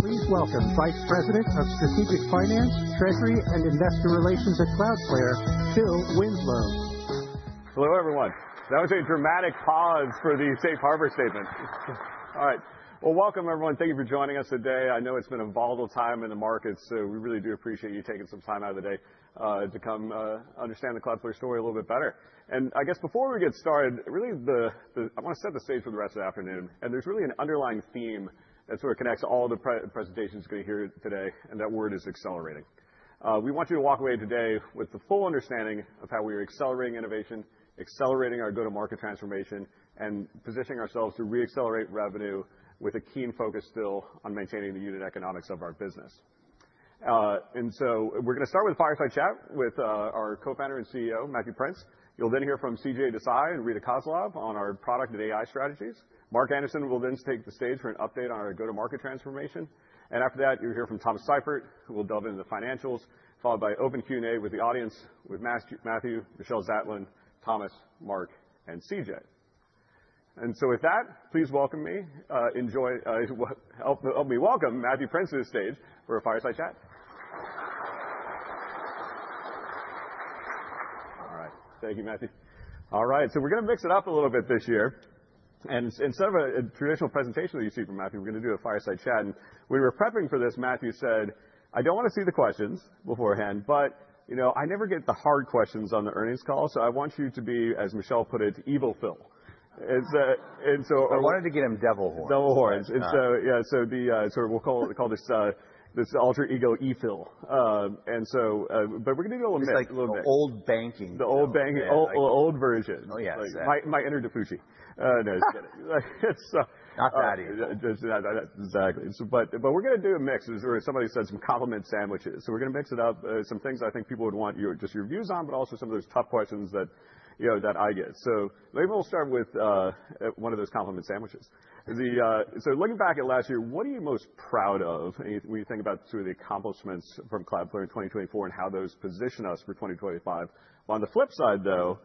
Please welcome Vice President of Strategic Finance, Treasury, and Investor Relations at Cloudflare, Phil Winslow. Hello, everyone. That was a dramatic pause for the Safe Harbor statement. Yes, sir. All right. Welcome, everyone. Thank you for joining us today. I know it's been a volatile time in the markets, so we really do appreciate you taking some time out of the day to come understand the Cloudflare story a little bit better. I guess before we get started, I really want to set the stage for the rest of the afternoon. There's really an underlying theme that sort of connects all the presentations you're going to hear today, and that word is accelerating. We want you to walk away today with the full understanding of how we are accelerating innovation, accelerating our go-to-market transformation, and positioning ourselves to re-accelerate revenue with a keen focus still on maintaining the unit economics of our business. We are going to start with a fireside chat with our Co-founder and CEO, Matthew Prince. You'll then hear from CJ Desai and Rita Kozlov on our product and AI strategies. Mark Anderson will then take the stage for an update on our go-to-market transformation. After that, you'll hear from Thomas Seifert, who will delve into the financials, followed by open Q&A with the audience with Matthew, Michelle Zatlyn, Thomas, Mark, and CJ. With that, please help me welcome Matthew Prince to the stage for a fireside chat. All right. Thank you, Matthew. All right. We're going to mix it up a little bit this year. Instead of a traditional presentation that you see from Matthew, we're going to do a fireside chat. When we were prepping for this, Matthew said, "I don't want to see the questions beforehand, but I never get the hard questions on the earnings call. I want you to be, as Michelle put it, evil Phil. And so. I wanted to get him devil horns. Devil horns. Yeah. We'll call this ultra ego Ethel. We're going to do a little mix. It's like the old banking. The old banking, old version. Oh, yeah. My interdefuji. No, just kidding. Not that either. Exactly. We are going to do a mix. Somebody said some compliment sandwiches. We are going to mix it up, some things I think people would want just your views on, but also some of those tough questions that I get. Maybe we will start with one of those compliment sandwiches. Looking back at last year, what are you most proud of when you think about some of the accomplishments from Cloudflare in 2024 and how those position us for 2025? On the flip side, though,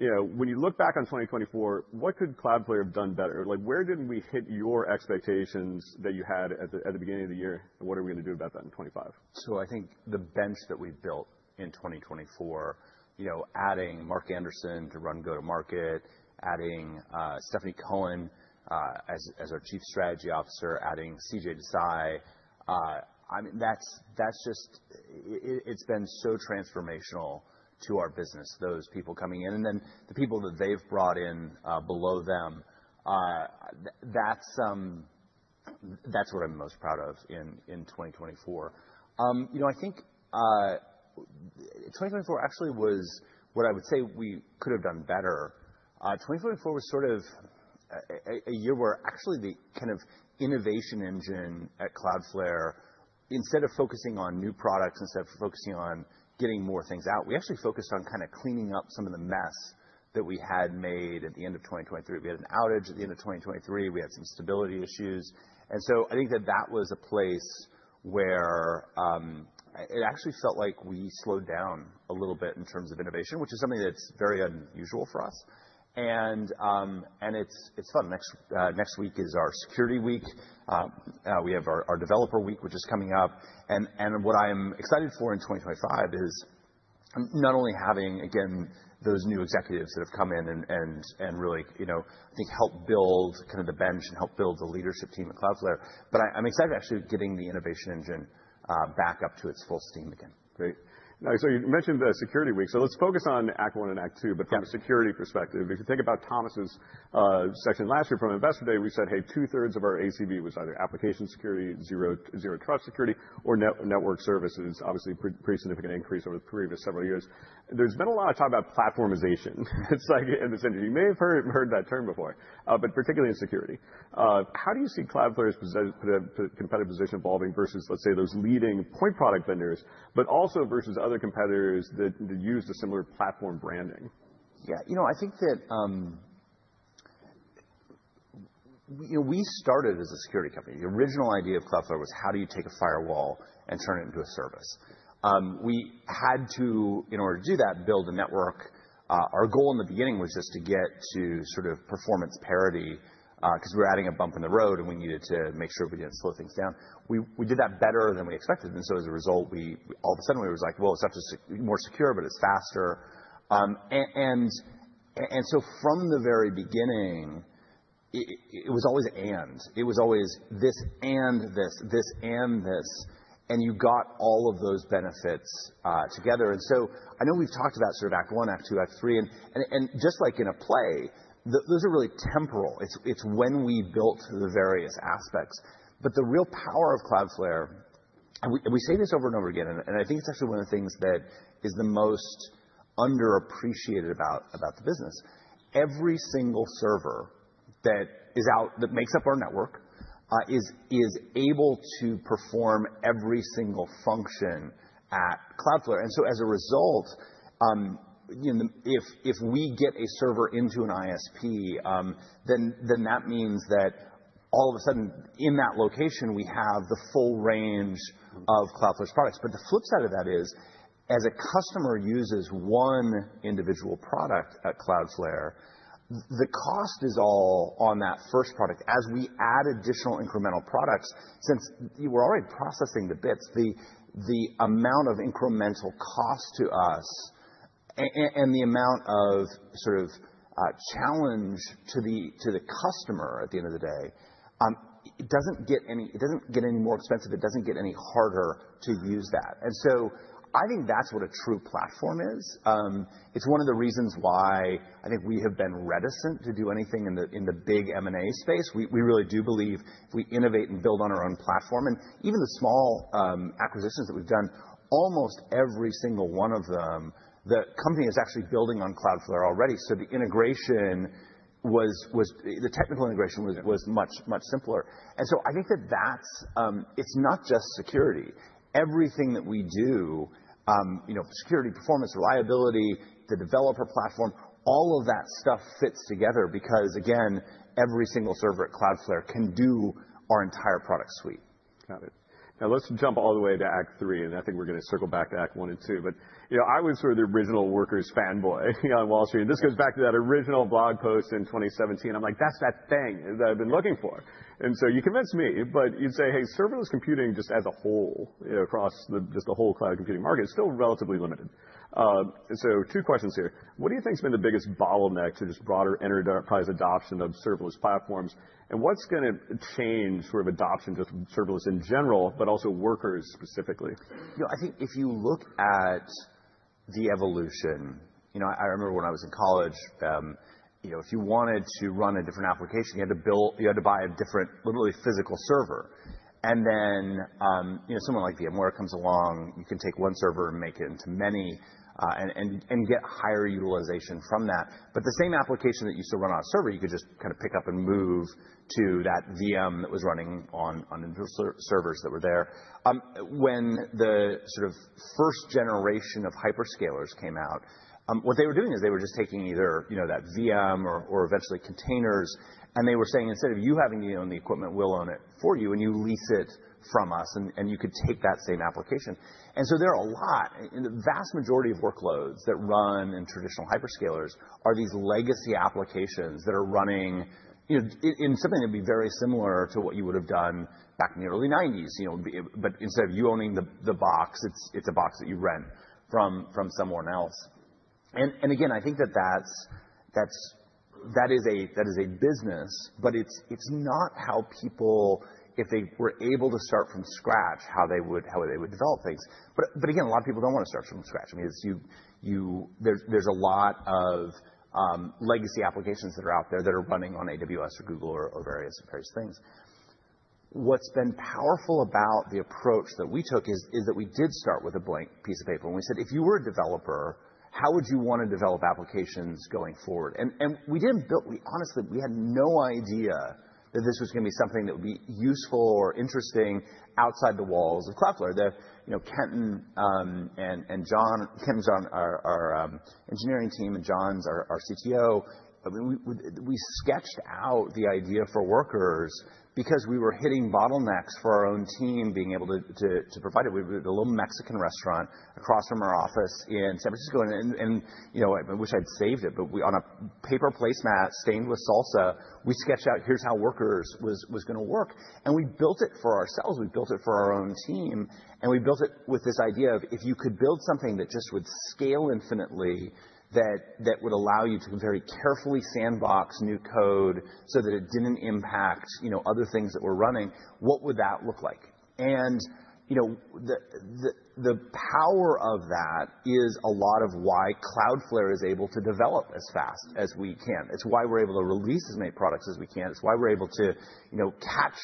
when you look back on 2024, what could Cloudflare have done better? Where did we not hit your expectations that you had at the beginning of the year? What are we going to do about that in 2025? I think the bench that we've built in 2024, adding Mark Anderson to run go-to-market, adding Stephanie Cohen as our Chief Strategy Officer, adding CJ Desai, I mean, that's just, it's been so transformational to our business, those people coming in. Then the people that they've brought in below them, that's what I'm most proud of in 2024. I think 2024 actually was what I would say we could have done better. 2024 was sort of a year where actually the kind of innovation engine at Cloudflare, instead of focusing on new products, instead of focusing on getting more things out, we actually focused on kind of cleaning up some of the mess that we had made at the end of 2023. We had an outage at the end of 2023. We had some stability issues. I think that that was a place where it actually felt like we slowed down a little bit in terms of innovation, which is something that's very unusual for us. It's fun. Next week is our security week. We have our developer week, which is coming up. What I'm excited for in 2025 is not only having, again, those new executives that have come in and really, I think, helped build kind of the bench and helped build the leadership team at Cloudflare, but I'm excited actually getting the innovation engine back up to its full steam again. Great. You mentioned the security week. Let's focus on Act I and Act II, but from a security perspective, if you think about Thomas's section last year from Investor Day, we said, hey, two-thirds of our ACV was either application security, zero trust security, or network services, obviously a pretty significant increase over the previous several years. There's been a lot of talk about platformization in this industry. You may have heard that term before, but particularly in security. How do you see Cloudflare's competitive position evolving versus, let's say, those leading point product vendors, but also versus other competitors that use a similar platform branding? Yeah. You know, I think that we started as a security company. The original idea of Cloudflare was how do you take a firewall and turn it into a service? We had to, in order to do that, build a network. Our goal in the beginning was just to get to sort of performance parity because we were adding a bump in the road and we needed to make sure we did not slow things down. We did that better than we expected. As a result, all of a sudden, we were like, well, it is not just more secure, but it is faster. From the very beginning, it was always and. It was always this and this, this and this. You got all of those benefits together. I know we have talked about sort of Act I, Act II, Act III. Just like in a play, those are really temporal. It's when we built the various aspects. The real power of Cloudflare, and we say this over and over again, and I think it's actually one of the things that is the most underappreciated about the business. Every single server that is out that makes up our network is able to perform every single function at Cloudflare. As a result, if we get a server into an ISP, then that means that all of a sudden, in that location, we have the full range of Cloudflare's products. The flip side of that is, as a customer uses one individual product at Cloudflare, the cost is all on that first product. As we add additional incremental products, since we're already processing the bits, the amount of incremental cost to us and the amount of sort of challenge to the customer at the end of the day, it doesn't get any more expensive. It doesn't get any harder to use that. I think that's what a true platform is. It's one of the reasons why I think we have been reticent to do anything in the big M&A space. We really do believe if we innovate and build on our own platform, and even the small acquisitions that we've done, almost every single one of them, the company is actually building on Cloudflare already. The integration, the technical integration was much, much simpler. I think that that's, it's not just security. Everything that we do, security, performance, reliability, the developer platform, all of that stuff fits together because, again, every single server at Cloudflare can do our entire product suite. Got it. Now, let's jump all the way to Act III. I think we're going to circle back to Act I and II. I was sort of the original Workers fanboy on Wall Street. This goes back to that original blog post in 2017. I'm like, that's that thing that I've been looking for. You convinced me. You'd say, hey, serverless computing just as a whole across just the whole cloud computing market is still relatively limited. Two questions here. What do you think has been the biggest bottleneck to just broader enterprise adoption of serverless platforms? What's going to change sort of adoption just of serverless in general, but also Workers specifically? I think if you look at the evolution, I remember when I was in college, if you wanted to run a different application, you had to buy a different, literally physical server. Then someone like VMware comes along, you can take one server and make it into many and get higher utilization from that. The same application that used to run on a server, you could just kind of pick up and move to that VM that was running on individual servers that were there. When the sort of first generation of Hyperscalers came out, what they were doing is they were just taking either that VM or eventually containers. They were saying, instead of you having to own the equipment, we'll own it for you, and you lease it from us, and you could take that same application. There are a lot. The vast majority of workloads that run in traditional Hyperscalers are these legacy applications that are running in something that would be very similar to what you would have done back in the early 1990s. Instead of you owning the box, it's a box that you rent from someone else. I think that is a business, but it's not how people, if they were able to start from scratch, how they would develop things. A lot of people don't want to start from scratch. I mean, there's a lot of legacy applications that are out there that are running on AWS or Google or various things. What's been powerful about the approach that we took is that we did start with a blank piece of paper. We said, if you were a developer, how would you want to develop applications going forward? We did not build, honestly, we had no idea that this was going to be something that would be useful or interesting outside the walls of Cloudflare. Kent and John, Kent and John, our engineering team, and John is our CTO, we sketched out the idea for Workers because we were hitting bottlenecks for our own team being able to provide it. We had a little Mexican restaurant across from our office in San Francisco. I wish I had saved it, but on a paper placemat stained with salsa, we sketched out here is how Workers was going to work. We built it for ourselves. We built it for our own team. We built it with this idea of if you could build something that just would scale infinitely, that would allow you to very carefully sandbox new code so that it did not impact other things that were running, what would that look like? The power of that is a lot of why Cloudflare is able to develop as fast as we can. It is why we are able to release as many products as we can. It is why we are able to catch,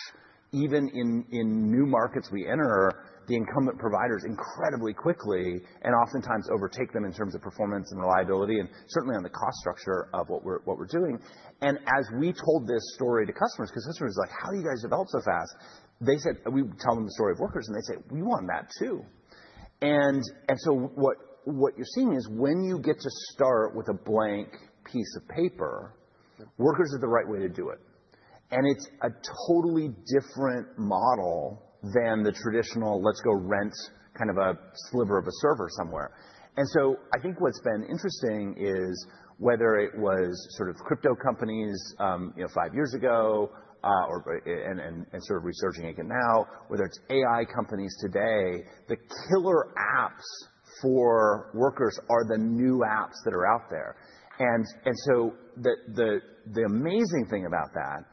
even in new markets we enter, the incumbent providers incredibly quickly and oftentimes overtake them in terms of performance and reliability and certainly on the cost structure of what we are doing. As we told this story to customers, because customers were like, how do you guys develop so fast? We tell them the story of workers, and they say, we want that too. What you're seeing is when you get to start with a blank piece of paper, workers are the right way to do it. It's a totally different model than the traditional, let's go rent kind of a sliver of a server somewhere. I think what's been interesting is whether it was sort of crypto companies five years ago and sort of resurging again now, whether it's AI companies today, the killer apps for workers are the new apps that are out there. The amazing thing about that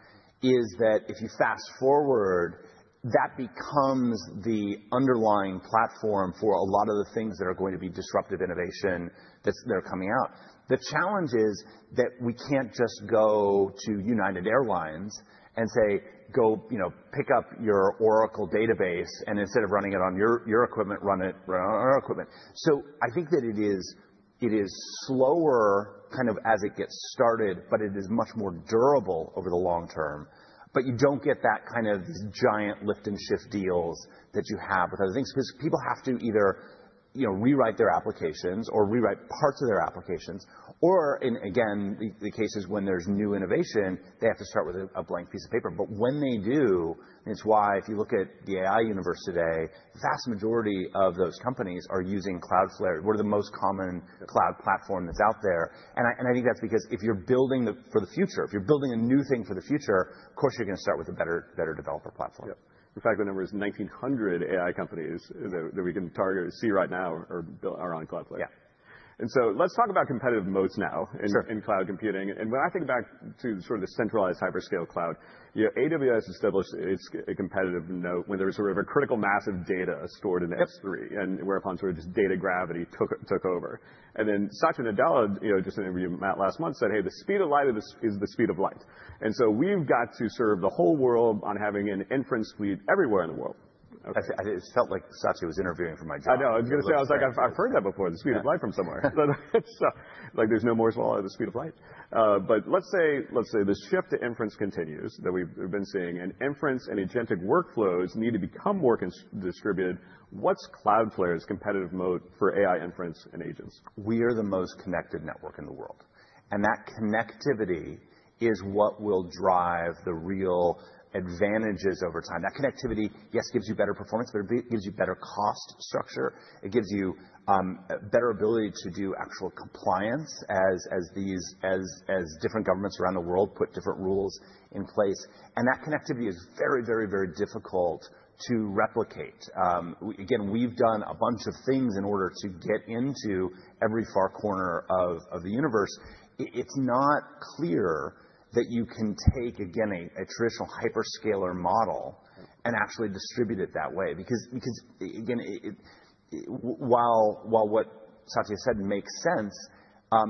is that if you fast forward, that becomes the underlying platform for a lot of the things that are going to be disruptive innovation that are coming out. The challenge is that we can't just go to United Airlines and say, go pick up your Oracle database and instead of running it on your equipment, run it on our equipment. I think that it is slower kind of as it gets started, but it is much more durable over the long term. You don't get that kind of these giant lift and shift deals that you have with other things because people have to either rewrite their applications or rewrite parts of their applications. In, again, the cases when there's new innovation, they have to start with a blank piece of paper. When they do, and it's why if you look at the AI universe today, the vast majority of those companies are using Cloudflare, one of the most common cloud platforms that's out there. I think that's because if you're building for the future, if you're building a new thing for the future, of course, you're going to start with a better developer platform. In fact, the number is 1,900 AI companies that we can target and see right now are on Cloudflare. Yeah. Let's talk about competitive moats now in cloud computing. When I think back to sort of the centralized hyperscale cloud, AWS established a competitive moat when there was sort of a critical mass of data stored in S3 and whereupon just data gravity took over. Satya Nadella, just in an interview last month, said, hey, the speed of light is the speed of light. We've got to serve the whole world on having an inference fleet everywhere in the world. It felt like Satya was interviewing for my job. I know. I was going to say, I was like, I've heard that before, the speed of light from somewhere. It's like there's no more swallow of the speed of light. Let's say the shift to inference continues that we've been seeing and inference and agentic workflows need to become more distributed. What's Cloudflare's competitive moat for AI inference and agents? We are the most connected network in the world. That connectivity is what will drive the real advantages over time. That connectivity, yes, gives you better performance, but it gives you better cost structure. It gives you better ability to do actual compliance as different governments around the world put different rules in place. That connectivity is very, very, very difficult to replicate. Again, we have done a bunch of things in order to get into every far corner of the universe. It is not clear that you can take, again, a traditional Hyperscaler model and actually distribute it that way. Because, again, while what Satya said makes sense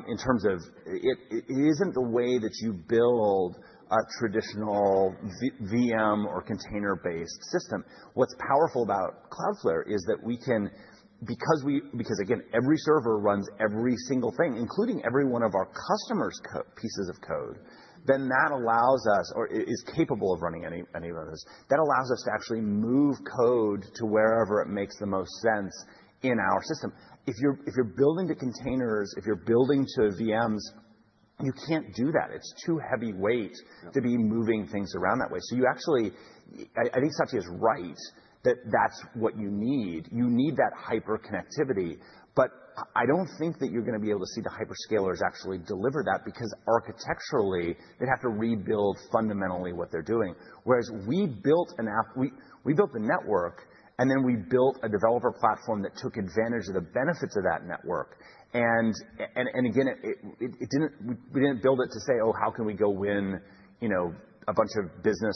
in terms of it isn't the way that you build a traditional VM or container-based system, what's powerful about Cloudflare is that we can, because, again, every server runs every single thing, including every one of our customers' pieces of code, then that allows us or is capable of running any of those. That allows us to actually move code to wherever it makes the most sense in our system. If you're building to containers, if you're building to VMs, you can't do that. It's too heavyweight to be moving things around that way. You actually, I think Satya is right that that's what you need. You need that hyperconnectivity. I don't think that you're going to be able to see the Hyperscalers actually deliver that because architecturally, they'd have to rebuild fundamentally what they're doing. Whereas we built an app, we built the network, and then we built a developer platform that took advantage of the benefits of that network. We did not build it to say, oh, how can we go win a bunch of business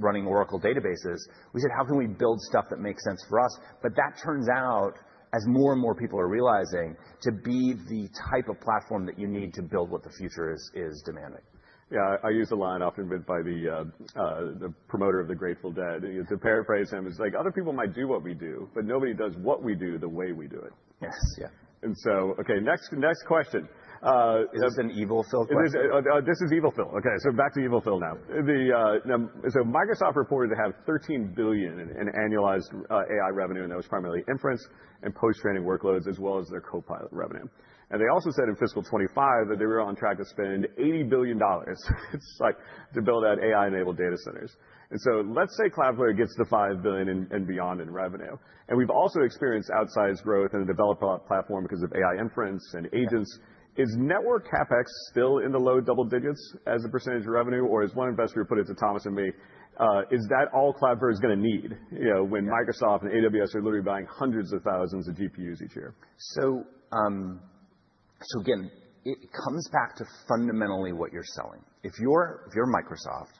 running Oracle databases? We said, how can we build stuff that makes sense for us? That turns out, as more and more people are realizing, to be the type of platform that you need to build what the future is demanding. Yeah. I use a line often read by the promoter of the Grateful Dead. To paraphrase him, it's like, other people might do what we do, but nobody does what we do the way we do it. Yes. Yeah. OK, next question. Is this an evil fill question? This is evil fill. OK, so back to evil fill now. Microsoft reported to have $13 billion in annualized AI revenue, and that was primarily inference and post-training workloads, as well as their Copilot revenue. They also said in fiscal 2025 that they were on track to spend $80 billion to build out AI-enabled data centers. Let's say Cloudflare gets to $5 billion and beyond in revenue. We've also experienced outsized growth in the developer platform because of AI inference and agents. Is network CapEx still in the low double digits as a % of revenue? Or as one investor put it to Thomas and me, is that all Cloudflare is going to need when Microsoft and AWS are literally buying hundreds of thousands of GPUs each year? Again, it comes back to fundamentally what you're selling. If you're Microsoft,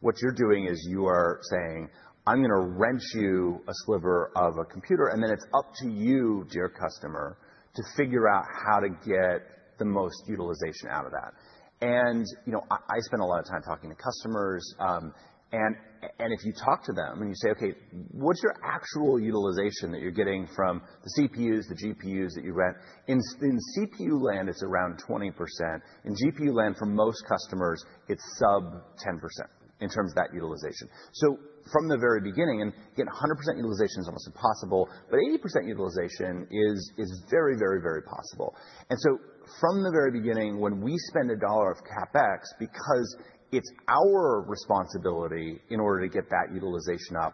what you're doing is you are saying, I'm going to rent you a sliver of a computer. Then it's up to you, dear customer, to figure out how to get the most utilization out of that. I spend a lot of time talking to customers. If you talk to them and you say, OK, what's your actual utilization that you're getting from the CPUs, the GPUs that you rent? In CPU land, it's around 20%. In GPU land, for most customers, it's sub 10% in terms of that utilization. From the very beginning, and again, 100% utilization is almost impossible, but 80% utilization is very, very, very possible. From the very beginning, when we spend a dollar of CapEx, because it is our responsibility in order to get that utilization up,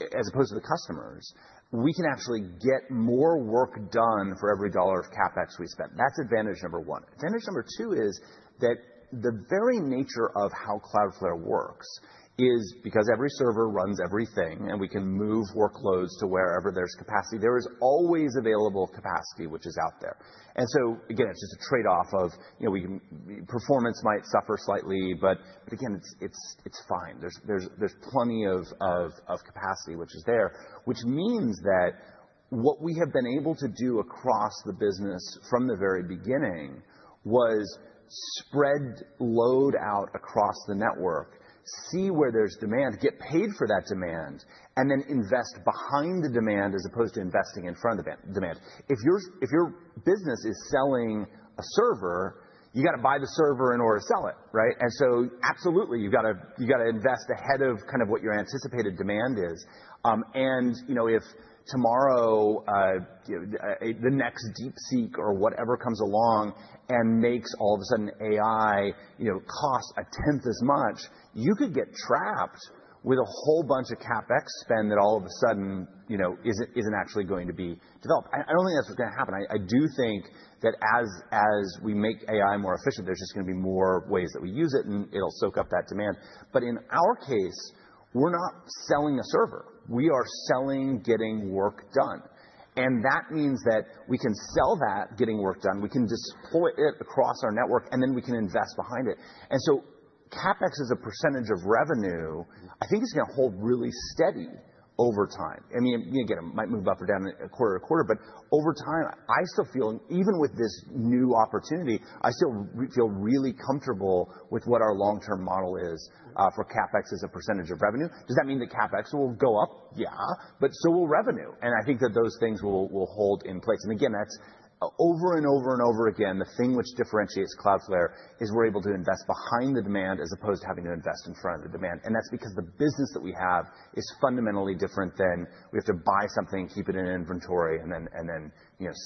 as opposed to the customers, we can actually get more work done for every dollar of CapEx we spend. That is advantage number one. Advantage number two is that the very nature of how Cloudflare works is because every server runs everything, and we can move workloads to wherever there is capacity. There is always available capacity which is out there. Again, it is just a trade-off of performance might suffer slightly, but again, it is fine. There's plenty of capacity which is there, which means that what we have been able to do across the business from the very beginning was spread load out across the network, see where there's demand, get paid for that demand, and then invest behind the demand as opposed to investing in front of the demand. If your business is selling a server, you've got to buy the server in order to sell it, right? Absolutely, you've got to invest ahead of kind of what your anticipated demand is. If tomorrow the next DeepSeek or whatever comes along and makes all of a sudden AI cost a tenth as much, you could get trapped with a whole bunch of CapEx spend that all of a sudden isn't actually going to be developed. I don't think that's what's going to happen. I do think that as we make AI more efficient, there's just going to be more ways that we use it, and it'll soak up that demand. In our case, we're not selling a server. We are selling getting work done. That means that we can sell that getting work done. We can deploy it across our network, and then we can invest behind it. CapEx as a percentage of revenue, I think it's going to hold really steady over time. I mean, again, it might move up or down quarter to quarter, but over time, I still feel, even with this new opportunity, I still feel really comfortable with what our long-term model is for CapEx as a percentage of revenue. Does that mean that CapEx will go up? Yeah, but so will revenue. I think that those things will hold in place. That's over and over and over again, the thing which differentiates Cloudflare is we're able to invest behind the demand as opposed to having to invest in front of the demand. That's because the business that we have is fundamentally different than we have to buy something, keep it in inventory, and then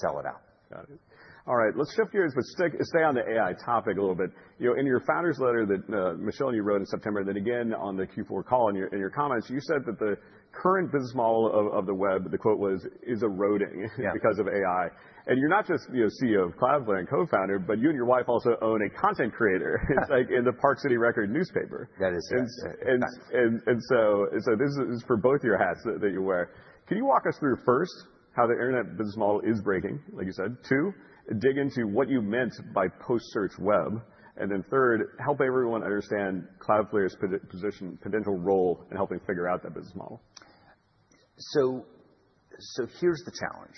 sell it out. Got it. All right. Let's shift gears, but stay on the AI topic a little bit. In your founder's letter that Michelle and you wrote in September, then again on the Q4 call and your comments, you said that the current business model of the web, the quote was, is eroding because of AI. And you're not just CEO of Cloudflare and co-founder, but you and your wife also own a content creator. It's like in the Park City Record newspaper. That is so exact. This is for both your hats that you wear. Can you walk us through first how the internet business model is breaking, like you said? Two, dig into what you meant by post-search web. And then third, help everyone understand Cloudflare's potential role in helping figure out that business model. Here is the challenge.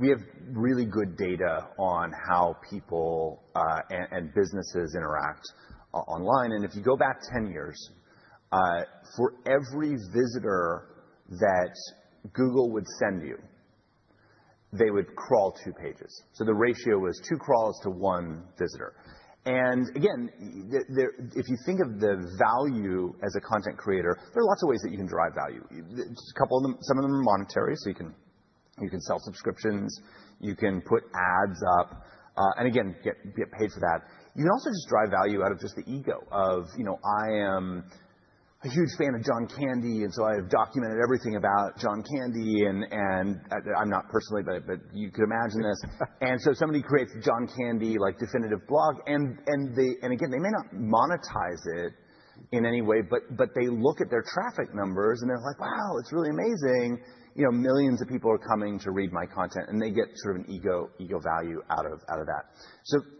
We have really good data on how people and businesses interact online. If you go back 10 years, for every visitor that Google would send you, they would crawl two pages. The ratio was two crawls to one visitor. If you think of the value as a content creator, there are lots of ways that you can derive value. Some of them are monetary. You can sell subscriptions. You can put ads up and get paid for that. You can also just derive value out of just the ego of, I am a huge fan of John Candy. I have documented everything about John Candy. I am not personally, but you could imagine this. Somebody creates a John Candy definitive blog. They may not monetize it in any way, but they look at their traffic numbers and they're like, wow, it's really amazing. Millions of people are coming to read my content. They get sort of an ego value out of that.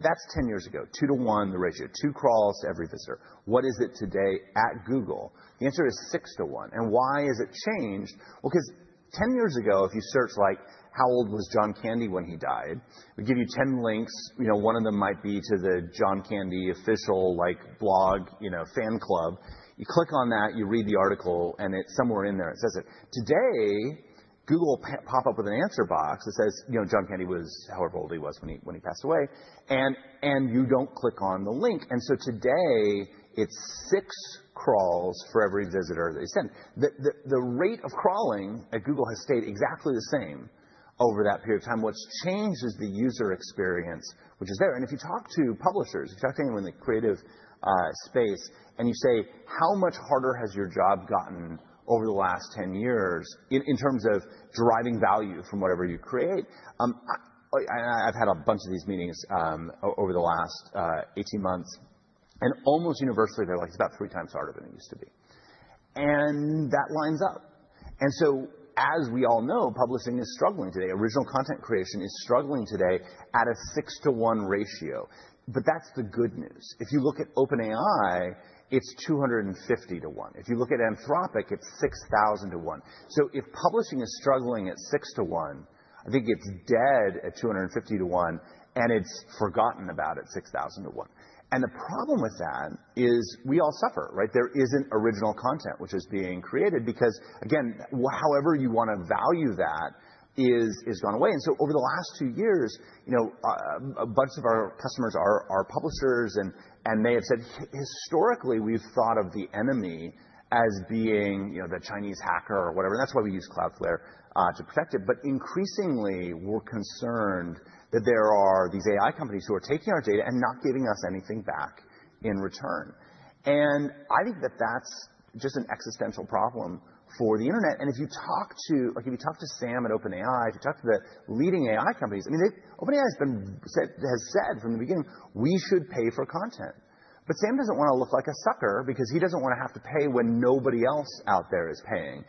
That is 10 years ago. Two to one, the ratio. Two crawls to every visitor. What is it today at Google? The answer is six to one. Why has it changed? Because 10 years ago, if you searched like, how old was John Candy when he died, it would give you 10 links. One of them might be to the John Candy official blog fan club. You click on that, you read the article, and it's somewhere in there. It says it. Today, Google will pop up with an answer box that says, John Candy was however old he was when he passed away. You do not click on the link. Today, it is six crawls for every visitor that they send. The rate of crawling at Google has stayed exactly the same over that period of time. What has changed is the user experience, which is there. If you talk to publishers, if you talk to anyone in the creative space, and you say, how much harder has your job gotten over the last 10 years in terms of deriving value from whatever you create? I have had a bunch of these meetings over the last 18 months. Almost universally, they are like about three times harder than it used to be. That lines up. As we all know, publishing is struggling today. Original content creation is struggling today at a six to one ratio. That is the good news. If you look at OpenAI, it is 250 to one. If you look at Anthropic, it's 6,000 to one. If publishing is struggling at six to one, I think it's dead at 250 to one, and it's forgotten about at 6,000 to one. The problem with that is we all suffer, right? There isn't original content which is being created because, again, however you want to value that is gone away. Over the last two years, a bunch of our customers are publishers. They have said, historically, we've thought of the enemy as being the Chinese hacker or whatever. That's why we use Cloudflare to protect it. Increasingly, we're concerned that there are these AI companies who are taking our data and not giving us anything back in return. I think that that's just an existential problem for the internet. If you talk to Sam at OpenAI, if you talk to the leading AI companies, I mean, OpenAI has said from the beginning, we should pay for content. Sam does not want to look like a sucker because he does not want to have to pay when nobody else out there is paying.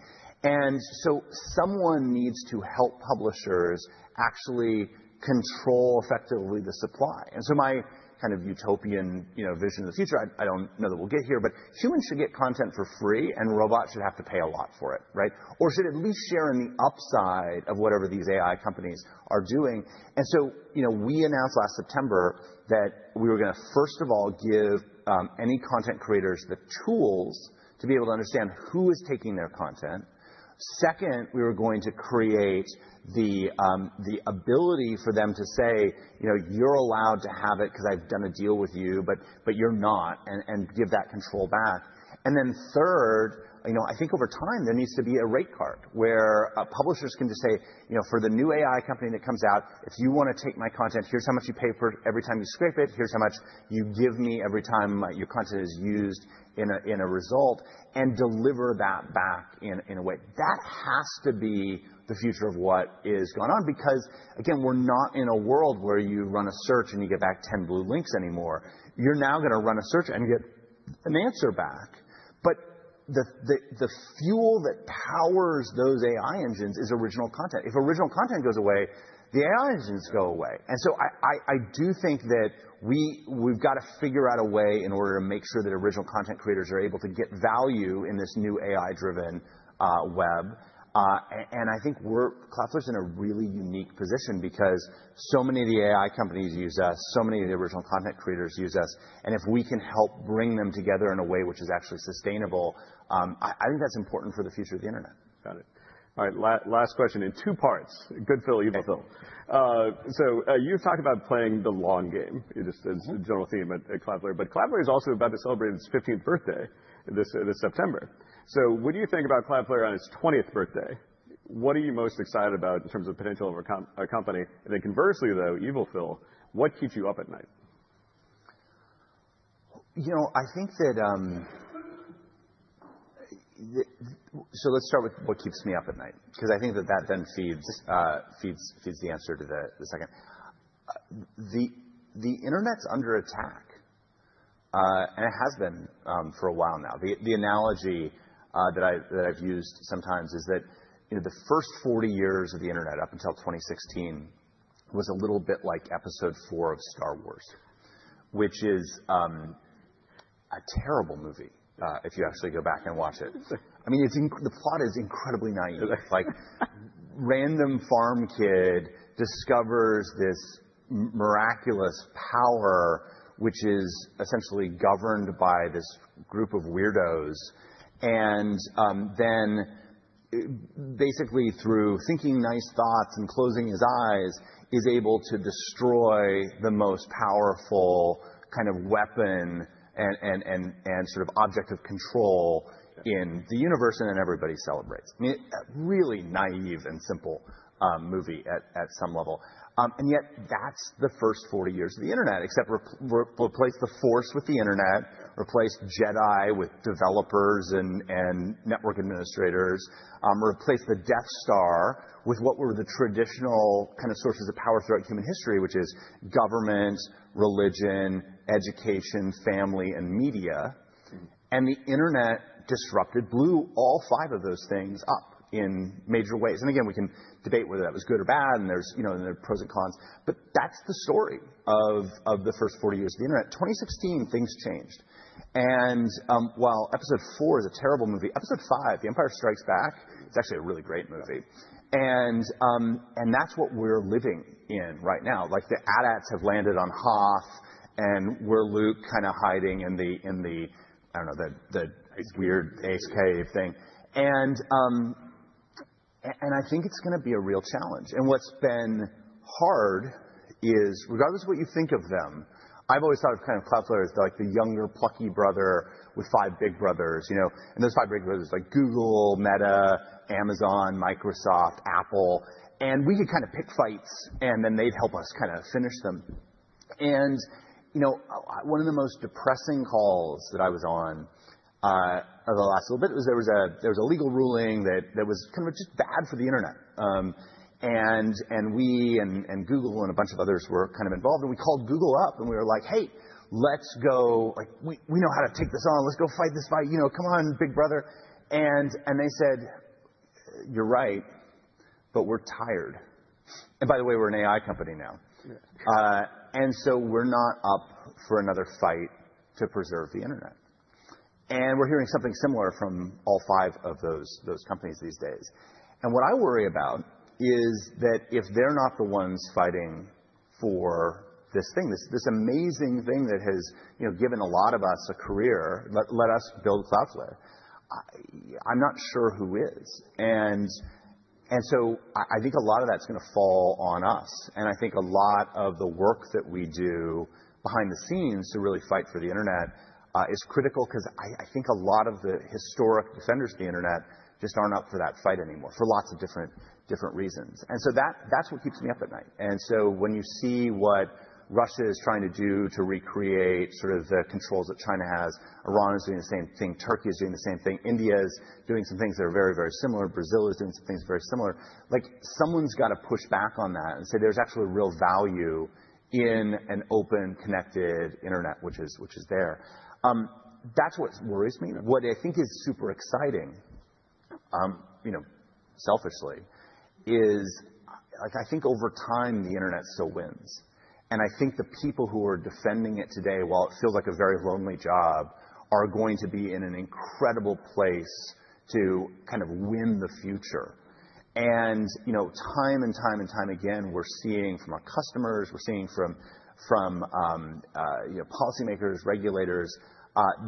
Someone needs to help publishers actually control effectively the supply. My kind of utopian vision of the future, I do not know that we will get here, but humans should get content for free, and robots should have to pay a lot for it, right? Or should at least share in the upside of whatever these AI companies are doing. We announced last September that we were going to, first of all, give any content creators the tools to be able to understand who is taking their content. Second, we were going to create the ability for them to say, you're allowed to have it because I've done a deal with you, but you're not, and give that control back. Third, I think over time, there needs to be a rate card where publishers can just say, for the new AI company that comes out, if you want to take my content, here's how much you pay for it every time you scrape it. Here's how much you give me every time your content is used in a result and deliver that back in a way. That has to be the future of what is going on because, again, we're not in a world where you run a search and you get back 10 blue links anymore. You're now going to run a search and get an answer back. The fuel that powers those AI engines is original content. If original content goes away, the AI engines go away. I do think that we've got to figure out a way in order to make sure that original content creators are able to get value in this new AI-driven web. I think Cloudflare's in a really unique position because so many of the AI companies use us. So many of the original content creators use us. If we can help bring them together in a way which is actually sustainable, I think that's important for the future of the internet. Got it. All right. Last question in two parts. Good fill, evil fill. You have talked about playing the long game. It is a general theme at Cloudflare. Cloudflare is also about to celebrate its 15th birthday this September. What do you think about Cloudflare on its 20th birthday? What are you most excited about in terms of potential of a company? Conversely, though, evil fill, what keeps you up at night? You know, I think that, let's start with what keeps me up at night because I think that that then feeds the answer to the second. The internet's under attack, and it has been for a while now. The analogy that I've used sometimes is that the first 40 years of the internet up until 2016 was a little bit like episode four of Star Wars, which is a terrible movie if you actually go back and watch it. I mean, the plot is incredibly naive. Random farm kid discovers this miraculous power, which is essentially governed by this group of weirdos. And then basically through thinking nice thoughts and closing his eyes, is able to destroy the most powerful kind of weapon and sort of object of control in the universe, and then everybody celebrates. I mean, really naive and simple movie at some level. Yet that is the first 40 years of the internet, except replace the Force with the internet, replace Jedi with developers and network administrators, replace the Death Star with what were the traditional kind of sources of power throughout human history, which is government, religion, education, family, and media. The internet disrupted, blew all five of those things up in major ways. Again, we can debate whether that was good or bad, and there are pros and cons. That is the story of the first 40 years of the internet. In 2016, things changed. While episode four is a terrible movie, episode five, The Empire Strikes Back, is actually a really great movie. That is what we are living in right now. Like the AT-ATs have landed on Hoth, and we are Luke kind of hiding in the, I do not know, the weird ice cave thing. I think it's going to be a real challenge. What's been hard is regardless of what you think of them, I've always thought of kind of Cloudflare as like the younger plucky brother with five big brothers. Those five big brothers are like Google, Meta, Amazon, Microsoft, Apple. We could kind of pick fights, and then they'd help us kind of finish them. One of the most depressing calls that I was on over the last little bit was there was a legal ruling that was kind of just bad for the internet. We and Google and a bunch of others were kind of involved. We called Google up, and we were like, hey, let's go. We know how to take this on. Let's go fight this fight. Come on, big brother. They said, you're right, but we're tired. By the way, we're an AI company now. We're not up for another fight to preserve the internet. We're hearing something similar from all five of those companies these days. What I worry about is that if they're not the ones fighting for this thing, this amazing thing that has given a lot of us a career, let us build Cloudflare, I'm not sure who is. I think a lot of that's going to fall on us. I think a lot of the work that we do behind the scenes to really fight for the internet is critical because I think a lot of the historic defenders of the internet just aren't up for that fight anymore for lots of different reasons. That's what keeps me up at night. When you see what Russia is trying to do to recreate sort of the controls that China has, Iran is doing the same thing. Turkey is doing the same thing. India is doing some things that are very, very similar. Brazil is doing some things very similar. Like someone's got to push back on that and say there's actually real value in an open, connected internet, which is there. That's what worries me. What I think is super exciting, selfishly, is I think over time, the internet still wins. I think the people who are defending it today, while it feels like a very lonely job, are going to be in an incredible place to kind of win the future. Time and time and time again, we're seeing from our customers, we're seeing from policymakers, regulators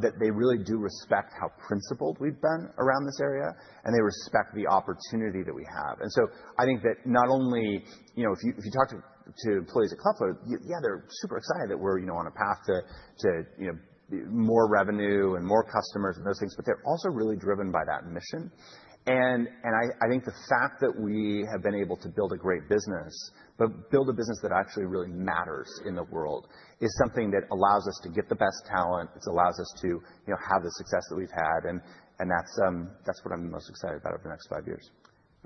that they really do respect how principled we've been around this area. They respect the opportunity that we have. I think that not only if you talk to employees at Cloudflare, yeah, they're super excited that we're on a path to more revenue and more customers and those things, but they're also really driven by that mission. I think the fact that we have been able to build a great business, but build a business that actually really matters in the world, is something that allows us to get the best talent. It allows us to have the success that we've had. That's what I'm most excited about over the next five years.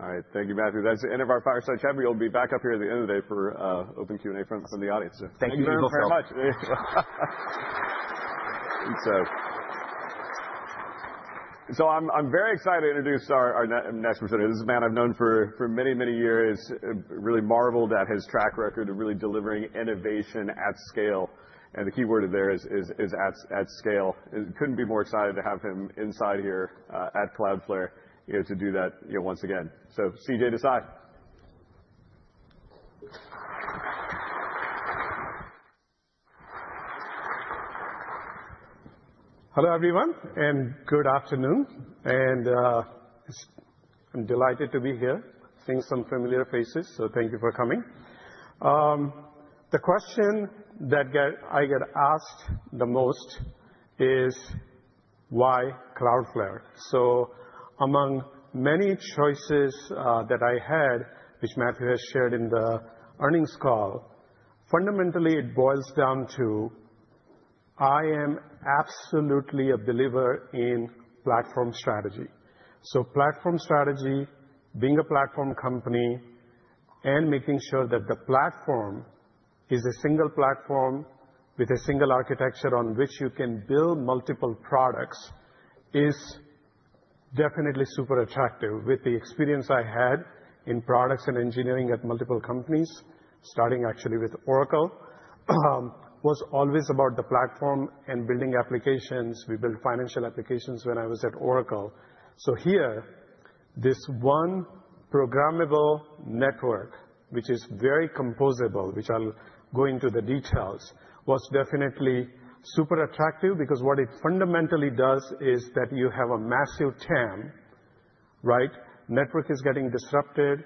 All right. Thank you, Matthew. That is the end of our fireside chat. We will be back up here at the end of the day for open Q&A from the audience. Thank you very much. I'm very excited to introduce our next presenter. This is a man I've known for many, many years, really marveled at his track record of really delivering innovation at scale. The key word there is at scale. Couldn't be more excited to have him inside here at Cloudflare to do that once again. CJ Desai. Hello, everyone, and good afternoon. I'm delighted to be here. I'm seeing some familiar faces, so thank you for coming. The question that I get asked the most is, why Cloudflare? Among many choices that I had, which Matthew has shared in the earnings call, fundamentally, it boils down to I am absolutely a believer in platform strategy. Platform strategy, being a platform company, and making sure that the platform is a single platform with a single architecture on which you can build multiple products is definitely super attractive. With the experience I had in products and engineering at multiple companies, starting actually with Oracle, was always about the platform and building applications. We built financial applications when I was at Oracle. Here, this one programmable network, which is very composable, which I'll go into the details, was definitely super attractive because what it fundamentally does is that you have a massive TAM, right? Network is getting disrupted.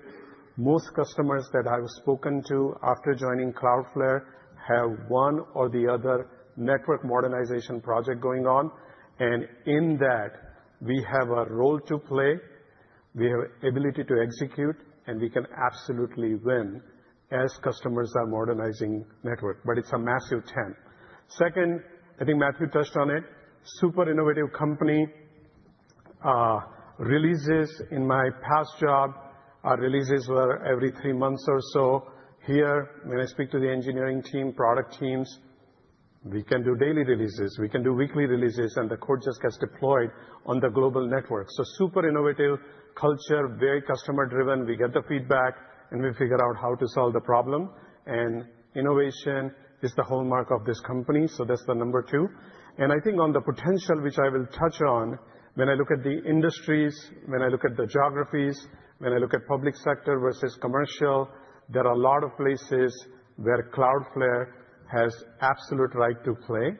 Most customers that I've spoken to after joining Cloudflare have one or the other network modernization project going on. In that, we have a role to play. We have the ability to execute, and we can absolutely win as customers are modernizing network. It is a massive TAM. Second, I think Matthew touched on it, super innovative company. Releases in my past job, our releases were every three months or so. Here, when I speak to the engineering team, product teams, we can do daily releases. We can do weekly releases, and the code just gets deployed on the global network. Super innovative culture, very customer-driven. We get the feedback, and we figure out how to solve the problem. Innovation is the hallmark of this company. That is the number two. I think on the potential, which I will touch on, when I look at the industries, when I look at the geographies, when I look at public sector versus commercial, there are a lot of places where Cloudflare has absolute right to play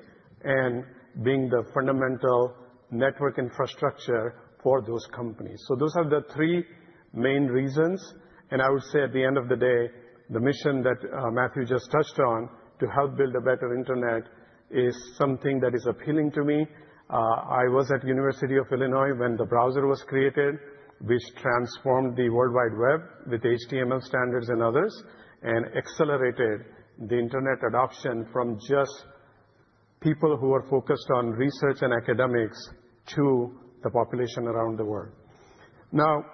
and being the fundamental network infrastructure for those companies. Those are the three main reasons. I would say at the end of the day, the mission that Matthew just touched on to help build a better internet is something that is appealing to me. I was at the University of Illinois when the browser was created, which transformed the worldwide web with HTML standards and others, and accelerated the internet adoption from just people who are focused on research and academics to the population around the world. Now,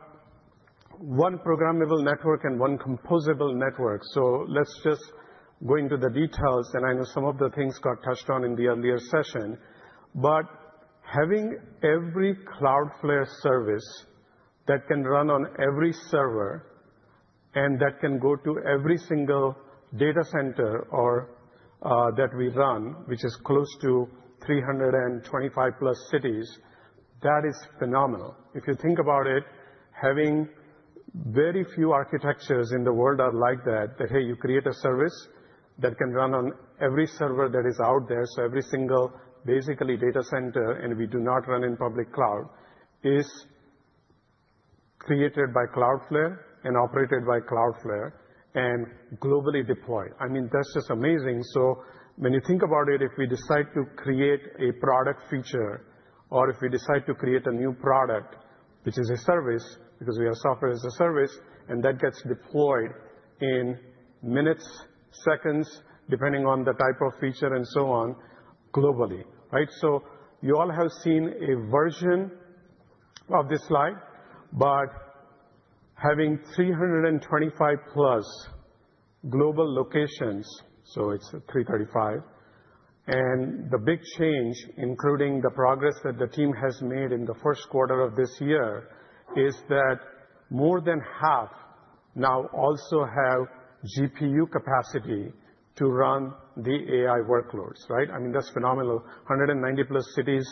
one programmable network and one composable network. Let's just go into the details. I know some of the things got touched on in the earlier session. Having every Cloudflare service that can run on every server and that can go to every single data center that we run, which is close to 325 plus cities, that is phenomenal. If you think about it, very few architectures in the world are like that, that, hey, you create a service that can run on every server that is out there. Every single, basically, data center, and we do not run in public cloud, is created by Cloudflare and operated by Cloudflare and globally deployed. I mean, that's just amazing. When you think about it, if we decide to create a product feature or if we decide to create a new product, which is a service because we have software as a service, and that gets deployed in minutes, seconds, depending on the type of feature and so on globally, right? You all have seen a version of this slide. Having 325 plus global locations, so it's 335. The big change, including the progress that the team has made in the first quarter of this year, is that more than half now also have GPU capacity to run the AI workloads, right? I mean, that's phenomenal. 190 plus cities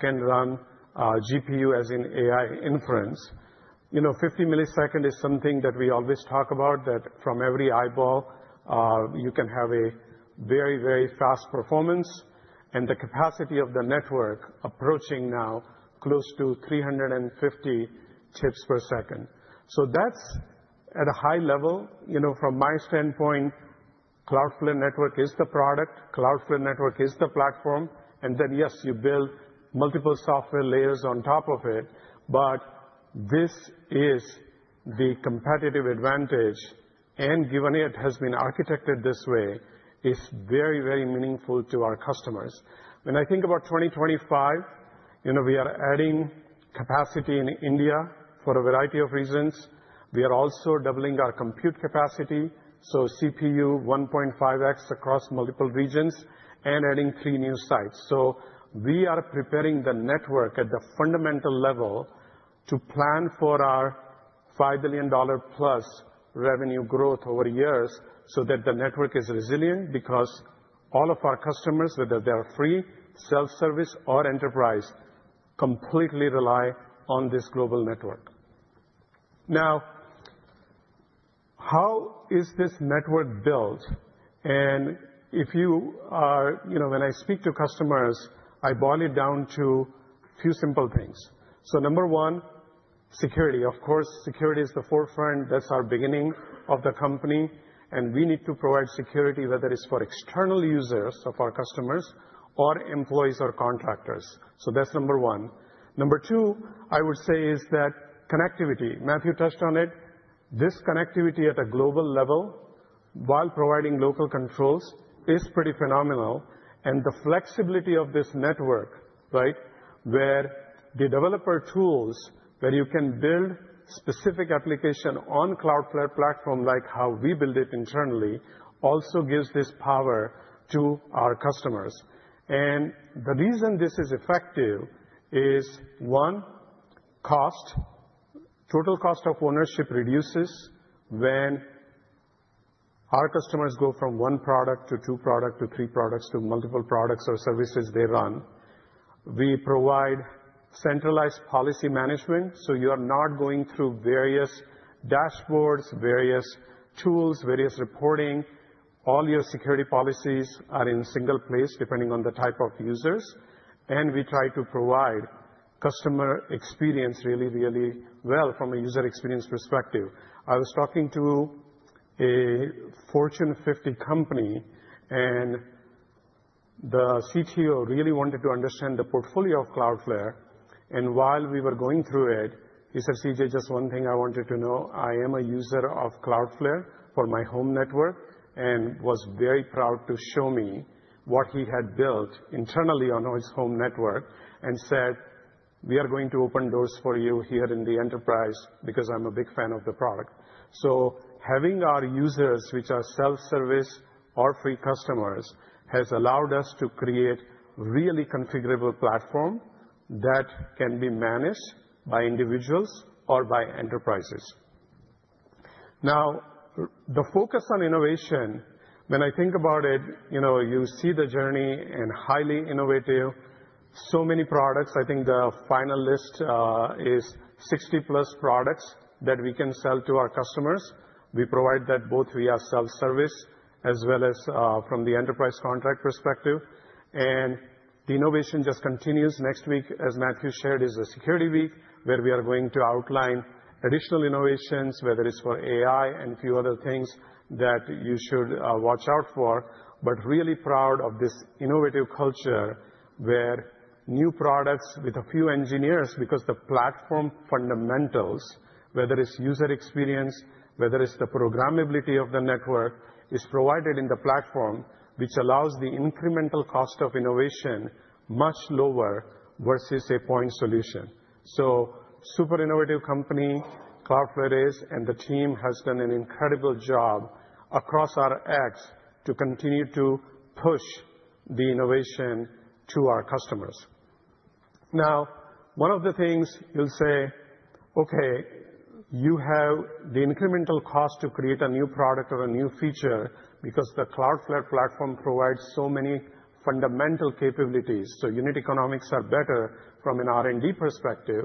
can run GPU, as in AI inference. 50 milliseconds is something that we always talk about, that from every eyeball, you can have a very, very fast performance. The capacity of the network approaching now close to 350 chips per second. That is at a high level. From my standpoint, Cloudflare Network is the product. Cloudflare Network is the platform. Yes, you build multiple software layers on top of it. This is the competitive advantage. Given it has been architected this way, it is very, very meaningful to our customers. When I think about 2025, we are adding capacity in India for a variety of reasons. We are also doubling our compute capacity, so CPU 1.5x across multiple regions, and adding three new sites. We are preparing the network at the fundamental level to plan for our $5 billion-plus revenue growth over years so that the network is resilient because all of our customers, whether they're free, self-service, or enterprise, completely rely on this global network. Now, how is this network built? When I speak to customers, I boil it down to a few simple things. Number one, security. Of course, security is the forefront. That's our beginning of the company. We need to provide security, whether it's for external users of our customers or employees or contractors. That's number one. Number two, I would say, is connectivity. Matthew touched on it. This connectivity at a global level while providing local controls is pretty phenomenal. The flexibility of this network, right, where the developer tools, where you can build specific application on Cloudflare platform, like how we build it internally, also gives this power to our customers. The reason this is effective is, one, cost. Total cost of ownership reduces when our customers go from one product to two products to three products to multiple products or services they run. We provide centralized policy management. You are not going through various dashboards, various tools, various reporting. All your security policies are in a single place, depending on the type of users. We try to provide customer experience really, really well from a user experience perspective. I was talking to a Fortune 50 company, and the CTO really wanted to understand the portfolio of Cloudflare. While we were going through it, he said, CJ, just one thing I wanted to know. I am a user of Cloudflare for my home network and was very proud to show me what he had built internally on his home network and said, we are going to open doors for you here in the enterprise because I'm a big fan of the product. Having our users, which are self-service or free customers, has allowed us to create a really configurable platform that can be managed by individuals or by enterprises. The focus on innovation, when I think about it, you see the journey and highly innovative, so many products. I think the final list is 60 plus products that we can sell to our customers. We provide that both via self-service as well as from the enterprise contract perspective. The innovation just continues. Next week, as Matthew shared, is a security week where we are going to outline additional innovations, whether it's for AI and a few other things that you should watch out for. Really proud of this innovative culture where new products with a few engineers, because the platform fundamentals, whether it's user experience, whether it's the programmability of the network, is provided in the platform, which allows the incremental cost of innovation much lower versus a point solution. Super innovative company, Cloudflare is, and the team has done an incredible job across our X to continue to push the innovation to our customers. Now, one of the things you'll say, okay, you have the incremental cost to create a new product or a new feature because the Cloudflare platform provides so many fundamental capabilities. Unit economics are better from an R&D perspective.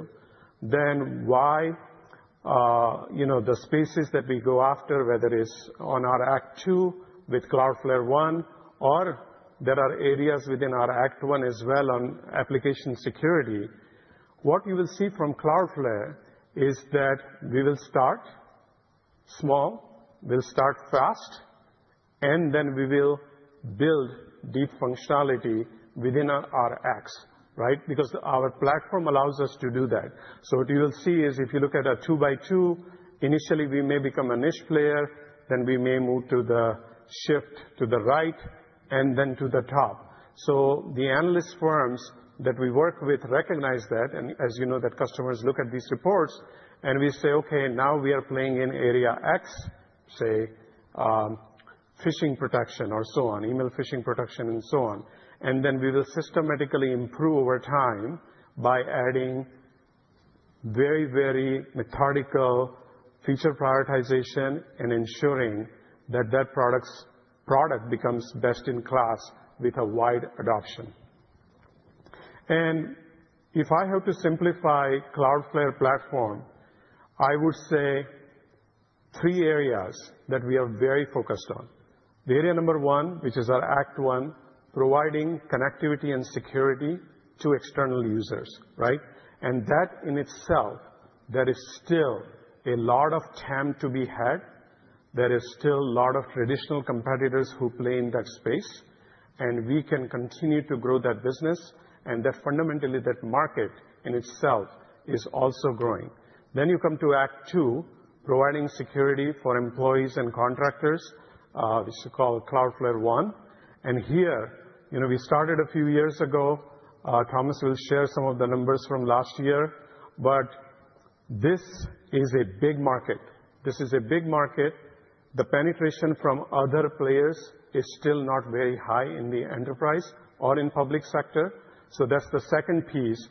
Why the spaces that we go after, whether it is on our Act 2 with Cloudflare One, or there are areas within our Act 1 as well on application security, what you will see from Cloudflare is that we will start small, we will start fast, and then we will build deep functionality within our X, right? Because our platform allows us to do that. What you will see is if you look at a 2x2, initially, we may become a niche player. Then we may move to the shift to the right and then to the top. The analyst firms that we work with recognize that. As you know, customers look at these reports and we say, okay, now we are playing in area X, say, phishing protection or so on, email phishing protection and so on. We will systematically improve over time by adding very, very methodical feature prioritization and ensuring that that product becomes best in class with a wide adoption. If I have to simplify Cloudflare platform, I would say three areas that we are very focused on. The area number one, which is our Act 1, providing connectivity and security to external users, right? That in itself, there is still a lot of TAM to be had. There is still a lot of traditional competitors who play in that space. We can continue to grow that business. That fundamentally, that market in itself is also growing. You come to Act 2, providing security for employees and contractors, which we call Cloudflare One. Here, we started a few years ago. Thomas will share some of the numbers from last year. This is a big market. This is a big market. The penetration from other players is still not very high in the enterprise or in public sector. That is the second piece,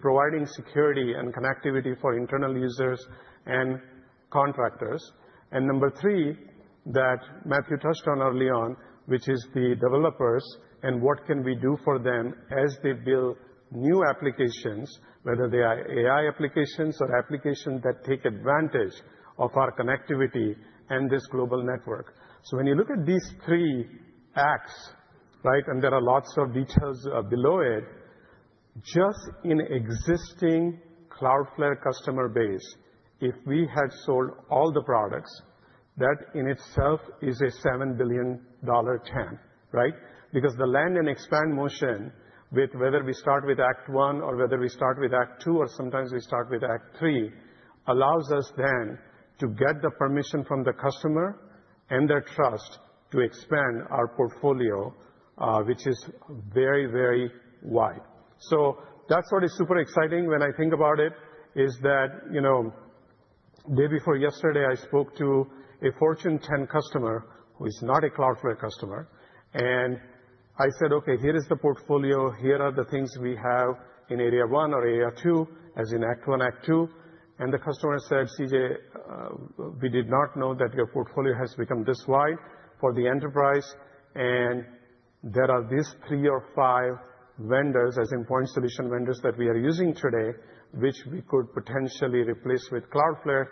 providing security and connectivity for internal users and contractors. Number three, that Matthew touched on early on, is the developers and what can we do for them as they build new applications, whether they are AI applications or applications that take advantage of our connectivity and this global network. When you look at these three acts, right, and there are lots of details below it, just in existing Cloudflare customer base, if we had sold all the products, that in itself is a $7 billion TAM, right? Because the land and expand motion with whether we start with Act 1 or whether we start with Act 2 or sometimes we start with Act 3 allows us then to get the permission from the customer and their trust to expand our portfolio, which is very, very wide. That is what is super exciting when I think about it, is that the day before yesterday, I spoke to a Fortune 10 customer who is not a Cloudflare customer. I said, okay, here is the portfolio. Here are the things we have in area 1 or area 2, as in Act 1, Act 2. The customer said, CJ, we did not know that your portfolio has become this wide for the enterprise. There are these three or five vendors, as in point solution vendors that we are using today, which we could potentially replace with Cloudflare.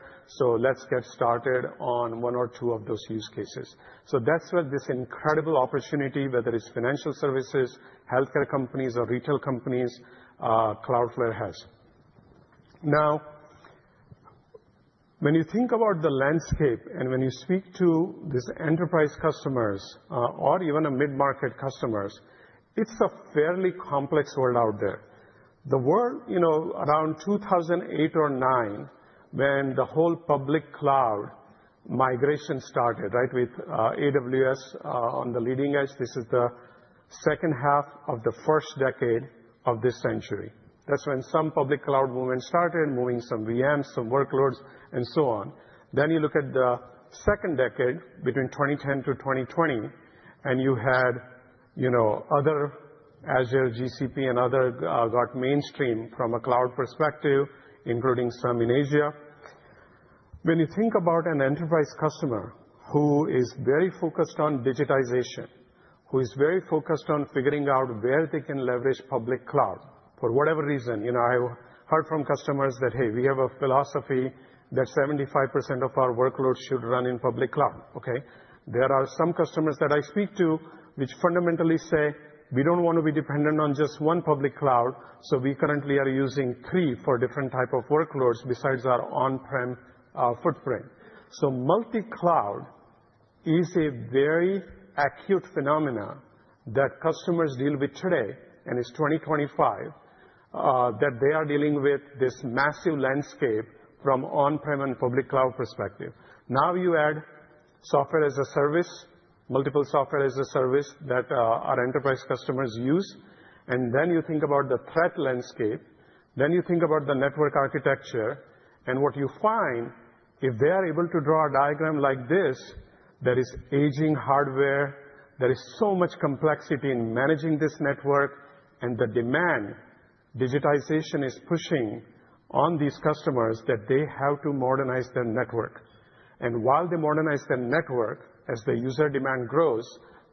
Let's get started on one or two of those use cases. That's what this incredible opportunity, whether it's financial services, healthcare companies, or retail companies, Cloudflare has. Now, when you think about the landscape and when you speak to these enterprise customers or even mid-market customers, it's a fairly complex world out there. The world around 2008 or 2009, when the whole public cloud migration started, right, with AWS on the leading edge, this is the second half of the first decade of this century. That's when some public cloud movement started, moving some VMs, some workloads, and so on. You look at the second decade, between 2010 to 2020, and you had other Azure, GCP, and other got mainstream from a cloud perspective, including some in Asia. When you think about an enterprise customer who is very focused on digitization, who is very focused on figuring out where they can leverage public cloud for whatever reason, I heard from customers that, hey, we have a philosophy that 75% of our workloads should run in public cloud, okay? There are some customers that I speak to which fundamentally say, we don't want to be dependent on just one public cloud. So we currently are using three for different types of workloads besides our on-prem footprint. Multi-cloud is a very acute phenomenon that customers deal with today, and it's 2025 that they are dealing with this massive landscape from on-prem and public cloud perspective. Now you add software as a service, multiple software as a service that our enterprise customers use. You think about the threat landscape. You think about the network architecture. What you find, if they are able to draw a diagram like this, there is aging hardware. There is so much complexity in managing this network. The demand digitization is pushing on these customers that they have to modernize their network. While they modernize their network, as the user demand grows,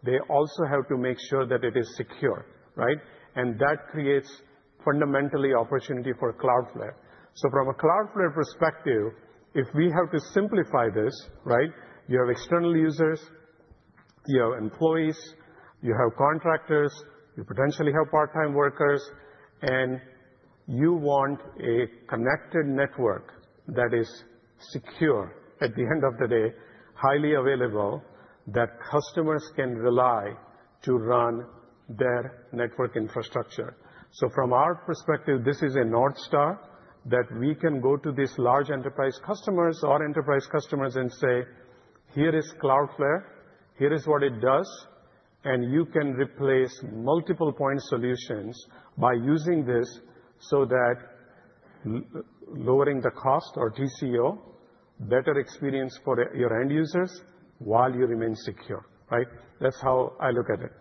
they also have to make sure that it is secure, right? That creates fundamentally opportunity for Cloudflare. From a Cloudflare perspective, if we have to simplify this, right, you have external users, you have employees, you have contractors, you potentially have part-time workers, and you want a connected network that is secure at the end of the day, highly available, that customers can rely to run their network infrastructure. From our perspective, this is a North Star that we can go to these large enterprise customers or enterprise customers and say, here is Cloudflare. Here is what it does. You can replace multiple point solutions by using this so that lowering the cost or TCO, better experience for your end users while you remain secure, right? That's how I look at it.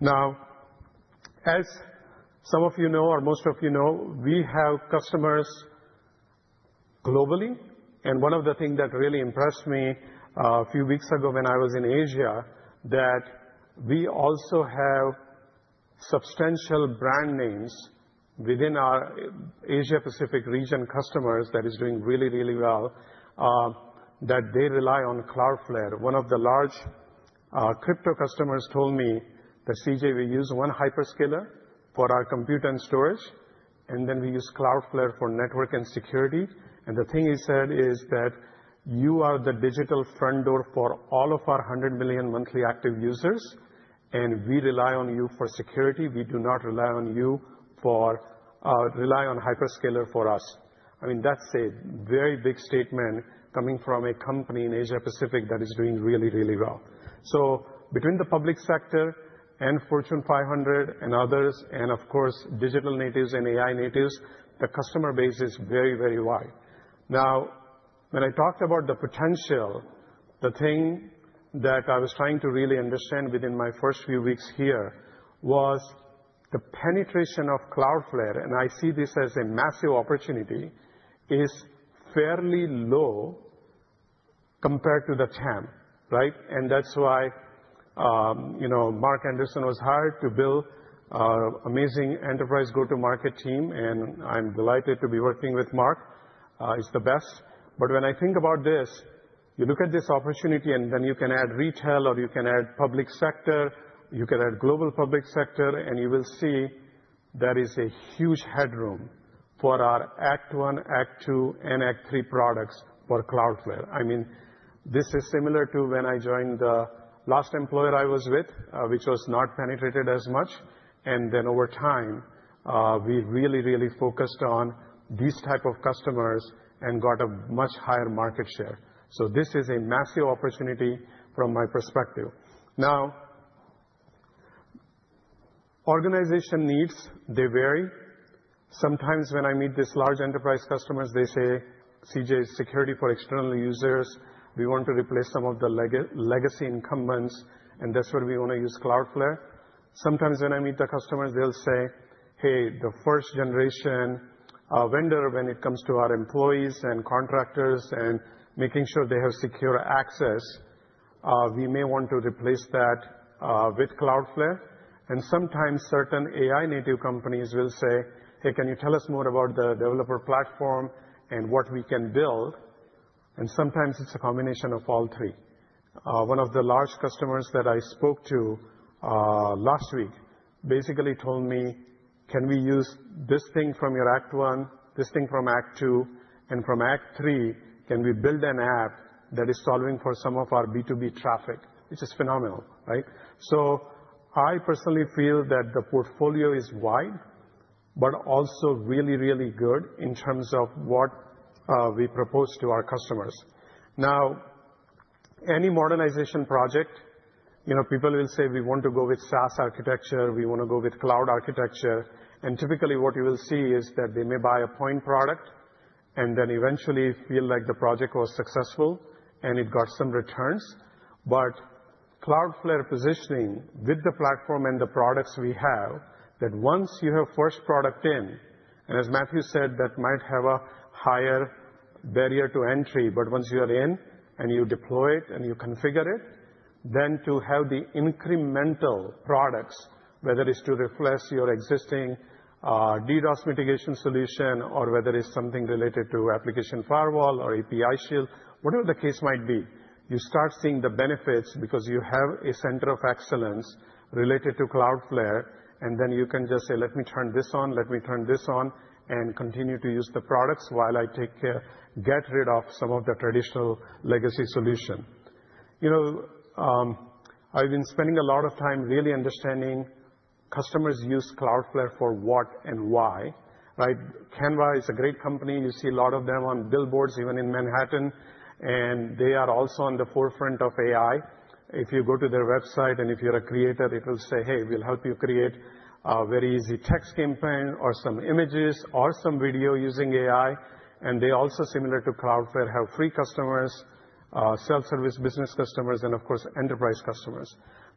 Now, as some of you know, or most of you know, we have customers globally. One of the things that really impressed me a few weeks ago when I was in Asia, that we also have substantial brand names within our Asia-Pacific region customers that are doing really, really well, that they rely on Cloudflare. One of the large crypto customers told me that, CJ, we use one Hyperscaler for our compute and storage, and then we use Cloudflare for network and security. The thing he said is that you are the digital front door for all of our 100 million monthly active users, and we rely on you for security. We do not rely on you for rely on Hyperscaler for us. I mean, that's a very big statement coming from a company in Asia-Pacific that is doing really, really well. Between the public sector and Fortune 500 and others, and of course, digital natives and AI natives, the customer base is very, very wide. Now, when I talked about the potential, the thing that I was trying to really understand within my first few weeks here was the penetration of Cloudflare, and I see this as a massive opportunity, is fairly low compared to the TAM, right? That's why Mark Anderson was hired to build an amazing enterprise go-to-market team. I'm delighted to be working with Mark. He's the best. When I think about this, you look at this opportunity, and then you can add retail, or you can add public sector, you can add global public sector, and you will see there is a huge headroom for our Act 1, Act 2, and Act 3 products for Cloudflare. I mean, this is similar to when I joined the last employer I was with, which was not penetrated as much. Over time, we really, really focused on these types of customers and got a much higher market share. This is a massive opportunity from my perspective. Now, organization needs, they vary. Sometimes when I meet these large enterprise customers, they say, CJ, security for external users, we want to replace some of the legacy incumbents, and that's where we want to use Cloudflare. Sometimes when I meet the customers, they'll say, hey, the first-generation vendor, when it comes to our employees and contractors and making sure they have secure access, we may want to replace that with Cloudflare. Sometimes certain AI native companies will say, hey, can you tell us more about the developer platform and what we can build? Sometimes it's a combination of all three. One of the large customers that I spoke to last week basically told me, can we use this thing from your Act 1, this thing from Act 2, and from Act 3, can we build an app that is solving for some of our B2B traffic, which is phenomenal, right? I personally feel that the portfolio is wide, but also really, really good in terms of what we propose to our customers. Now, any modernization project, people will say, we want to go with SaaS architecture. We want to go with cloud architecture. Typically what you will see is that they may buy a point product and then eventually feel like the project was successful and it got some returns. Cloudflare positioning with the platform and the products we have, that once you have first product in, and as Matthew said, that might have a higher barrier to entry, but once you are in and you deploy it and you configure it, to have the incremental products, whether it's to replace your existing DDoS mitigation solution or whether it's something related to application firewall or API Shield, whatever the case might be, you start seeing the benefits because you have a center of excellence related to Cloudflare. You can just say, let me turn this on, let me turn this on, and continue to use the products while I take care to get rid of some of the traditional legacy solution. I've been spending a lot of time really understanding customers use Cloudflare for what and why, right? Canva is a great company. You see a lot of them on billboards, even in Manhattan. They are also on the forefront of AI. If you go to their website and if you're a creator, it will say, hey, we'll help you create a very easy text campaign or some images or some video using AI. They also, similar to Cloudflare, have free customers, self-service business customers, and of course, enterprise customers.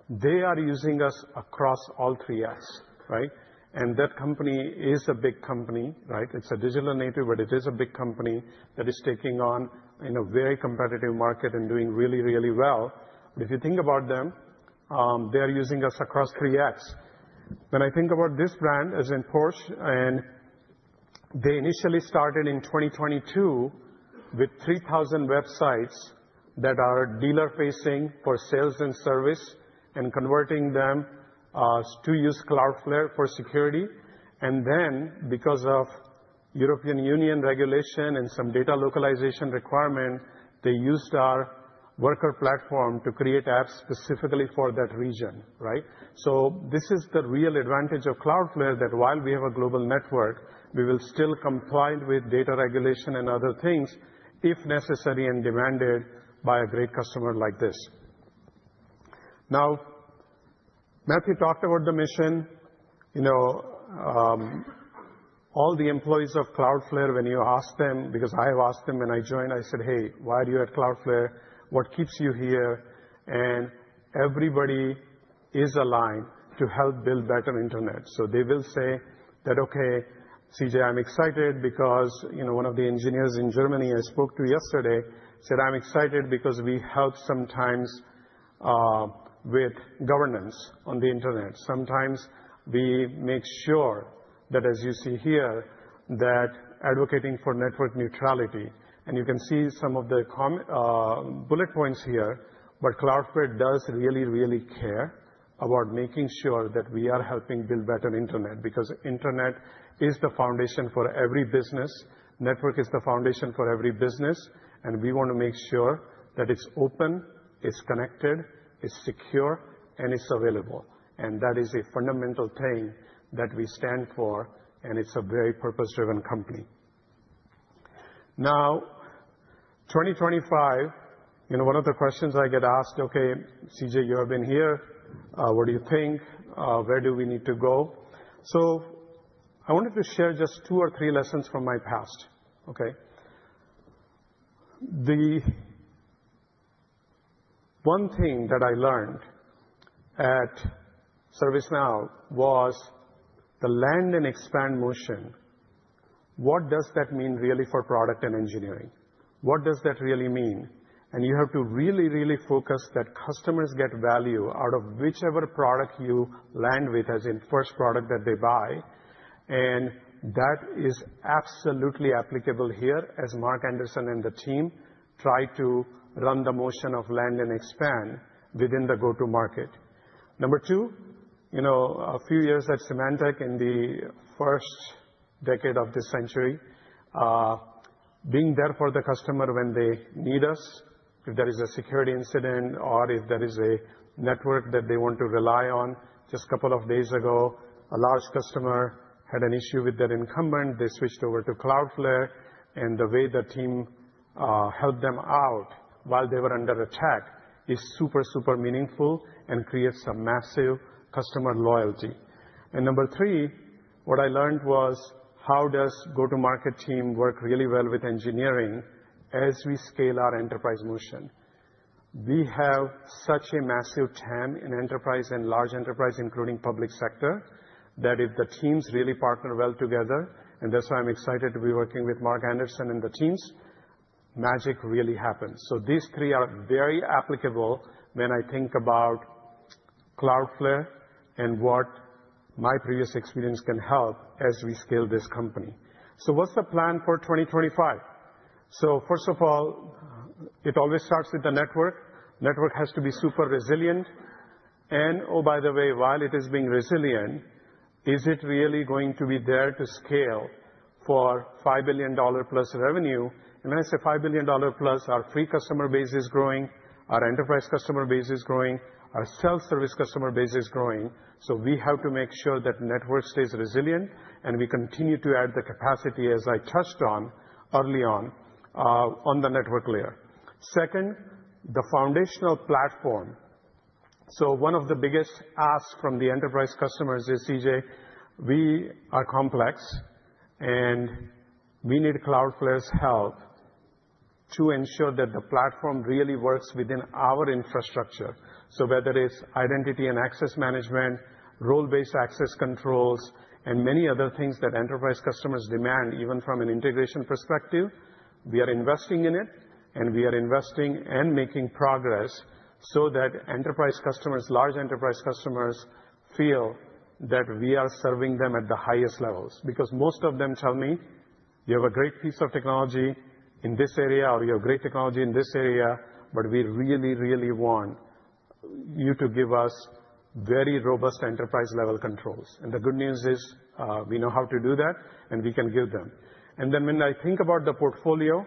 They are using us across all three acts, right? That company is a big company, right? It's a digital native, but it is a big company that is taking on a very competitive market and doing really, really well. If you think about them, they are using us across three acts. When I think about this brand, as in Porsche, they initially started in 2022 with 3,000 websites that are dealer-facing for sales and service and converting them to use Cloudflare for security. Because of European Union regulation and some data localization requirement, they used our worker platform to create apps specifically for that region, right? This is the real advantage of Cloudflare, that while we have a global network, we will still comply with data regulation and other things if necessary and demanded by a great customer like this. Now, Matthew talked about the mission. All the employees of Cloudflare, when you ask them, because I have asked them when I joined, I said, hey, why are you at Cloudflare? What keeps you here? Everybody is aligned to help build better internet. They will say that, okay, CJ, I'm excited because one of the engineers in Germany I spoke to yesterday said, I'm excited because we help sometimes with governance on the internet. Sometimes we make sure that, as you see here, that advocating for network neutrality. You can see some of the bullet points here, but Cloudflare does really, really care about making sure that we are helping build better internet because internet is the foundation for every business. Network is the foundation for every business. We want to make sure that it's open, it's connected, it's secure, and it's available. That is a fundamental thing that we stand for, and it's a very purpose-driven company. Now, 2025, one of the questions I get asked, okay, CJ, you have been here. What do you think? Where do we need to go? I wanted to share just two or three lessons from my past, okay? The one thing that I learned at ServiceNow was the land and expand motion. What does that mean really for product and engineering? What does that really mean? You have to really, really focus that customers get value out of whichever product you land with, as in first product that they buy. That is absolutely applicable here as Mark Anderson and the team try to run the motion of land and expand within the go-to-market. Number two, a few years at Symantec in the first decade of this century, being there for the customer when they need us, if there is a security incident or if there is a network that they want to rely on. Just a couple of days ago, a large customer had an issue with their incumbent. They switched over to Cloudflare. The way the team helped them out while they were under attack is super, super meaningful and creates a massive customer loyalty. Number three, what I learned was how does the go-to-market team work really well with engineering as we scale our enterprise motion? We have such a massive TAM in enterprise and large enterprise, including public sector, that if the teams really partner well together, and that's why I'm excited to be working with Mark Anderson and the teams, magic really happens. These three are very applicable when I think about Cloudflare and what my previous experience can help as we scale this company. What's the plan for 2025? First of all, it always starts with the network. Network has to be super resilient. Oh, by the way, while it is being resilient, is it really going to be there to scale for $5 billion-plus revenue? When I say $5 billion-plus, our free customer base is growing, our enterprise customer base is growing, our self-service customer base is growing. We have to make sure that network stays resilient and we continue to add the capacity, as I touched on early on, on the network layer. Second, the foundational platform. One of the biggest asks from the enterprise customers is, CJ, we are complex and we need Cloudflare's help to ensure that the platform really works within our infrastructure. Whether it's identity and access management, role-based access controls, and many other things that enterprise customers demand, even from an integration perspective, we are investing in it and we are investing and making progress so that enterprise customers, large enterprise customers, feel that we are serving them at the highest levels. Most of them tell me, you have a great piece of technology in this area or you have great technology in this area, but we really, really want you to give us very robust enterprise-level controls. The good news is we know how to do that and we can give them. When I think about the portfolio,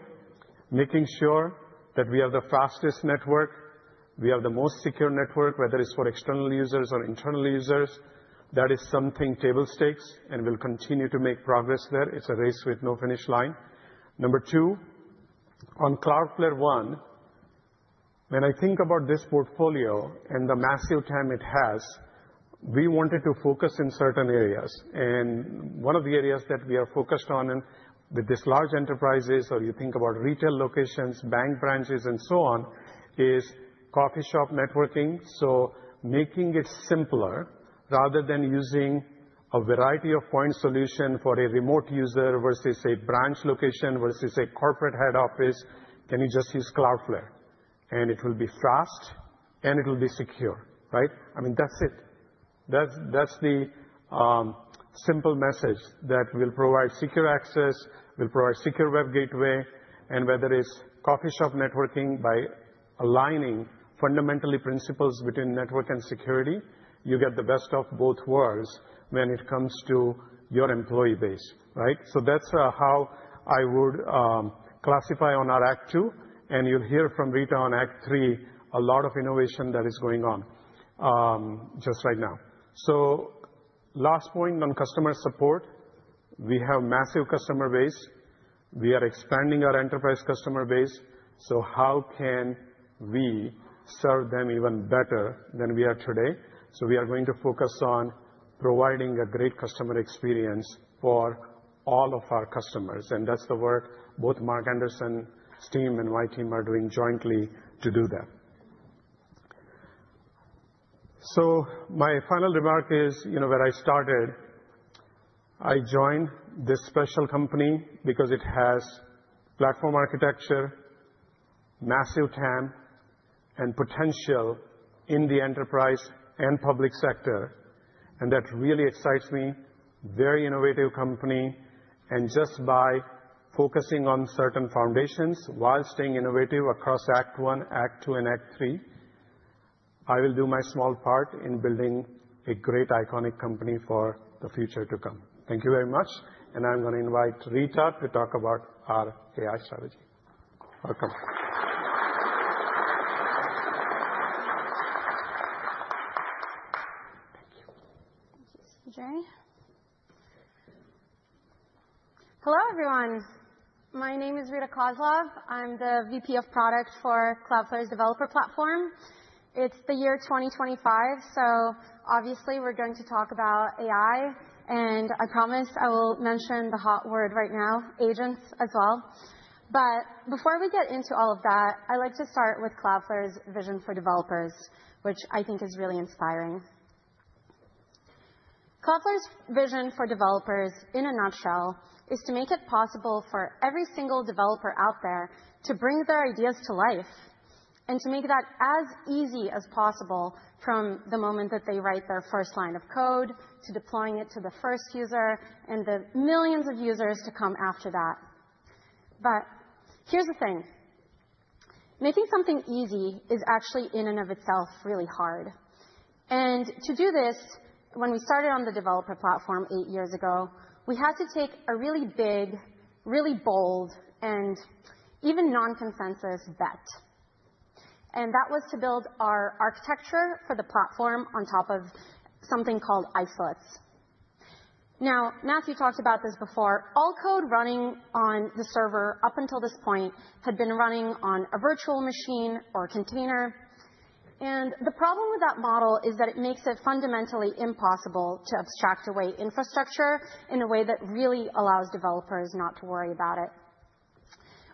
making sure that we have the fastest network, we have the most secure network, whether it's for external users or internal users, that is something table stakes and we'll continue to make progress there. It's a race with no finish line. Number two, on Cloudflare One, when I think about this portfolio and the massive TAM it has, we wanted to focus in certain areas. And one of the areas that we are focused on with these large enterprises, or you think about retail locations, bank branches, and so on, is coffee shop networking. Making it simpler rather than using a variety of point solution for a remote user versus a branch location versus a corporate head office, can you just use Cloudflare? It will be fast and it will be secure, right? I mean, that's it. That's the simple message that will provide secure access, will provide secure web gateway. Whether it's coffee shop networking, by aligning fundamentally principles between network and security, you get the best of both worlds when it comes to your employee base, right? That's how I would classify on our Act 2. You'll hear from Rita on Act 3, a lot of innovation that is going on just right now. Last point on customer support, we have massive customer base. We are expanding our enterprise customer base. How can we serve them even better than we are today? We are going to focus on providing a great customer experience for all of our customers. That's the work both Mark Anderson's team and my team are doing jointly to do that. My final remark is where I started. I joined this special company because it has platform architecture, massive TAM, and potential in the enterprise and public sector. That really excites me. Very innovative company. Just by focusing on certain foundations while staying innovative across Act 1, Act 2, and Act 3, I will do my small part in building a great iconic company for the future to come. Thank you very much. I am going to invite Rita to talk about our AI strategy. Welcome . Thank you. Thank you, CJ. Hello, everyone. My name is Rita Kozlov. I am the VP of Product for Cloudflare's developer platform. It is the year 2025, so obviously we are going to talk about AI. I promise I will mention the hot word right now, agents as well. Before we get into all of that, I would like to start with Cloudflare's vision for developers, which I think is really inspiring. Cloudflare's vision for developers, in a nutshell, is to make it possible for every single developer out there to bring their ideas to life and to make that as easy as possible from the moment that they write their first line of code to deploying it to the first user and the millions of users to come after that. Here's the thing. Making something easy is actually, in and of itself, really hard. To do this, when we started on the developer platform eight years ago, we had to take a really big, really bold, and even non-consensus bet. That was to build our architecture for the platform on top of something called isolates. Now, Matthew talked about this before. All code running on the server up until this point had been running on a virtual machine or container. The problem with that model is that it makes it fundamentally impossible to abstract away infrastructure in a way that really allows developers not to worry about it.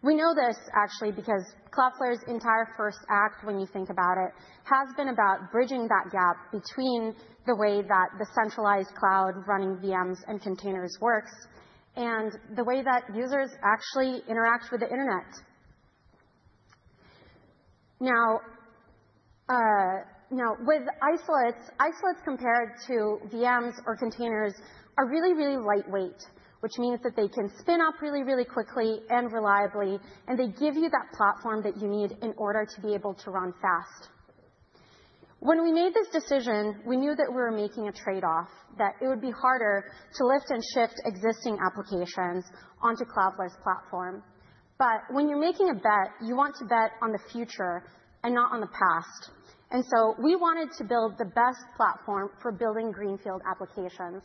We know this actually because Cloudflare's entire first act, when you think about it, has been about bridging that gap between the way that the centralized cloud running VMs and containers works and the way that users actually interact with the internet. Now, with isolates, isolates compared to VMs or containers are really, really lightweight, which means that they can spin up really, really quickly and reliably, and they give you that platform that you need in order to be able to run fast. When we made this decision, we knew that we were making a trade-off, that it would be harder to lift and shift existing applications onto Cloudflare's platform. When you're making a bet, you want to bet on the future and not on the past. We wanted to build the best platform for building greenfield applications.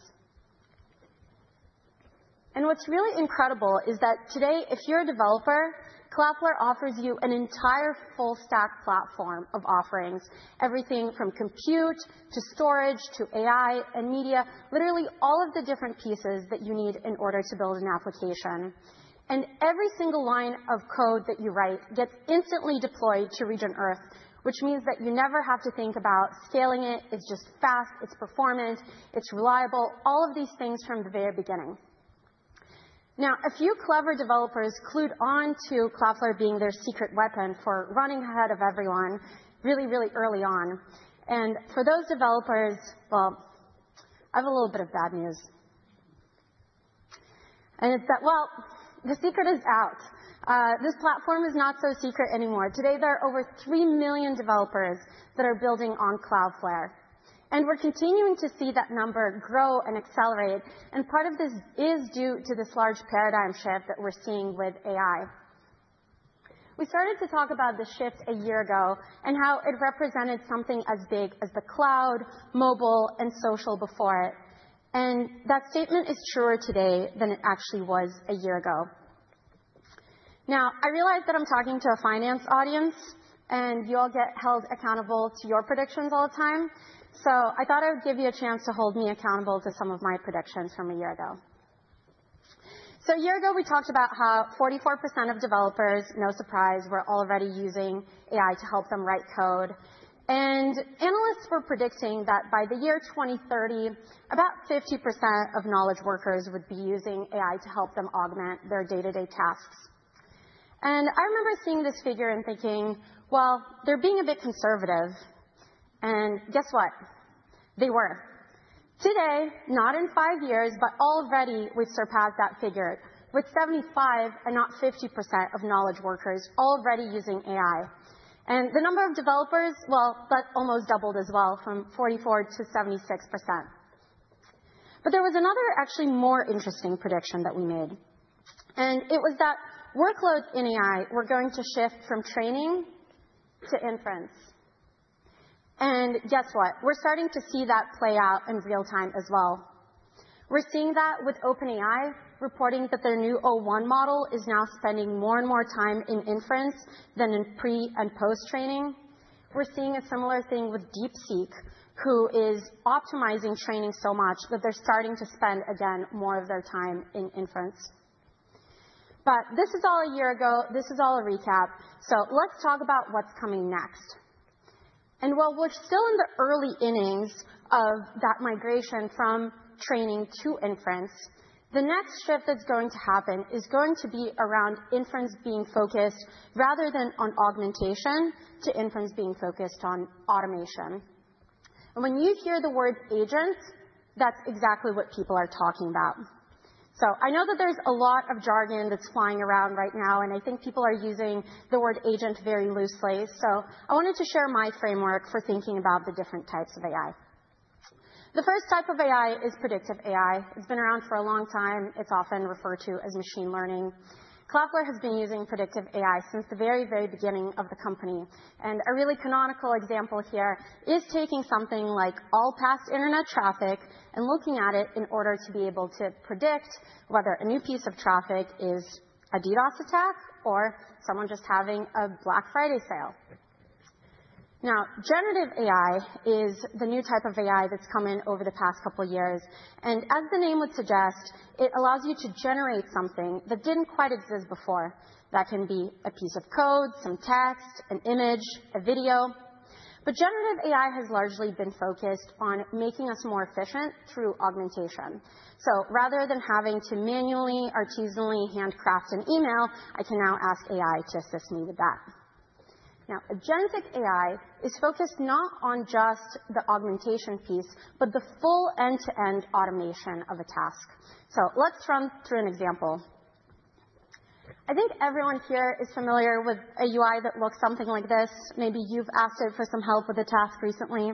What's really incredible is that today, if you're a developer, Cloudflare offers you an entire full-stack platform of offerings, everything from compute to storage to AI and media, literally all of the different pieces that you need in order to build an application. Every single line of code that you write gets instantly deployed to region Earth, which means that you never have to think about scaling it. It's just fast, it's performant, it's reliable, all of these things from the very beginning. Now, a few clever developers clued on to Cloudflare being their secret weapon for running ahead of everyone really, really early on. For those developers, I have a little bit of bad news. It is that the secret is out. This platform is not so secret anymore. Today, there are over 3 million developers that are building on Cloudflare. We are continuing to see that number grow and accelerate. Part of this is due to this large paradigm shift that we are seeing with AI. We started to talk about the shift a year ago and how it represented something as big as the cloud, mobile, and social before it. That statement is truer today than it actually was a year ago. I realize that I am talking to a finance audience and you all get held accountable to your predictions all the time. I thought I would give you a chance to hold me accountable to some of my predictions from a year ago. A year ago, we talked about how 44% of developers, no surprise, were already using AI to help them write code. Analysts were predicting that by the year 2030, about 50% of knowledge workers would be using AI to help them augment their day-to-day tasks. I remember seeing this figure and thinking, they're being a bit conservative. Guess what? They were. Today, not in five years, but already we've surpassed that figure with 75% and not 50% of knowledge workers already using AI. The number of developers, that almost doubled as well from 44% to 76%. There was another actually more interesting prediction that we made. It was that workloads in AI were going to shift from training to inference. Guess what? We're starting to see that play out in real time as well. We're seeing that with OpenAI reporting that their new O1 model is now spending more and more time in inference than in pre and post-training. We're seeing a similar thing with DeepSeek, who is optimizing training so much that they're starting to spend, again, more of their time in inference. This is all a year ago. This is all a recap. Let's talk about what's coming next. While we're still in the early innings of that migration from training to inference, the next shift that's going to happen is going to be around inference being focused rather than on augmentation to inference being focused on automation. When you hear the word agents, that's exactly what people are talking about. I know that there's a lot of jargon that's flying around right now, and I think people are using the word agent very loosely. I wanted to share my framework for thinking about the different types of AI. The first type of AI is predictive AI. It's been around for a long time. It's often referred to as machine learning. Cloudflare has been using predictive AI since the very, very beginning of the company. A really canonical example here is taking something like all past internet traffic and looking at it in order to be able to predict whether a new piece of traffic is a DDoS attack or someone just having a Black Friday sale. Now, generative AI is the new type of AI that's come in over the past couple of years. As the name would suggest, it allows you to generate something that didn't quite exist before. That can be a piece of code, some text, an image, a video. Generative AI has largely been focused on making us more efficient through augmentation. Rather than having to manually, artisanally handcraft an email, I can now ask AI to assist me with that. Now, agentic AI is focused not on just the augmentation piece, but the full end-to-end automation of a task. Let's run through an example. I think everyone here is familiar with a UI that looks something like this. Maybe you've asked it for some help with a task recently.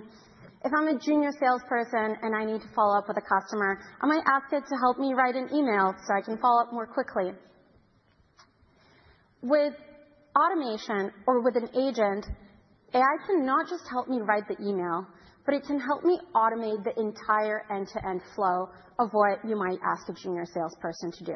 If I'm a junior salesperson and I need to follow up with a customer, I might ask it to help me write an email so I can follow up more quickly. With automation or with an agent, AI cannot just help me write the email, but it can help me automate the entire end-to-end flow of what you might ask a junior salesperson to do.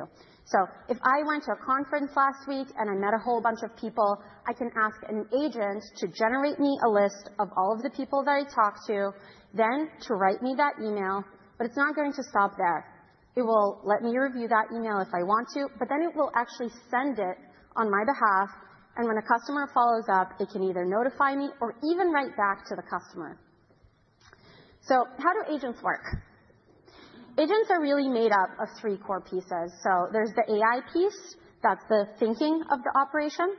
If I went to a conference last week and I met a whole bunch of people, I can ask an agent to generate me a list of all of the people that I talked to, then to write me that email. It is not going to stop there. It will let me review that email if I want to, but then it will actually send it on my behalf. When a customer follows up, it can either notify me or even write back to the customer. How do agents work? Agents are really made up of three core pieces. There is the AI piece. That is the thinking of the operation.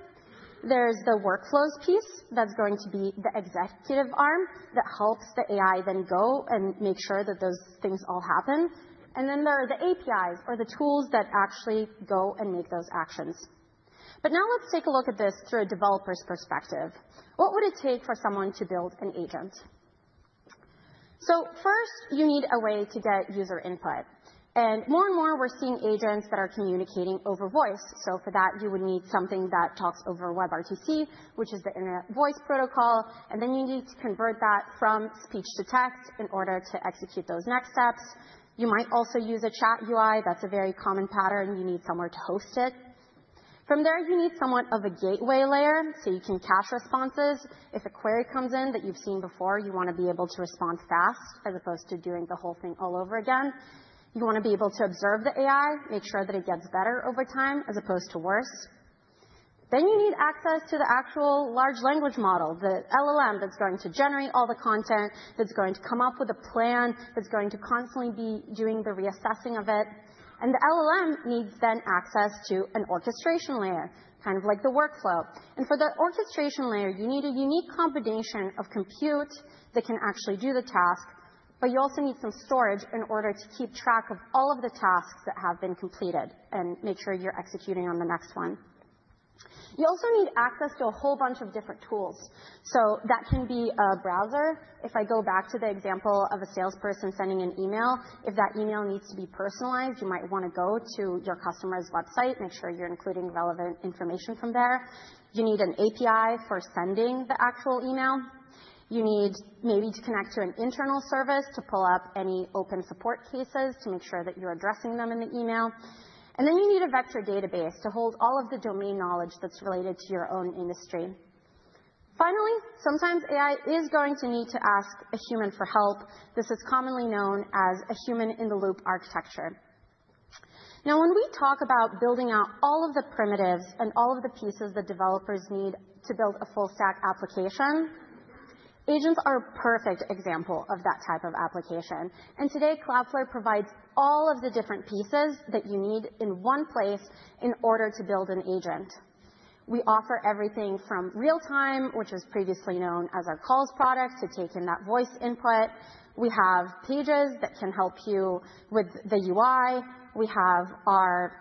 There is the workflows piece. That is going to be the executive arm that helps the AI then go and make sure that those things all happen. There are the APIs or the tools that actually go and make those actions. Now let's take a look at this through a developer's perspective. What would it take for someone to build an agent? First, you need a way to get user input. More and more, we're seeing agents that are communicating over voice. For that, you would need something that talks over WebRTC, which is the Internet Voice Protocol. You need to convert that from speech to text in order to execute those next steps. You might also use a chat UI. That's a very common pattern. You need somewhere to host it. From there, you need somewhat of a gateway layer so you can cache responses. If a query comes in that you've seen before, you want to be able to respond fast as opposed to doing the whole thing all over again. You want to be able to observe the AI, make sure that it gets better over time as opposed to worse. You need access to the actual large language model, the LLM that's going to generate all the content, that's going to come up with a plan, that's going to constantly be doing the reassessing of it. The LLM needs then access to an orchestration layer, kind of like the workflow. For the orchestration layer, you need a unique combination of compute that can actually do the task, but you also need some storage in order to keep track of all of the tasks that have been completed and make sure you're executing on the next one. You also need access to a whole bunch of different tools. That can be a browser. If I go back to the example of a salesperson sending an email, if that email needs to be personalized, you might want to go to your customer's website, make sure you're including relevant information from there. You need an API for sending the actual email. You need maybe to connect to an internal service to pull up any open support cases to make sure that you're addressing them in the email. You need a vector database to hold all of the domain knowledge that's related to your own industry. Finally, sometimes AI is going to need to ask a human for help. This is commonly known as a human-in-the-loop architecture. Now, when we talk about building out all of the primitives and all of the pieces that developers need to build a full-stack application, agents are a perfect example of that type of application. Today, Cloudflare provides all of the different pieces that you need in one place in order to build an agent. We offer everything from Real Time, which was previously known as our Calls product, to take in that voice input. We have Pages that can help you with the UI. We have our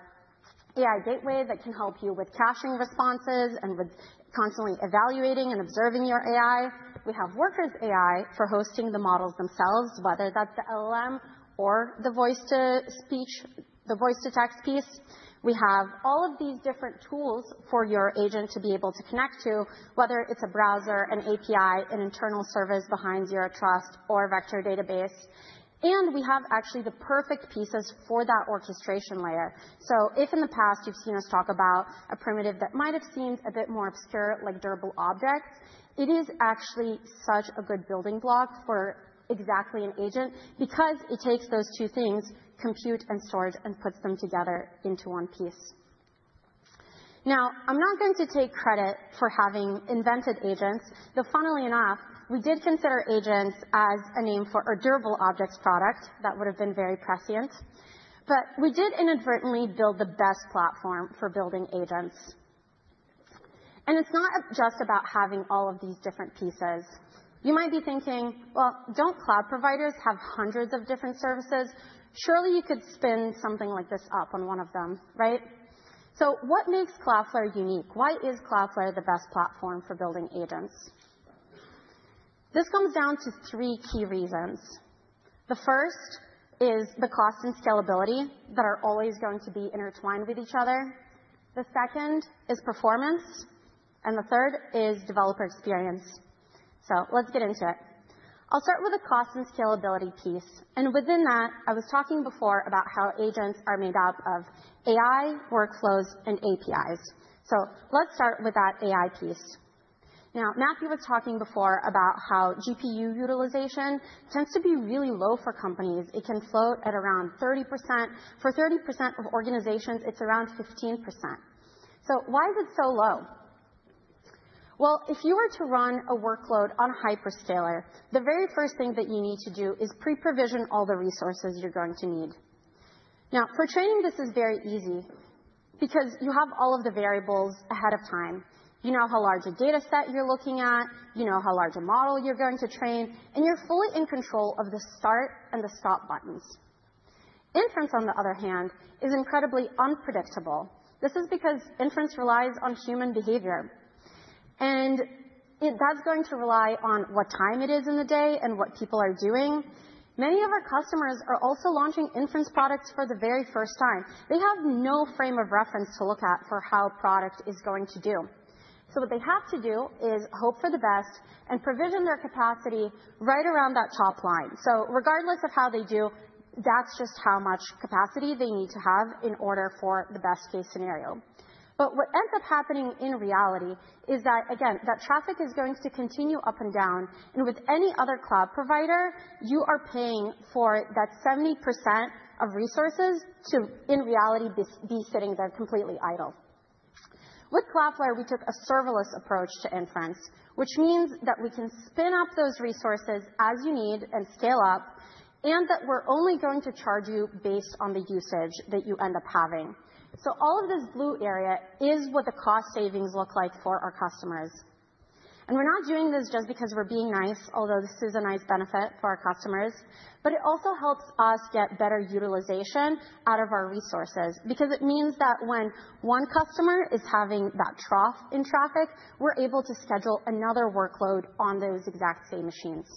AI Gateway that can help you with caching responses and with constantly evaluating and observing your AI. We have Workers AI for hosting the models themselves, whether that's the LLM or the voice-to-speech, the voice-to-text piece. We have all of these different tools for your agent to be able to connect to, whether it's a browser, an API, an internal service behind Zero Trust, or a vector database. We have actually the perfect pieces for that orchestration layer. If in the past you've seen us talk about a primitive that might have seemed a bit more obscure, like Durable Objects, it is actually such a good building block for exactly an agent because it takes those two things, compute and storage, and puts them together into one piece. Now, I'm not going to take credit for having invented agents. Though funnily enough, we did consider agents as a name for a Durable Objects product that would have been very prescient. We did inadvertently build the best platform for building agents. It is not just about having all of these different pieces. You might be thinking, well, don't cloud providers have hundreds of different services? Surely you could spin something like this up on one of them, right? What makes Cloudflare unique? Why is Cloudflare the best platform for building agents? This comes down to three key reasons. The first is the cost and scalability that are always going to be intertwined with each other. The second is performance. The third is developer experience. Let's get into it. I'll start with the cost and scalability piece. Within that, I was talking before about how agents are made up of AI, workflows, and APIs. Let's start with that AI piece. Now, Matthew was talking before about how GPU utilization tends to be really low for companies. It can float at around 30%. For 30% of organizations, it's around 15%. Why is it so low? If you were to run a workload on a Hyperscaler, the very first thing that you need to do is pre-provision all the resources you're going to need. Now, for training, this is very easy because you have all of the variables ahead of time. You know how large a data set you're looking at. You know how large a model you're going to train. And you're fully in control of the start and the stop buttons. Inference, on the other hand, is incredibly unpredictable. This is because inference relies on human behavior. That's going to rely on what time it is in the day and what people are doing. Many of our customers are also launching inference products for the very first time. They have no frame of reference to look at for how a product is going to do. What they have to do is hope for the best and provision their capacity right around that top line. Regardless of how they do, that's just how much capacity they need to have in order for the best-case scenario. What ends up happening in reality is that, again, that traffic is going to continue up and down. With any other cloud provider, you are paying for that 70% of resources to, in reality, be sitting there completely idle. With Cloudflare, we took a serverless approach to inference, which means that we can spin up those resources as you need and scale up, and that we're only going to charge you based on the usage that you end up having. All of this blue area is what the cost savings look like for our customers. We are not doing this just because we are being nice, although this is a nice benefit for our customers. It also helps us get better utilization out of our resources because it means that when one customer is having that trough in traffic, we are able to schedule another workload on those exact same machines.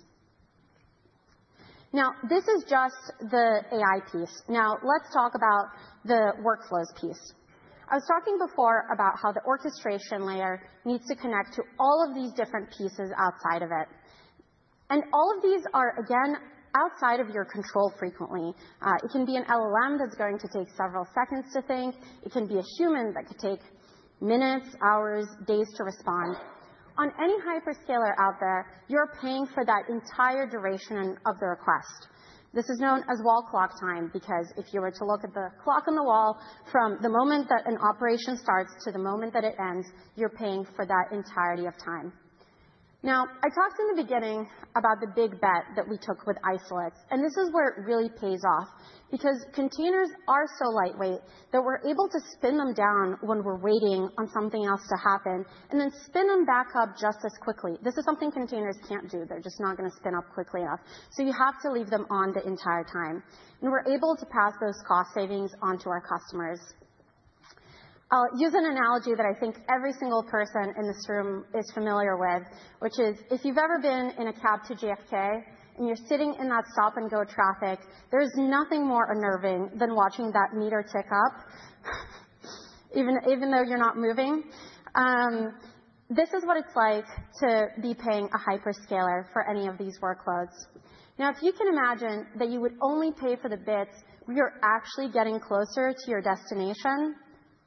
This is just the AI piece. Now, let's talk about the workflows piece. I was talking before about how the orchestration layer needs to connect to all of these different pieces outside of it. All of these are, again, outside of your control frequently. It can be an LLM that is going to take several seconds to think. It can be a human that could take minutes, hours, days to respond. On any Hyperscaler out there, you are paying for that entire duration of the request. This is known as wall clock time because if you were to look at the clock on the wall, from the moment that an operation starts to the moment that it ends, you're paying for that entirety of time. I talked in the beginning about the big bet that we took with isolates. This is where it really pays off because containers are so lightweight that we're able to spin them down when we're waiting on something else to happen and then spin them back up just as quickly. This is something containers can't do. They're just not going to spin up quickly enough. You have to leave them on the entire time. We're able to pass those cost savings onto our customers. I'll use an analogy that I think every single person in this room is familiar with, which is if you've ever been in a cab to JFK and you're sitting in that stop-and-go traffic, there is nothing more unnerving than watching that meter tick up, even though you're not moving. This is what it's like to be paying a Hyperscaler for any of these workloads. Now, if you can imagine that you would only pay for the bits where you're actually getting closer to your destination,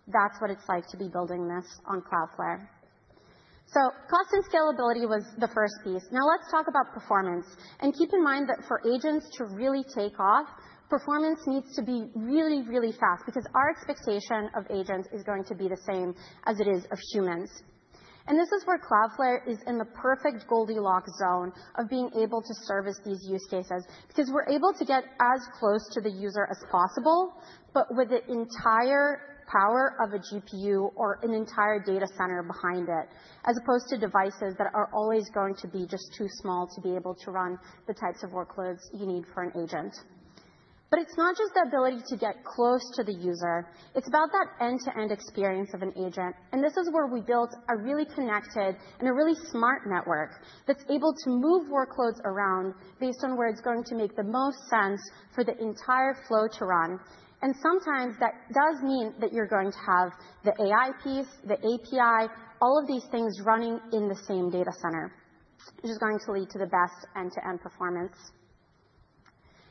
that's what it's like to be building this on Cloudflare. Cost and scalability was the first piece. Now, let's talk about performance. Keep in mind that for agents to really take off, performance needs to be really, really fast because our expectation of agents is going to be the same as it is of humans. Cloudflare is in the perfect Goldilocks zone of being able to service these use cases because we're able to get as close to the user as possible, but with the entire power of a GPU or an entire data center behind it, as opposed to devices that are always going to be just too small to be able to run the types of workloads you need for an agent. It is not just the ability to get close to the user. It is about that end-to-end experience of an agent. This is where we built a really connected and a really smart network that's able to move workloads around based on where it's going to make the most sense for the entire flow to run. Sometimes that does mean that you're going to have the AI piece, the API, all of these things running in the same data center, which is going to lead to the best end-to-end performance.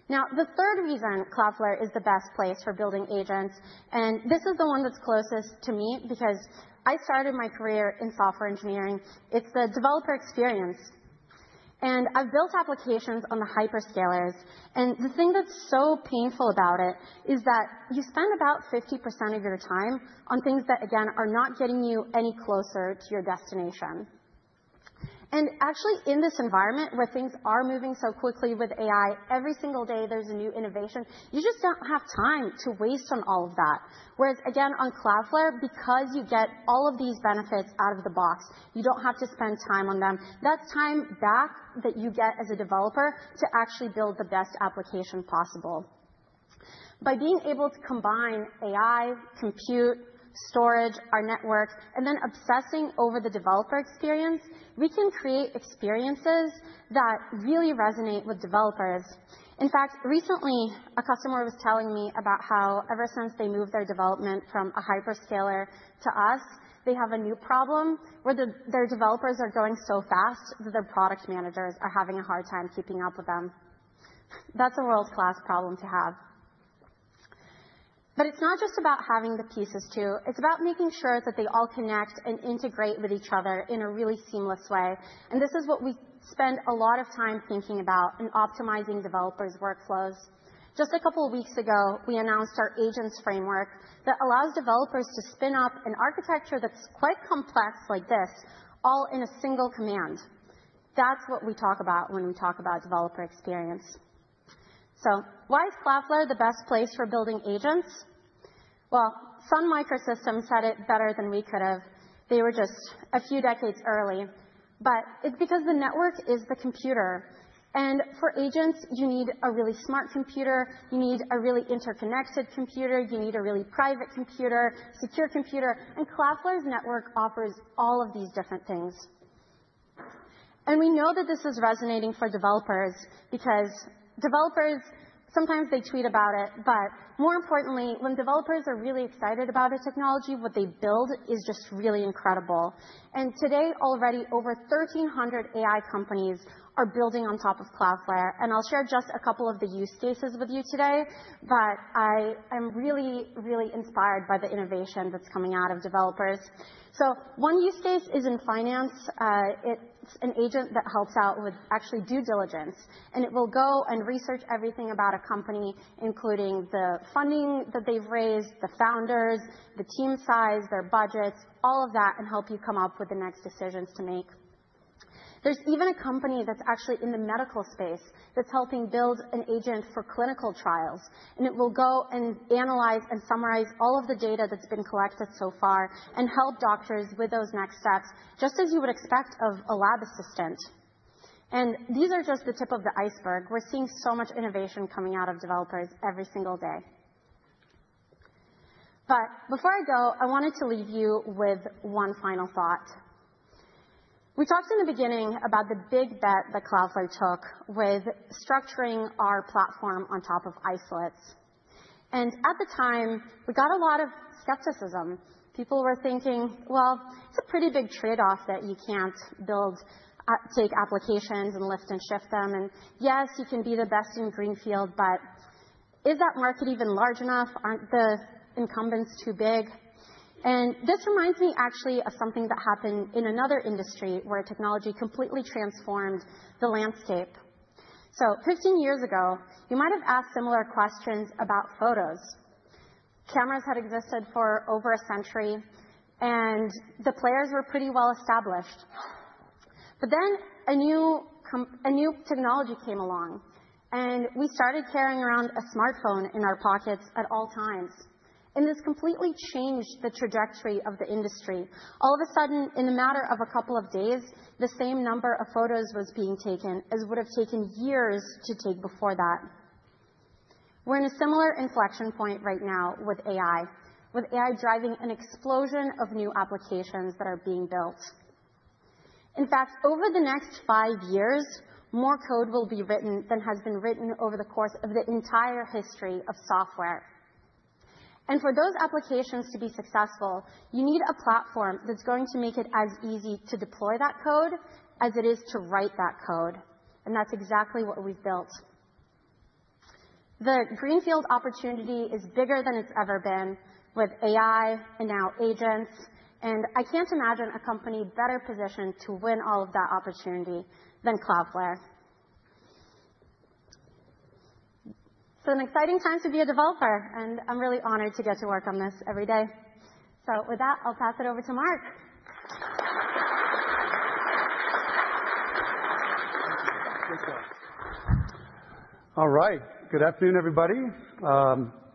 Now, the third reason Cloudflare is the best place for building agents, and this is the one that's closest to me because I started my career in software engineering. It's the developer experience. I've built applications on the Hyperscalers. The thing that's so painful about it is that you spend about 50% of your time on things that, again, are not getting you any closer to your destination. Actually, in this environment where things are moving so quickly with AI, every single day there's a new innovation. You just don't have time to waste on all of that. Whereas, again, on Cloudflare, because you get all of these benefits out of the box, you do not have to spend time on them. That is time back that you get as a developer to actually build the best application possible. By being able to combine AI, compute, storage, our network, and then obsessing over the developer experience, we can create experiences that really resonate with developers. In fact, recently, a customer was telling me about how ever since they moved their development from a Hyperscaler to us, they have a new problem where their developers are going so fast that their product managers are having a hard time keeping up with them. That is a world-class problem to have. It is not just about having the pieces too. It is about making sure that they all connect and integrate with each other in a really seamless way. This is what we spend a lot of time thinking about in optimizing developers' workflows. Just a couple of weeks ago, we announced our agents framework that allows developers to spin up an architecture that's quite complex like this all in a single command. That is what we talk about when we talk about developer experience. Why is Cloudflare the best place for building agents? Sun Microsystems had it better than we could have. They were just a few decades early. It is because the network is the computer. For agents, you need a really smart computer. You need a really interconnected computer. You need a really private computer, secure computer. Cloudflare's network offers all of these different things. We know that this is resonating for developers because developers, sometimes they tweet about it. More importantly, when developers are really excited about a technology, what they build is just really incredible. Today, already over 1,300 AI companies are building on top of Cloudflare. I'll share just a couple of the use cases with you today. I am really, really inspired by the innovation that's coming out of developers. One use case is in finance. It's an agent that helps out with actually due diligence. It will go and research everything about a company, including the funding that they've raised, the founders, the team size, their budgets, all of that, and help you come up with the next decisions to make. There's even a company that's actually in the medical space that's helping build an agent for clinical trials. It will go and analyze and summarize all of the data that's been collected so far and help doctors with those next steps, just as you would expect of a lab assistant. These are just the tip of the iceberg. We're seeing so much innovation coming out of developers every single day. Before I go, I wanted to leave you with one final thought. We talked in the beginning about the big bet that Cloudflare took with structuring our platform on top of isolates. At the time, we got a lot of skepticism. People were thinking, well, it's a pretty big trade-off that you can't take applications and lift and shift them. Yes, you can be the best in Greenfield. Is that market even large enough? Aren't the incumbents too big? This reminds me actually of something that happened in another industry where technology completely transformed the landscape. Fifteen years ago, you might have asked similar questions about photos. Cameras had existed for over a century, and the players were pretty well established. A new technology came along, and we started carrying around a smartphone in our pockets at all times. This completely changed the trajectory of the industry. All of a sudden, in the matter of a couple of days, the same number of photos was being taken as would have taken years to take before that. We're in a similar inflection point right now with AI, with AI driving an explosion of new applications that are being built. In fact, over the next five years, more code will be written than has been written over the course of the entire history of software. For those applications to be successful, you need a platform that's going to make it as easy to deploy that code as it is to write that code. That's exactly what we've built. The Greenfield opportunity is bigger than it's ever been with AI and now agents. I can't imagine a company better positioned to win all of that opportunity than Cloudflare. It's an exciting time to be a developer. I'm really honored to get to work on this every day. With that, I'll pass it over to Mark. All right. Good afternoon, everybody.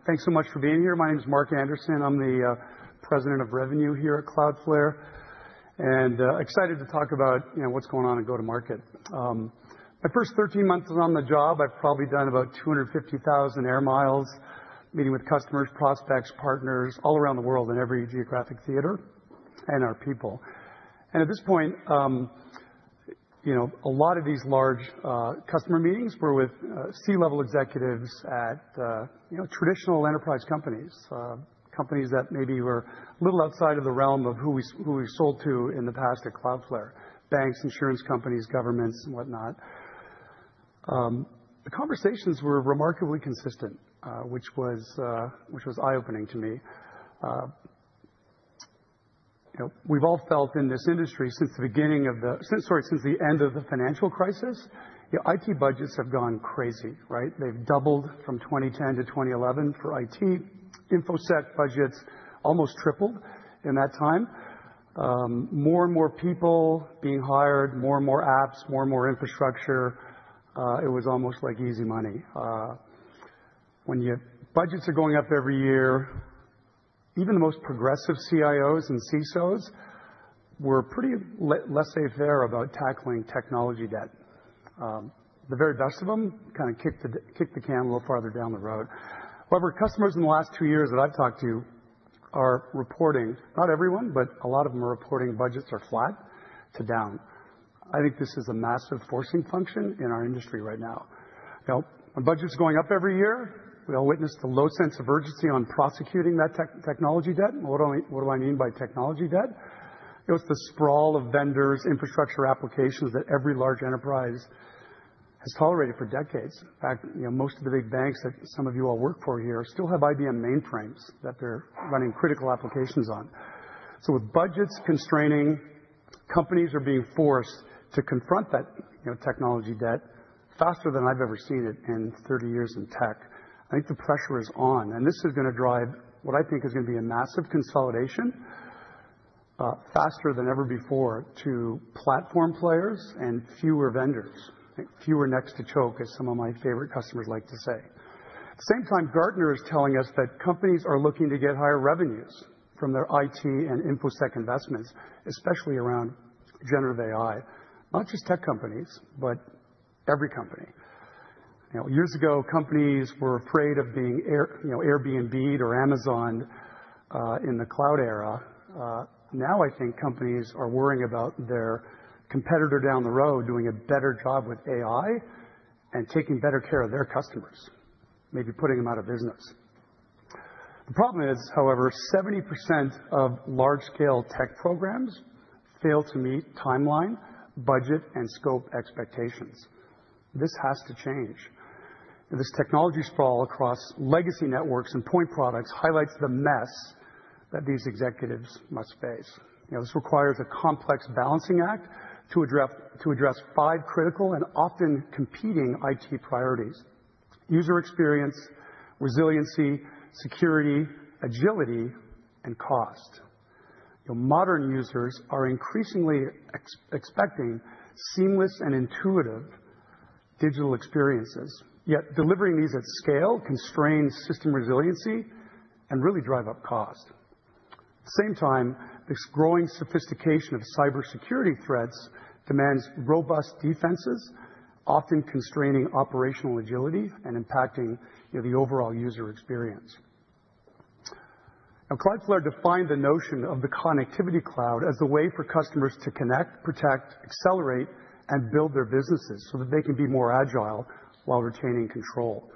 Thanks so much for being here. My name is Mark Anderson. I'm the President of Revenue here at Cloudflare. Excited to talk about what's going on in go-to-market. My first 13 months on the job, I've probably done about 250,000 air miles meeting with customers, prospects, partners all around the world in every geographic theater and our people. At this point, a lot of these large customer meetings were with C-level executives at traditional enterprise companies, companies that maybe were a little outside of the realm of who we sold to in the past at Cloudflare: banks, insurance companies, governments, and whatnot. The conversations were remarkably consistent, which was eye-opening to me. We've all felt in this industry since the end of the financial crisis, IT budgets have gone crazy, right? They've doubled from 2010 to 2011 for IT. Infosec budgets almost tripled in that time. More and more people being hired, more and more apps, more and more infrastructure. It was almost like easy money. When your budgets are going up every year, even the most progressive CIOs and CISOs were pretty less safe there about tackling technology debt. The very best of them kind of kicked the can a little farther down the road. However, customers in the last two years that I've talked to are reporting—not everyone, but a lot of them are reporting budgets are flat to down. I think this is a massive forcing function in our industry right now. When budgets are going up every year, we all witnessed a low sense of urgency on prosecuting that technology debt. What do I mean by technology debt? It's the sprawl of vendors, infrastructure applications that every large enterprise has tolerated for decades. In fact, most of the big banks that some of you all work for here still have IBM mainframes that they're running critical applications on. With budgets constraining, companies are being forced to confront that technology debt faster than I've ever seen it in 30 years in tech. I think the pressure is on. This is going to drive what I think is going to be a massive consolidation faster than ever before to platform players and fewer vendors, fewer neck-to-choke, as some of my favorite customers like to say. At the same time, Gartner is telling us that companies are looking to get higher revenues from their IT and Infosec investments, especially around generative AI, not just tech companies, but every company. Years ago, companies were afraid of being Airbnb'd or Amazon'd in the cloud era. Now, I think companies are worrying about their competitor down the road doing a better job with AI and taking better care of their customers, maybe putting them out of business. The problem is, however, 70% of large-scale tech programs fail to meet timeline, budget, and scope expectations. This has to change. This technology sprawl across legacy networks and point products highlights the mess that these executives must face. This requires a complex balancing act to address five critical and often competing IT priorities: user experience, resiliency, security, agility, and cost. Modern users are increasingly expecting seamless and intuitive digital experiences, yet delivering these at scale constrains system resiliency and really drives up cost. At the same time, this growing sophistication of cybersecurity threats demands robust defenses, often constraining operational agility and impacting the overall user experience. Now, Cloudflare defined the notion of the connectivity cloud as a way for customers to connect, protect, accelerate, and build their businesses so that they can be more agile while retaining control.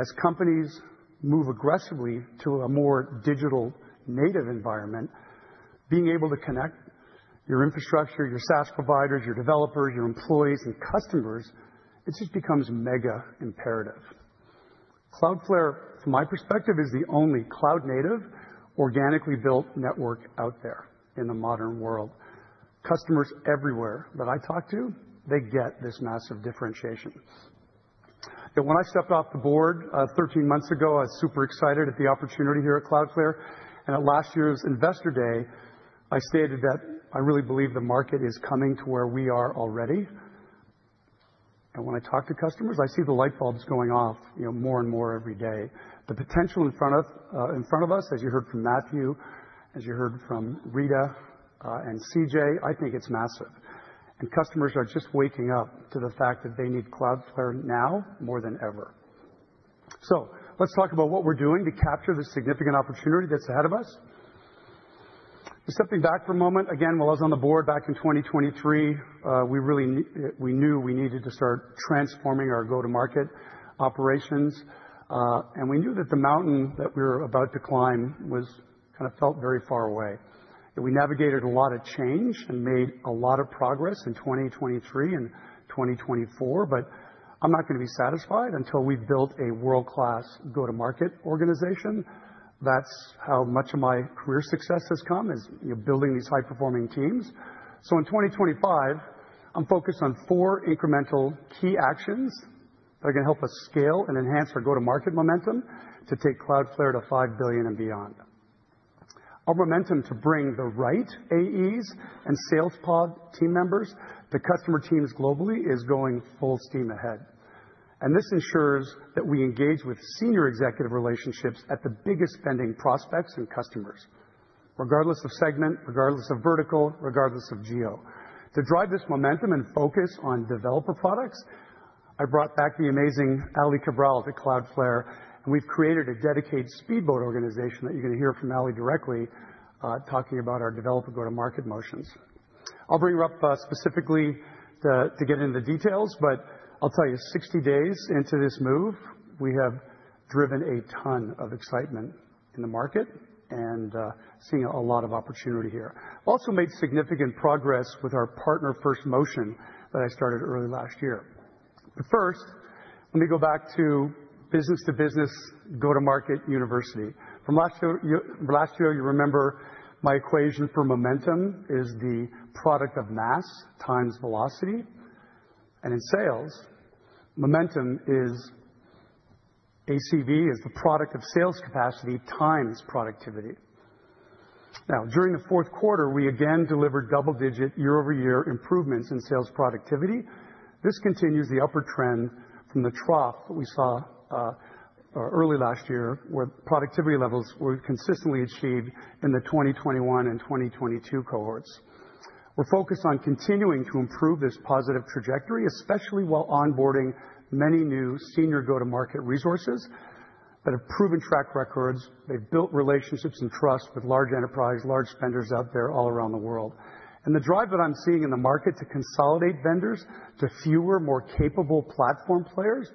As companies move aggressively to a more digital native environment, being able to connect your infrastructure, your SaaS providers, your developers, your employees, and customers just becomes mega imperative. Cloudflare, from my perspective, is the only cloud-native organically built network out there in the modern world. Customers everywhere that I talk to, they get this massive differentiation. When I stepped off the board 13 months ago, I was super excited at the opportunity here at Cloudflare. At last year's investor day, I stated that I really believe the market is coming to where we are already. When I talk to customers, I see the light bulbs going off more and more every day. The potential in front of us, as you heard from Matthew, as you heard from Rita and CJ, I think it's massive. Customers are just waking up to the fact that they need Cloudflare now more than ever. Let's talk about what we're doing to capture the significant opportunity that's ahead of us. Stepping back for a moment, again, while I was on the board back in 2023, we knew we needed to start transforming our go-to-market operations. We knew that the mountain that we were about to climb kind of felt very far away. We navigated a lot of change and made a lot of progress in 2023 and 2024. I'm not going to be satisfied until we've built a world-class go-to-market organization. That's how much of my career success has come, is building these high-performing teams. In 2025, I'm focused on four incremental key actions that are going to help us scale and enhance our go-to-market momentum to take Cloudflare to $5 billion and beyond. Our momentum to bring the right AEs and sales pod team members to customer teams globally is going full steam ahead. This ensures that we engage with senior executive relationships at the biggest spending prospects and customers, regardless of segment, regardless of vertical, regardless of geo. To drive this momentum and focus on developer products, I brought back the amazing Ali Cabral to Cloudflare. We have created a dedicated speedboat organization that you are going to hear from Ali directly talking about our developer go-to-market motions. I will bring her up specifically to get into the details. I will tell you, 60 days into this move, we have driven a ton of excitement in the market and are seeing a lot of opportunity here. We also made significant progress with our partner-first motion that I started early last year. First, let me go back to business-to-business go-to-market university. From last year, you remember my equation for momentum is the product of mass times velocity. In sales, momentum is ACV is the product of sales capacity times productivity. Now, during the fourth quarter, we again delivered double-digit year-over-year improvements in sales productivity. This continues the upward trend from the trough that we saw early last year, where productivity levels were consistently achieved in the 2021 and 2022 cohorts. We're focused on continuing to improve this positive trajectory, especially while onboarding many new senior go-to-market resources that have proven track records. They've built relationships and trust with large enterprise, large vendors out there all around the world. The drive that I'm seeing in the market to consolidate vendors to fewer, more capable platform players,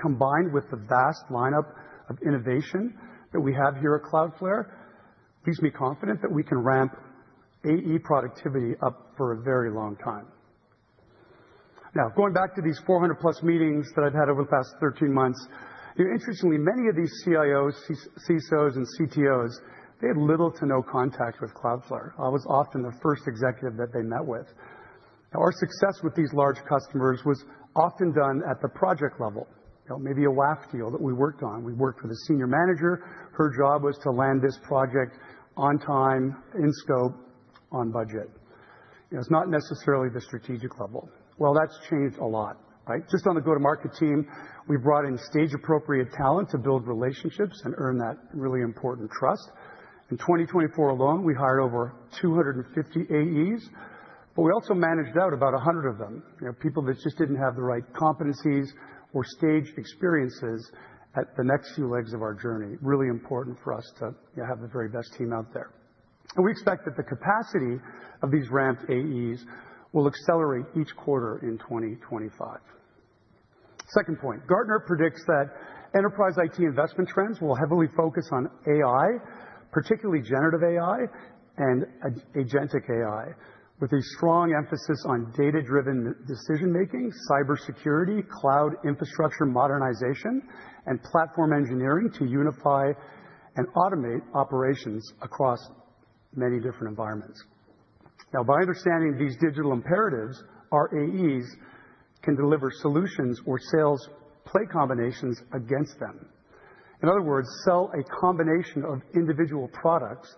combined with the vast lineup of innovation that we have here at Cloudflare, leaves me confident that we can ramp AE productivity up for a very long time. Now, going back to these 400-plus meetings that I've had over the past 13 months, interestingly, many of these CIOs, CISOs, and CTOs, they had little to no contact with Cloudflare. I was often the first executive that they met with. Our success with these large customers was often done at the project level, maybe a WAF deal that we worked on. We worked with a senior manager. Her job was to land this project on time, in scope, on budget. It's not necessarily the strategic level. That has changed a lot. Just on the go-to-market team, we brought in stage-appropriate talent to build relationships and earn that really important trust. In 2024 alone, we hired over 250 AEs, but we also managed out about 100 of them, people that just did not have the right competencies or stage experiences at the next few legs of our journey. Really important for us to have the very best team out there. We expect that the capacity of these ramped AEs will accelerate each quarter in 2025. Second point, Gartner predicts that enterprise IT investment trends will heavily focus on AI, particularly generative AI and agentic AI, with a strong emphasis on data-driven decision-making, cybersecurity, cloud infrastructure modernization, and platform engineering to unify and automate operations across many different environments. Now, by understanding these digital imperatives, our AEs can deliver solutions or sales play combinations against them. In other words, sell a combination of individual products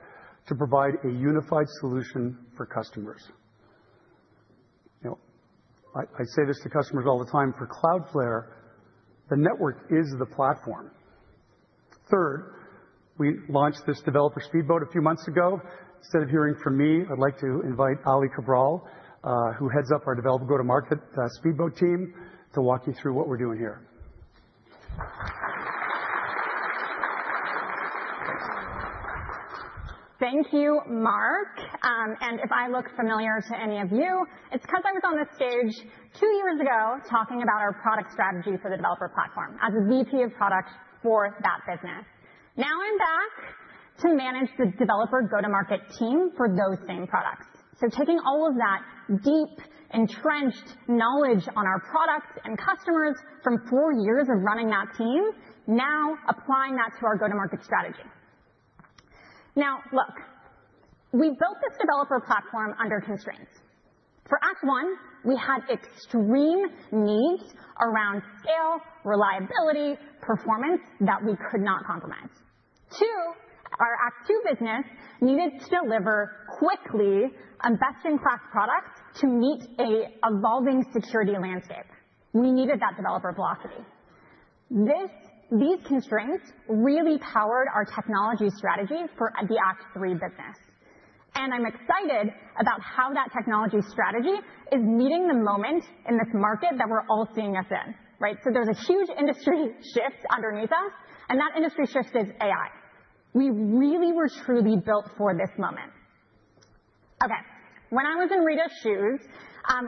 to provide a unified solution for customers. I say this to customers all the time. For Cloudflare, the network is the platform. Third, we launched this developer speedboat a few months ago. Instead of hearing from me, I'd like to invite Ali Cabral, who heads up our developer go-to-market speedboat team, to walk you through what we're doing here. Thank you, Mark. If I look familiar to any of you, it's because I was on this stage two years ago talking about our product strategy for the developer platform as a VP of Product for that business. Now I'm back to manage the developer go-to-market team for those same products. Taking all of that deep, entrenched knowledge on our products and customers from four years of running that team, now applying that to our go-to-market strategy. Now, look, we built this developer platform under constraints. For Act One, we had extreme needs around scale, reliability, performance that we could not compromise. Two, our Act Two business needed to deliver quickly a best-in-class product to meet an evolving security landscape. We needed that developer velocity. These constraints really powered our technology strategy for the Act Three business. I am excited about how that technology strategy is meeting the moment in this market that we are all seeing us in, right? There is a huge industry shift underneath us, and that industry shift is AI. We really were truly built for this moment. Okay. When I was in Rita's shoes,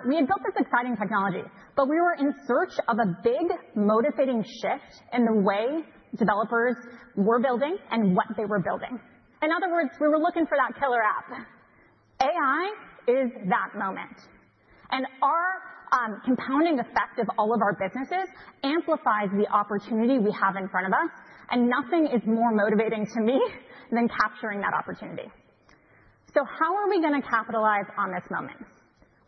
we had built this exciting technology, but we were in search of a big, motivating shift in the way developers were building and what they were building. In other words, we were looking for that killer app. AI is that moment. Our compounding effect of all of our businesses amplifies the opportunity we have in front of us. Nothing is more motivating to me than capturing that opportunity. How are we going to capitalize on this moment?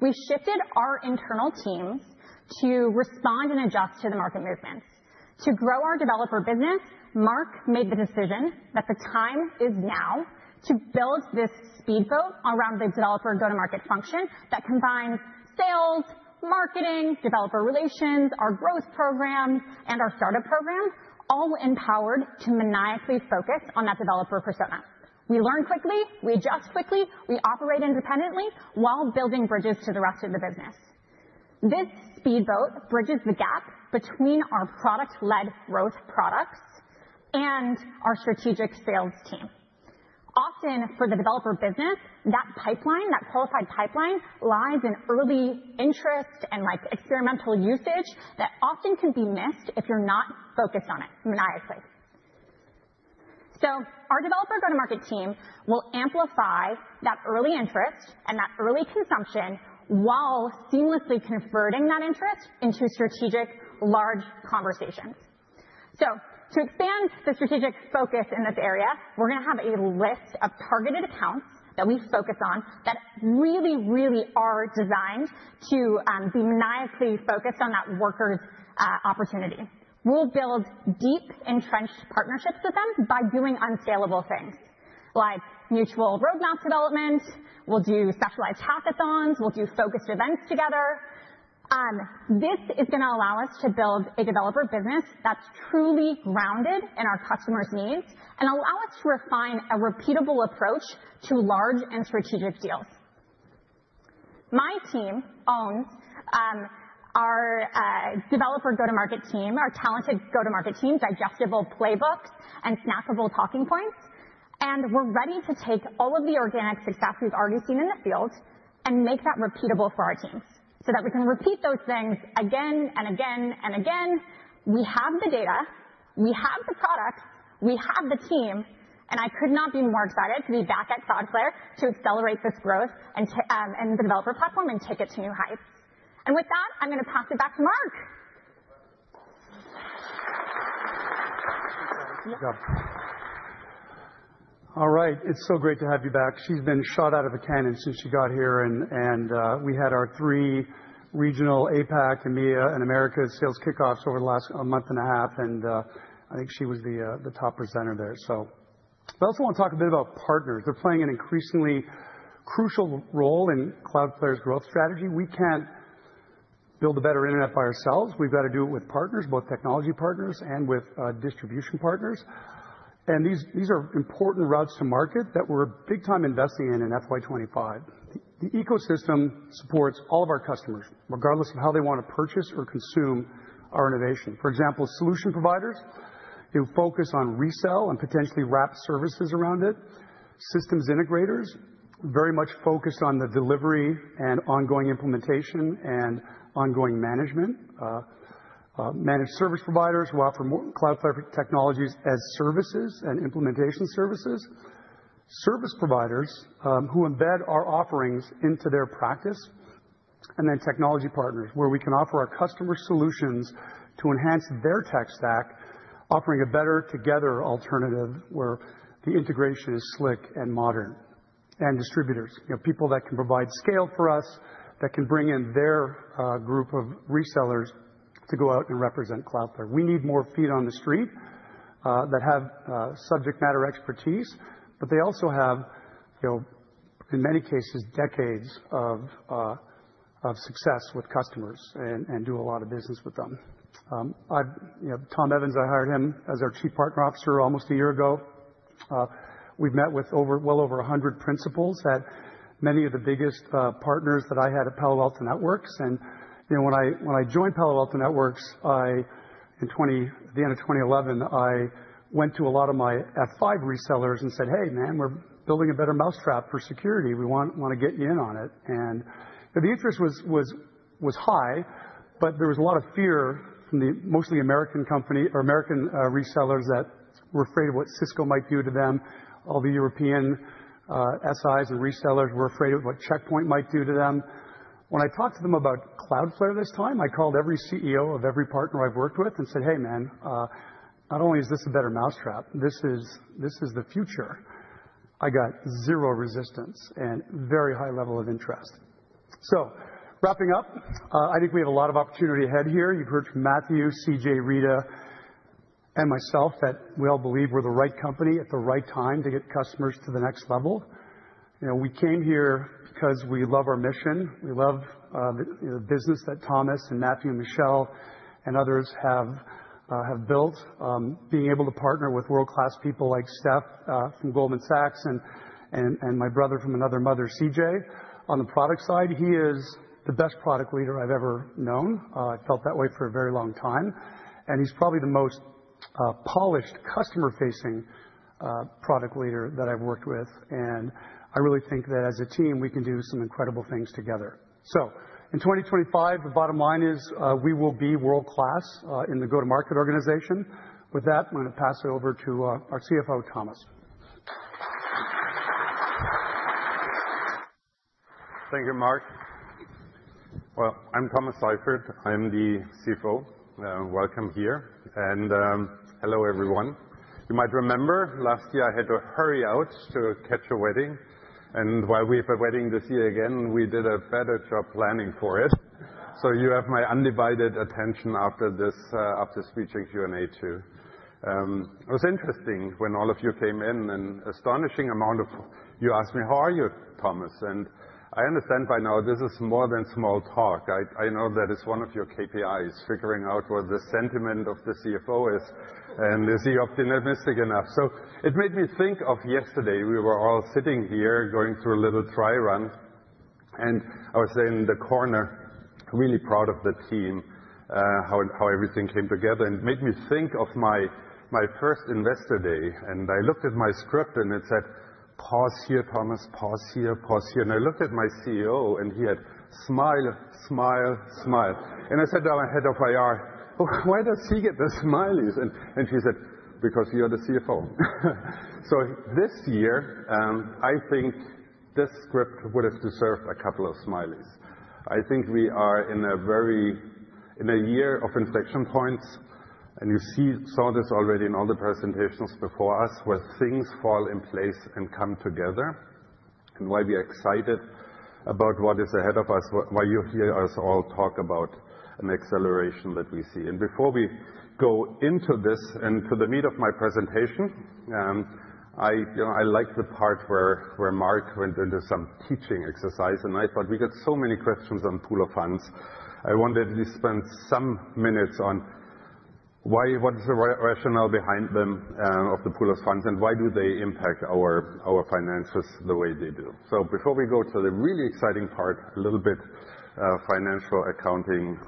We've shifted our internal teams to respond and adjust to the market movements. To grow our developer business, Mark made the decision that the time is now to build this speedboat around the developer go-to-market function that combines sales, marketing, developer relations, our growth program, and our startup program, all empowered to maniacally focus on that developer persona. We learn quickly. We adjust quickly. We operate independently while building bridges to the rest of the business. This speedboat bridges the gap between our product-led growth products and our strategic sales team. Often, for the developer business, that pipeline, that qualified pipeline, lies in early interest and experimental usage that often can be missed if you're not focused on it maniacally. Our developer go-to-market team will amplify that early interest and that early consumption while seamlessly converting that interest into strategic large conversations. To expand the strategic focus in this area, we're going to have a list of targeted accounts that we focus on that really, really are designed to be maniacally focused on that Workers opportunity. We'll build deep, entrenched partnerships with them by doing unscalable things, like mutual roadmap development. We'll do specialized hackathons. We'll do focused events together. This is going to allow us to build a developer business that's truly grounded in our customers' needs and allow us to refine a repeatable approach to large and strategic deals. My team owns our developer go-to-market team, our talented go-to-market team, digestible playbooks and snackable talking points. We are ready to take all of the organic success we have already seen in the field and make that repeatable for our teams so that we can repeat those things again and again and again. We have the data. We have the products. We have the team. I could not be more excited to be back at Cloudflare to accelerate this growth and the developer platform and take it to new heights. With that, I am going to pass it back to Mark. All right. It is so great to have you back. She has been shot out of a cannon since she got here. We had our three regional APAC, EMEA, and America sales kickoffs over the last month and a half. I think she was the top presenter there. I also want to talk a bit about partners. They're playing an increasingly crucial role in Cloudflare's growth strategy. We can't build a better internet by ourselves. We've got to do it with partners, both technology partners and with distribution partners. These are important routes to market that we're big-time investing in in FY25. The ecosystem supports all of our customers, regardless of how they want to purchase or consume our innovation. For example, solution providers who focus on resell and potentially wrap services around it, systems integrators very much focused on the delivery and ongoing implementation and ongoing management, managed service providers who offer Cloudflare technologies as services and implementation services, service providers who embed our offerings into their practice, and then technology partners where we can offer our customer solutions to enhance their tech stack, offering a better together alternative where the integration is slick and modern, and distributors, people that can provide scale for us, that can bring in their group of resellers to go out and represent Cloudflare. We need more feet on the street that have subject matter expertise, but they also have, in many cases, decades of success with customers and do a lot of business with them. Tom Evans, I hired him as our Chief Partner Officer almost a year ago. We've met with well over 100 principals at many of the biggest partners that I had at Palo Alto Networks. When I joined Palo Alto Networks in the end of 2011, I went to a lot of my F5 resellers and said, "Hey, man, we're building a better mousetrap for security. We want to get you in on it." The interest was high, but there was a lot of fear from the mostly American company or American resellers that were afraid of what Cisco might do to them. All the European SIs and resellers were afraid of what Checkpoint might do to them. When I talked to them about Cloudflare this time, I called every CEO of every partner I've worked with and said, "Hey, man, not only is this a better mousetrap, this is the future." I got zero resistance and very high level of interest. Wrapping up, I think we have a lot of opportunity ahead here. You've heard from Matthew, CJ, Rita, and myself that we all believe we're the right company at the right time to get customers to the next level. We came here because we love our mission. We love the business that Thomas and Matthew and Michelle and others have built. Being able to partner with world-class people like Steph from Goldman Sachs and my brother from Another Mother, CJ, on the product side, he is the best product leader I've ever known. I felt that way for a very long time. He's probably the most polished customer-facing product leader that I've worked with. I really think that as a team, we can do some incredible things together. In 2025, the bottom line is we will be world-class in the go-to-market organization. With that, I'm going to pass it over to our CFO, Thomas. Thank you, Mark. I'm Thomas Seifert. I'm the CFO. Welcome here. Hello, everyone. You might remember last year I had to hurry out to catch a wedding. While we have a wedding this year again, we did a better job planning for it. You have my undivided attention after this speech and Q&A too. It was interesting when all of you came in and an astonishing amount of you asked me, "How are you, Thomas?" I understand by now this is more than small talk. I know that is one of your KPIs, figuring out what the sentiment of the CFO is and is he optimistic enough. It made me think of yesterday. We were all sitting here going through a little dry run. I was there in the corner, really proud of the team, how everything came together. It made me think of my first investor day. I looked at my script and it said, "Pause here, Thomas. Pause here. Pause here." I looked at my CEO and he had smile, smile, smile. I said to our head of IR, "Why does he get the smileys?" She said, "Because you're the CFO." This year, I think this script would have deserved a couple of smileys. I think we are in a year of inflection points. You saw this already in all the presentations before us where things fall in place and come together and why we are excited about what is ahead of us, why you hear us all talk about an acceleration that we see. Before we go into this and to the meat of my presentation, I like the part where Mark went into some teaching exercise. I thought we got so many questions on pool of funds. I wanted to spend some minutes on what is the rationale behind them of the pool of funds and why do they impact our finances the way they do. Before we go to the really exciting part, a little bit of financial accounting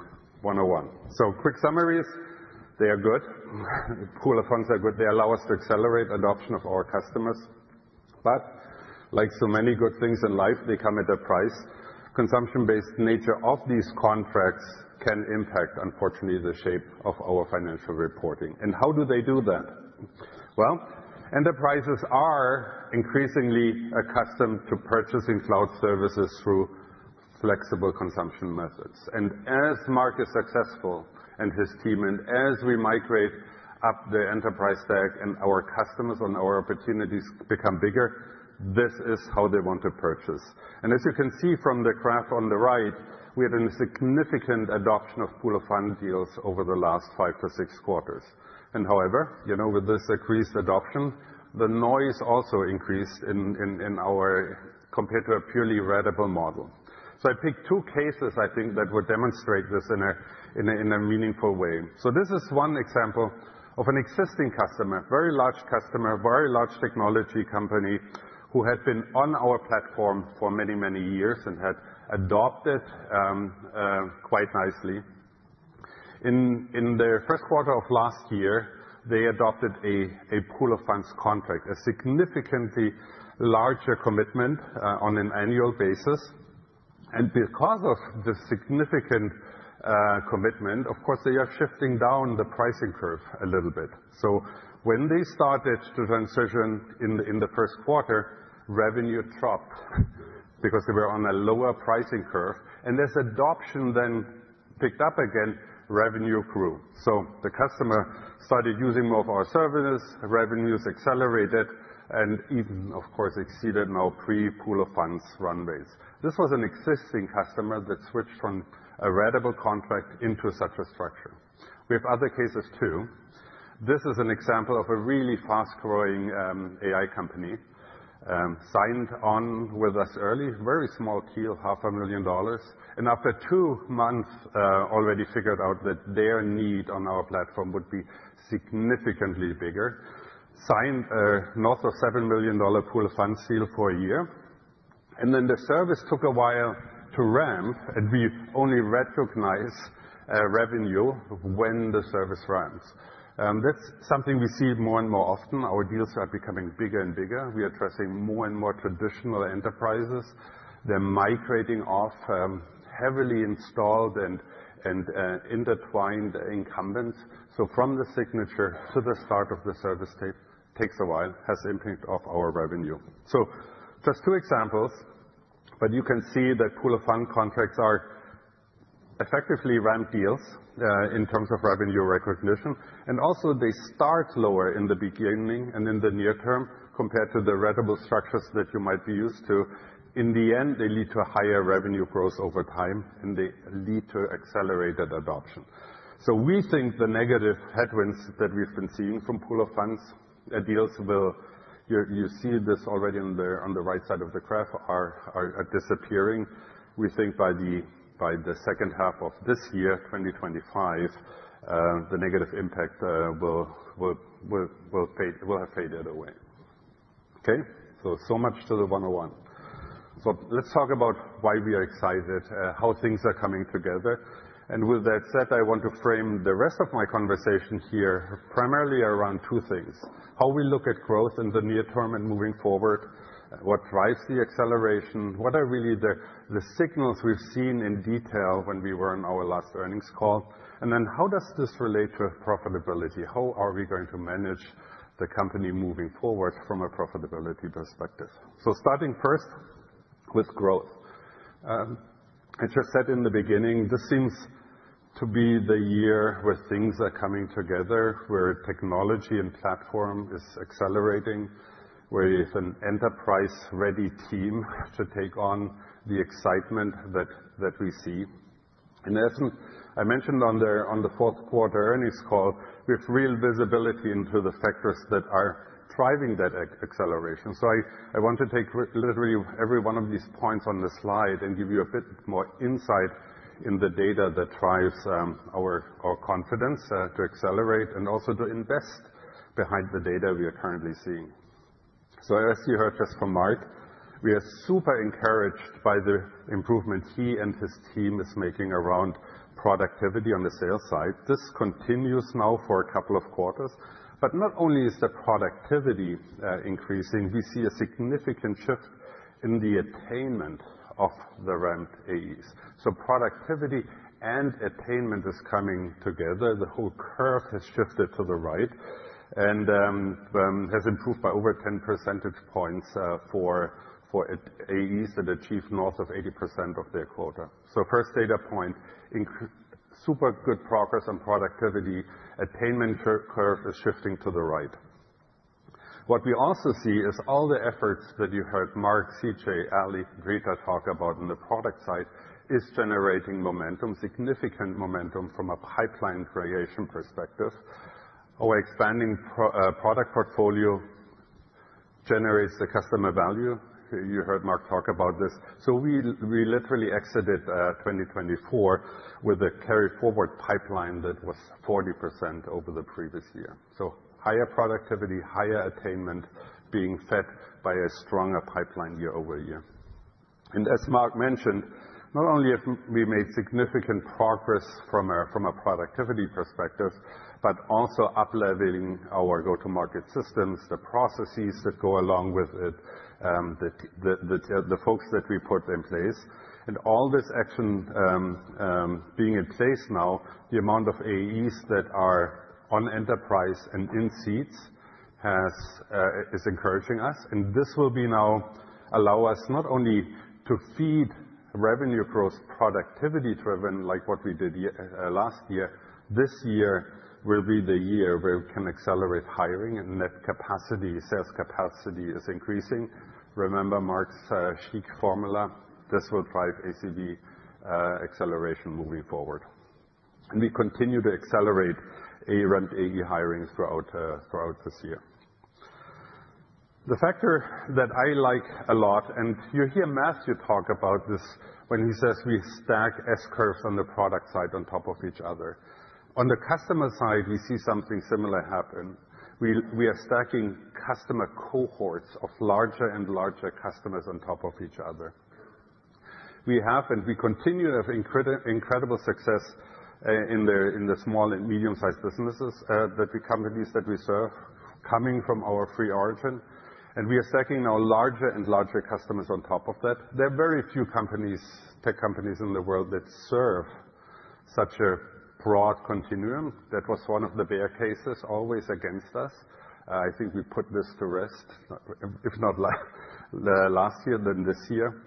101. Quick summaries. They are good. Pool of funds are good. They allow us to accelerate adoption of our customers. Like so many good things in life, they come at a price. Consumption-based nature of these contracts can impact, unfortunately, the shape of our financial reporting. How do they do that? Enterprises are increasingly accustomed to purchasing cloud services through flexible consumption methods. As Mark is successful and his team and as we migrate up the enterprise stack and our customers and our opportunities become bigger, this is how they want to purchase. As you can see from the graph on the right, we had a significant adoption of pool of fund deals over the last five to six quarters. However, with this increased adoption, the noise also increased compared to a purely readable model. I picked two cases, I think, that would demonstrate this in a meaningful way. This is one example of an existing customer, very large customer, very large technology company who had been on our platform for many, many years and had adopted quite nicely. In the first quarter of last year, they adopted a pool of funds contract, a significantly larger commitment on an annual basis. Because of the significant commitment, of course, they are shifting down the pricing curve a little bit. When they started to transition in the first quarter, revenue dropped because they were on a lower pricing curve. As adoption then picked up again, revenue grew. The customer started using more of our services. Revenues accelerated and even, of course, exceeded our pre-pool of funds runways. This was an existing customer that switched from a readable contract into such a structure. We have other cases too. This is an example of a really fast-growing AI company. Signed on with us early, very small deal, $500,000. After two months, already figured out that their need on our platform would be significantly bigger. Signed a north of $7 million pool of funds deal for a year. The service took a while to ramp, and we only recognize revenue when the service ramps. That is something we see more and more often. Our deals are becoming bigger and bigger. We are addressing more and more traditional enterprises. They are migrating off heavily installed and intertwined incumbents. From the signature to the start of the service takes a while, has impact on our revenue. Just two examples. You can see that pool of fund contracts are effectively ramp deals in terms of revenue recognition. Also, they start lower in the beginning and in the near term compared to the readable structures that you might be used to. In the end, they lead to higher revenue growth over time, and they lead to accelerated adoption. We think the negative headwinds that we've been seeing from pool of funds deals—well, you see this already on the right side of the graph—are disappearing. We think by the second half of this year, 2025, the negative impact will have faded away. Okay? So much to the 101. Let's talk about why we are excited, how things are coming together. With that said, I want to frame the rest of my conversation here primarily around two things: how we look at growth in the near term and moving forward, what drives the acceleration, what are really the signals we've seen in detail when we were in our last earnings call, and then how does this relate to profitability? How are we going to manage the company moving forward from a profitability perspective? Starting first with growth. I just said in the beginning, this seems to be the year where things are coming together, where technology and platform are accelerating, where an enterprise-ready team should take on the excitement that we see. As I mentioned on the fourth quarter earnings call, we have real visibility into the factors that are driving that acceleration. I want to take literally every one of these points on the slide and give you a bit more insight into the data that drives our confidence to accelerate and also to invest behind the data we are currently seeing. As you heard just from Mark, we are super encouraged by the improvement he and his team are making around productivity on the sales side. This continues now for a couple of quarters. Not only is the productivity increasing, we see a significant shift in the attainment of the ramped AEs. Productivity and attainment are coming together. The whole curve has shifted to the right and has improved by over 10 percentage points for AEs that achieve north of 80% of their quota. First data point, super good progress on productivity. Attainment curve is shifting to the right. What we also see is all the efforts that you heard Mark, CJ, Ali, Rita talk about on the product side are generating momentum, significant momentum from a pipeline creation perspective. Our expanding product portfolio generates the customer value. You heard Mark talk about this. We literally exited 2024 with a carry-forward pipeline that was 40% over the previous year. Higher productivity, higher attainment being set by a stronger pipeline year over year. As Mark mentioned, not only have we made significant progress from a productivity perspective, but also upleveling our go-to-market systems, the processes that go along with it, the folks that we put in place. All this action being in place now, the amount of AEs that are on enterprise and in seats is encouraging us. This will now allow us not only to feed revenue growth productivity driven like what we did last year. This year will be the year where we can accelerate hiring and net capacity. Sales capacity is increasing. Remember Mark's chic formula. This will drive ACV acceleration moving forward. We continue to accelerate AE ramped AE hirings throughout this year. The factor that I like a lot, and you hear Matthew talk about this when he says we stack S curves on the product side on top of each other. On the customer side, we see something similar happen. We are stacking customer cohorts of larger and larger customers on top of each other. We have and we continue to have incredible success in the small and medium-sized businesses that we serve coming from our free origin. We are stacking now larger and larger customers on top of that. There are very few tech companies in the world that serve such a broad continuum. That was one of the bear cases always against us. I think we put this to rest, if not last year, then this year.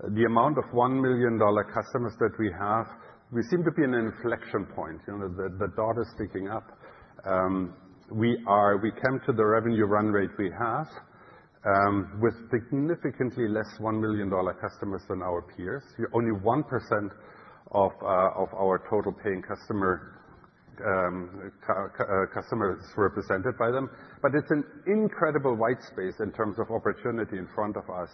The amount of $1 million customers that we have, we seem to be in an inflection point. The dot is sticking up. We came to the revenue run rate we have with significantly less $1 million customers than our peers. Only 1% of our total paying customers are represented by them. It is an incredible white space in terms of opportunity in front of us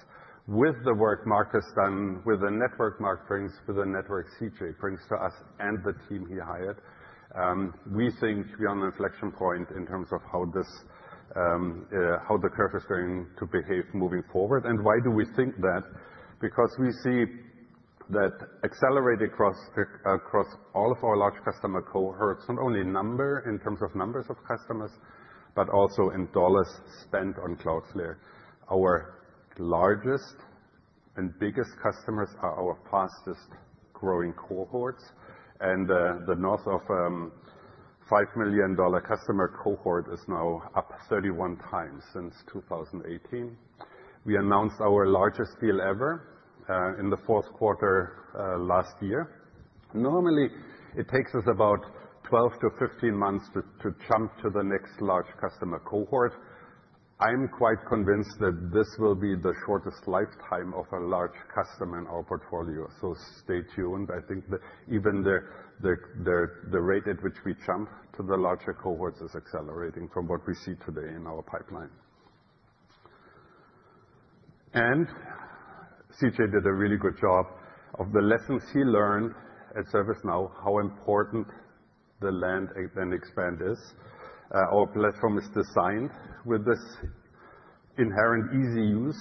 with the work Mark has done, with the network Mark brings, with the network CJ brings to us and the team he hired. We think we are on an inflection point in terms of how the curve is going to behave moving forward. Why do we think that? Because we see that accelerating across all of our large customer cohorts, not only in number in terms of numbers of customers, but also in dollars spent on Cloudflare. Our largest and biggest customers are our fastest growing cohorts. The north of $5 million customer cohort is now up 31 times since 2018. We announced our largest deal ever in the fourth quarter last year. Normally, it takes us about 12-15 months to jump to the next large customer cohort. I'm quite convinced that this will be the shortest lifetime of a large customer in our portfolio. Stay tuned. I think even the rate at which we jump to the larger cohorts is accelerating from what we see today in our pipeline. CJ did a really good job of the lessons he learned at ServiceNow, how important the land and expand is. Our platform is designed with this inherent easy use.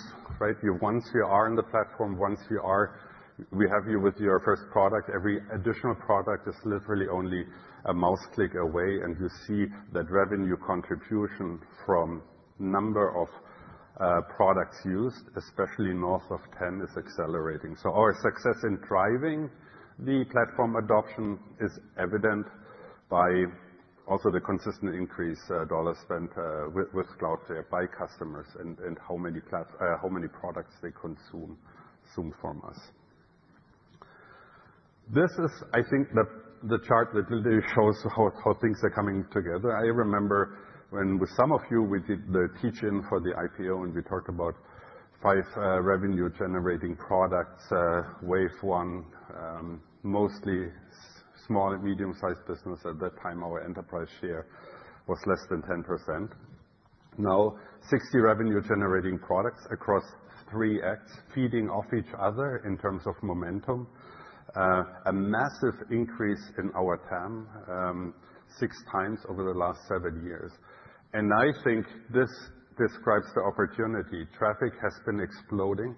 Once you are on the platform, once you have your first product, every additional product is literally only a mouse click away. You see that revenue contribution from the number of products used, especially north of 10, is accelerating. Our success in driving the platform adoption is evident by also the consistent increase in dollars spent with Cloudflare by customers and how many products they consume from us. This is, I think, the chart that literally shows how things are coming together. I remember when with some of you, we did the teach-in for the IPO, and we talked about five revenue-generating products, wave one, mostly small and medium-sized business. At that time, our enterprise share was less than 10%. Now, 60 revenue-generating products across three acts feeding off each other in terms of momentum. A massive increase in our TAM, six times over the last seven years. I think this describes the opportunity. Traffic has been exploding.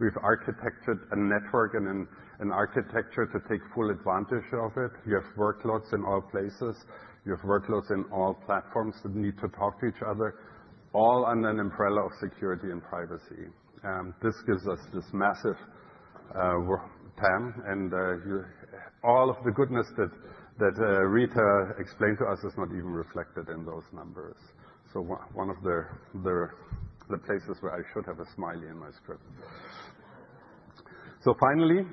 We have architected a network and an architecture to take full advantage of it. You have workloads in all places. You have workloads in all platforms that need to talk to each other, all under an umbrella of security and privacy. This gives us this massive TAM. And all of the goodness that Rita explained to us is not even reflected in those numbers. One of the places where I should have a smiley in my script. Finally,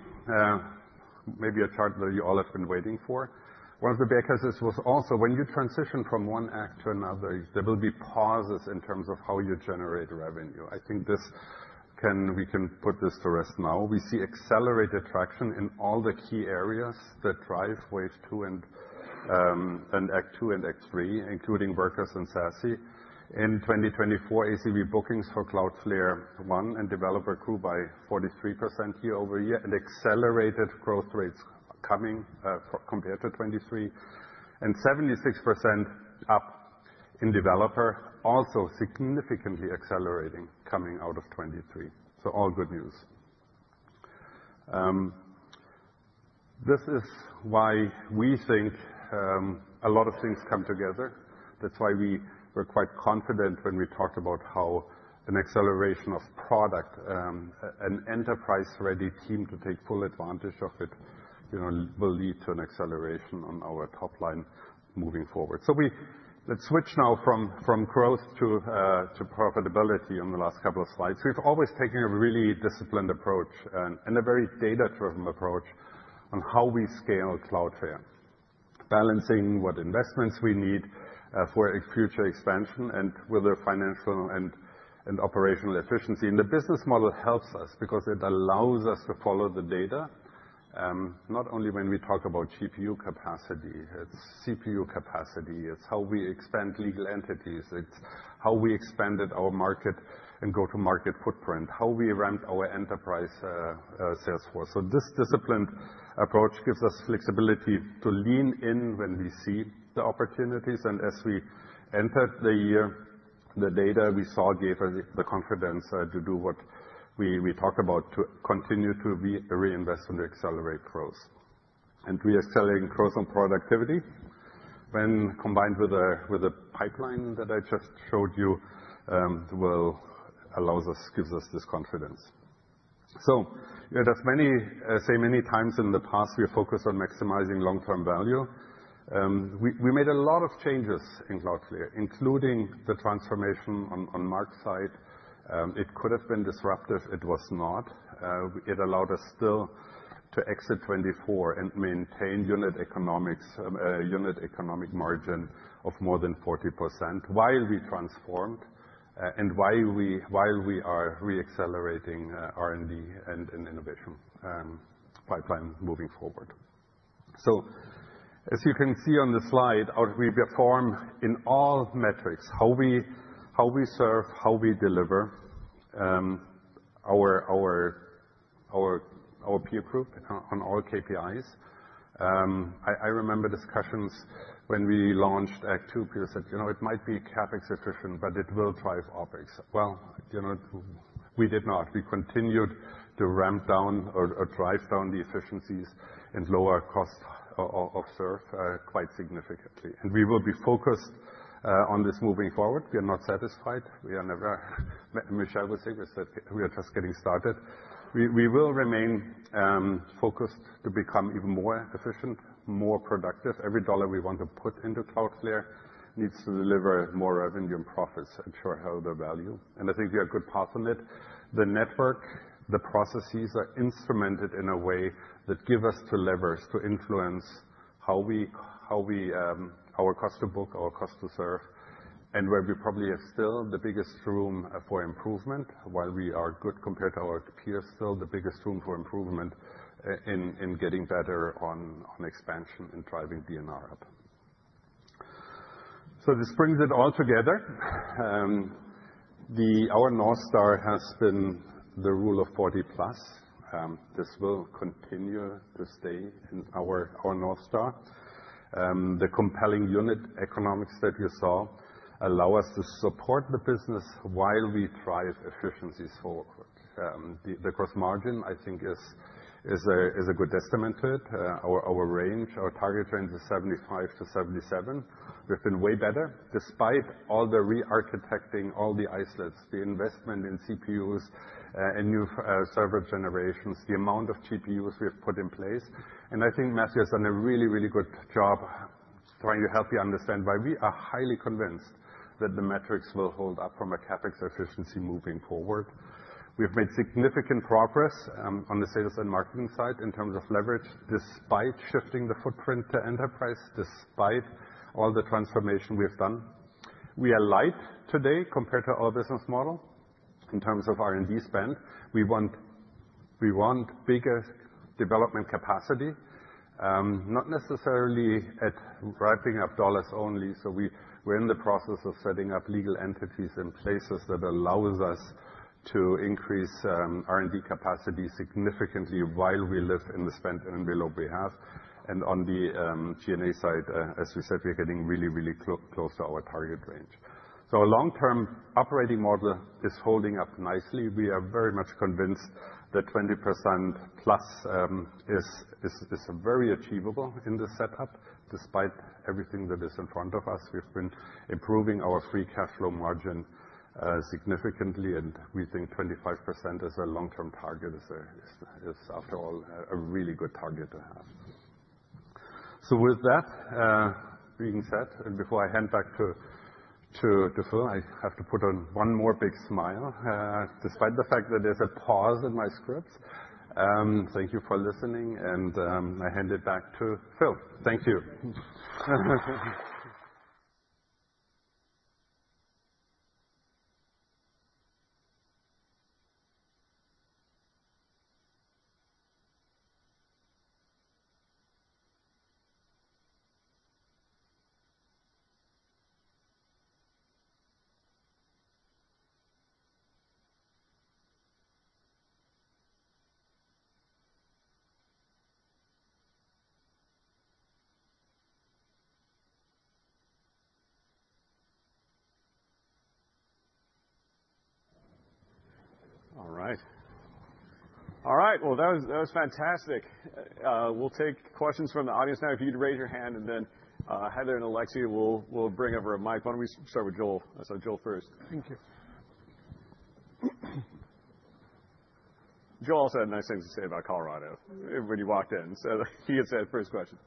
maybe a chart that you all have been waiting for. One of the big cases was also when you transition from one act to another, there will be pauses in terms of how you generate revenue. I think we can put this to rest now. We see accelerated traction in all the key areas that drive wave two and act two and act three, including Workers and SASE. In 2024, ACV bookings for Cloudflare One and developer grew by 43% year-over-year. Accelerated growth rates coming compared to 2023. 76% up in developer, also significantly accelerating coming out of 2023. All good news. This is why we think a lot of things come together. That is why we were quite confident when we talked about how an acceleration of product, an enterprise-ready team to take full advantage of it, will lead to an acceleration on our top line moving forward. Let's switch now from growth to profitability on the last couple of slides. We have always taken a really disciplined approach and a very data-driven approach on how we scale Cloudflare, balancing what investments we need for future expansion and with the financial and operational efficiency. The business model helps us because it allows us to follow the data, not only when we talk about GPU capacity, it is CPU capacity, it is how we expand legal entities, it is how we expanded our market and go-to-market footprint, how we ramped our enterprise sales force. This disciplined approach gives us flexibility to lean in when we see the opportunities. As we entered the year, the data we saw gave us the confidence to do what we talked about, to continue to reinvest and accelerate growth. We are accelerating growth and productivity when combined with the pipeline that I just showed you, which gives us this confidence. As I said many times in the past, we are focused on maximizing long-term value. We made a lot of changes in Cloudflare, including the transformation on Mark's side. It could have been disruptive. It was not. It allowed us still to exit 2024 and maintain unit economic margin of more than 40% while we transformed and while we are re-accelerating R&D and innovation pipeline moving forward. As you can see on the slide, we perform in all metrics, how we serve, how we deliver our peer group on all KPIs. I remember discussions when we launched Act Two. People said, "It might be CapEx efficient, but it will drive OpEx." We did not. We continued to ramp down or drive down the efficiencies and lower cost of serve quite significantly. We will be focused on this moving forward. We are not satisfied. Michelle was here and said we are just getting started. We will remain focused to become even more efficient, more productive. Every dollar we want to put into Cloudflare needs to deliver more revenue and profits and show a healthier value. I think we are a good path on it. The network, the processes are instrumented in a way that give us the levers to influence how our cost to book, our cost to serve, and where we probably have still the biggest room for improvement. While we are good compared to our peers, still the biggest room for improvement in getting better on expansion and driving DNR up. This brings it all together. Our North Star has been the rule of 40 plus. This will continue to stay in our North Star. The compelling unit economics that you saw allow us to support the business while we drive efficiencies forward. The gross margin, I think, is a good testament to it. Our range, our target range is 75%-77%. We've been way better despite all the re-architecting, all the isolates, the investment in CPUs and new server generations, the amount of GPUs we have put in place. I think Matthew has done a really, really good job trying to help you understand why we are highly convinced that the metrics will hold up from a CapEx efficiency moving forward. We've made significant progress on the sales and marketing side in terms of leverage, despite shifting the footprint to enterprise, despite all the transformation we've done. We are light today compared to our business model in terms of R&D spend. We want bigger development capacity, not necessarily at ramping up dollars only. We are in the process of setting up legal entities in places that allow us to increase R&D capacity significantly while we live in the spend envelope we have. On the G&A side, as we said, we're getting really, really close to our target range. Our long-term operating model is holding up nicely. We are very much convinced that 20%+ is very achievable in this setup. Despite everything that is in front of us, we've been improving our free cash flow margin significantly. We think 25% as a long-term target is, after all, a really good target to have. With that being said, and before I hand back to Phil, I have to put on one more big smile. Despite the fact that there's a pause in my scripts, thank you for listening. I hand it back to Phil. Thank you. All right. That was fantastic. We'll take questions from the audience now. If you'd raise your hand, then Heather and Alexei will bring over a mic. Why don't we start with Joel? Joel first. Thank you. Joel also had nice things to say about Colorado when he walked in. He had said first question.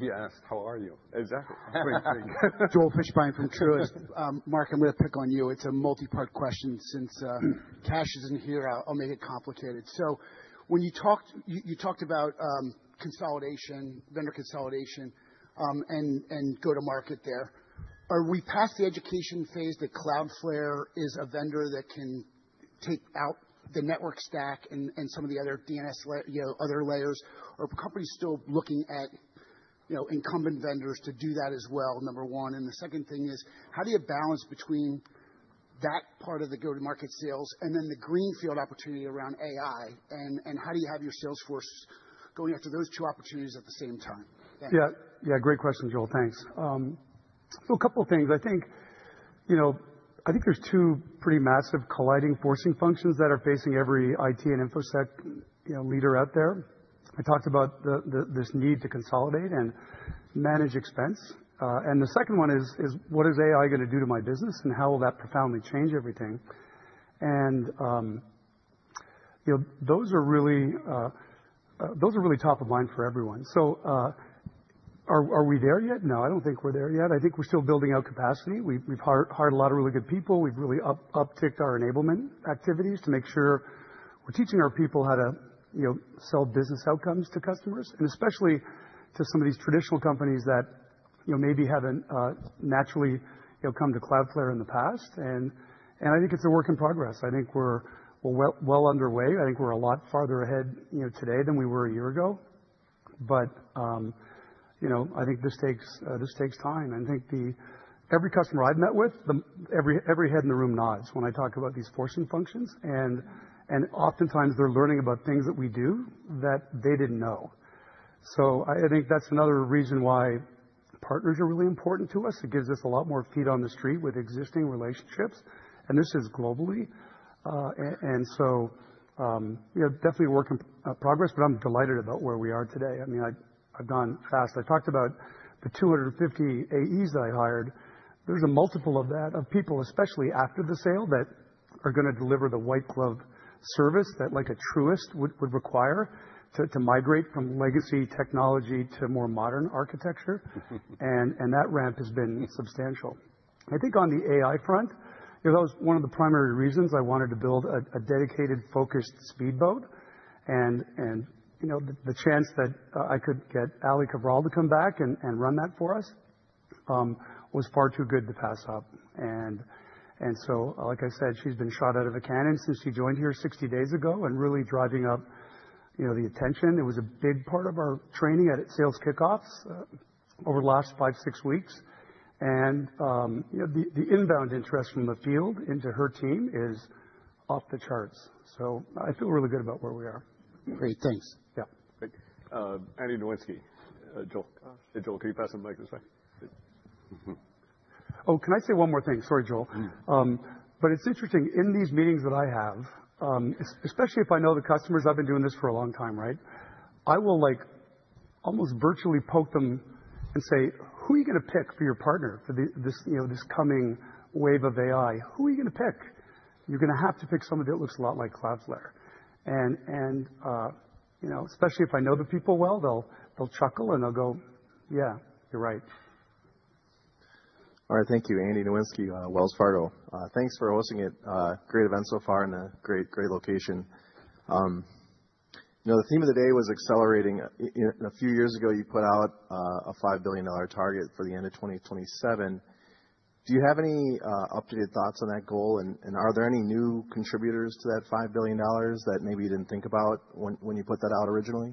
He asked, "How are you?" Exactly. Joel Fishbein from Truist. Mark, I'm going to pick on you. It's a multi-part question. Since Cash isn't here, I'll make it complicated. When you talked about consolidation, vendor consolidation, and go-to-market there, are we past the education phase that Cloudflare is a vendor that can take out the network stack and some of the other DNS layers? Are companies still looking at incumbent vendors to do that as well, number one? The second thing is, how do you balance between that part of the go-to-market sales and the greenfield opportunity around AI? How do you have your sales force going after those two opportunities at the same time? Yeah. Yeah. Great question, Joel. Thanks. A couple of things. I think there's two pretty massive colliding forcing functions that are facing every IT and infosec leader out there. I talked about this need to consolidate and manage expense. The second one is, what is AI going to do to my business, and how will that profoundly change everything? Those are really top of mind for everyone. Are we there yet? No, I don't think we're there yet. I think we're still building out capacity. We've hired a lot of really good people. We've really upticked our enablement activities to make sure we're teaching our people how to sell business outcomes to customers, and especially to some of these traditional companies that maybe haven't naturally come to Cloudflare in the past. I think it's a work in progress. I think we're well underway. I think we're a lot farther ahead today than we were a year ago. I think this takes time. I think every customer I've met with, every head in the room nods when I talk about these forcing functions. Oftentimes, they're learning about things that we do that they didn't know. I think that's another reason why partners are really important to us. It gives us a lot more feet on the street with existing relationships. This is globally. Definitely work in progress, but I'm delighted about where we are today. I mean, I've gone fast. I talked about the 250 AEs that I hired. There's a multiple of that of people, especially after the sale, that are going to deliver the white glove service that a Truist would require to migrate from legacy technology to more modern architecture. That ramp has been substantial. I think on the AI front, that was one of the primary reasons I wanted to build a dedicated, focused speedboat. The chance that I could get Ali Cabral to come back and run that for us was far too good to pass up. Like I said, she's been shot out of a cannon since she joined here 60 days ago and really driving up the attention. It was a big part of our training at sales kickoffs over the last five, six weeks. The inbound interest from the field into her team is off the charts. I feel really good about where we are. Great. Thanks. Yeah. Great. Andy Nowinski. Joel. Hey, Joel, can you pass the mic this way? Oh, can I say one more thing? Sorry, Joel. It's interesting. In these meetings that I have, especially if I know the customers, I've been doing this for a long time, right? I will almost virtually poke them and say, "Who are you going to pick for your partner for this coming wave of AI? Who are you going to pick? You're going to have to pick somebody that looks a lot like Cloudflare." Especially if I know the people well, they'll chuckle and they'll go, "Yeah, you're right." All right. Thank you. Andy Nowinski, Wells Fargo. Thanks for hosting it. Great event so far and a great location. The theme of the day was accelerating. A few years ago, you put out a $5 billion target for the end of 2027. Do you have any updated thoughts on that goal? Are there any new contributors to that $5 billion that maybe you did not think about when you put that out originally?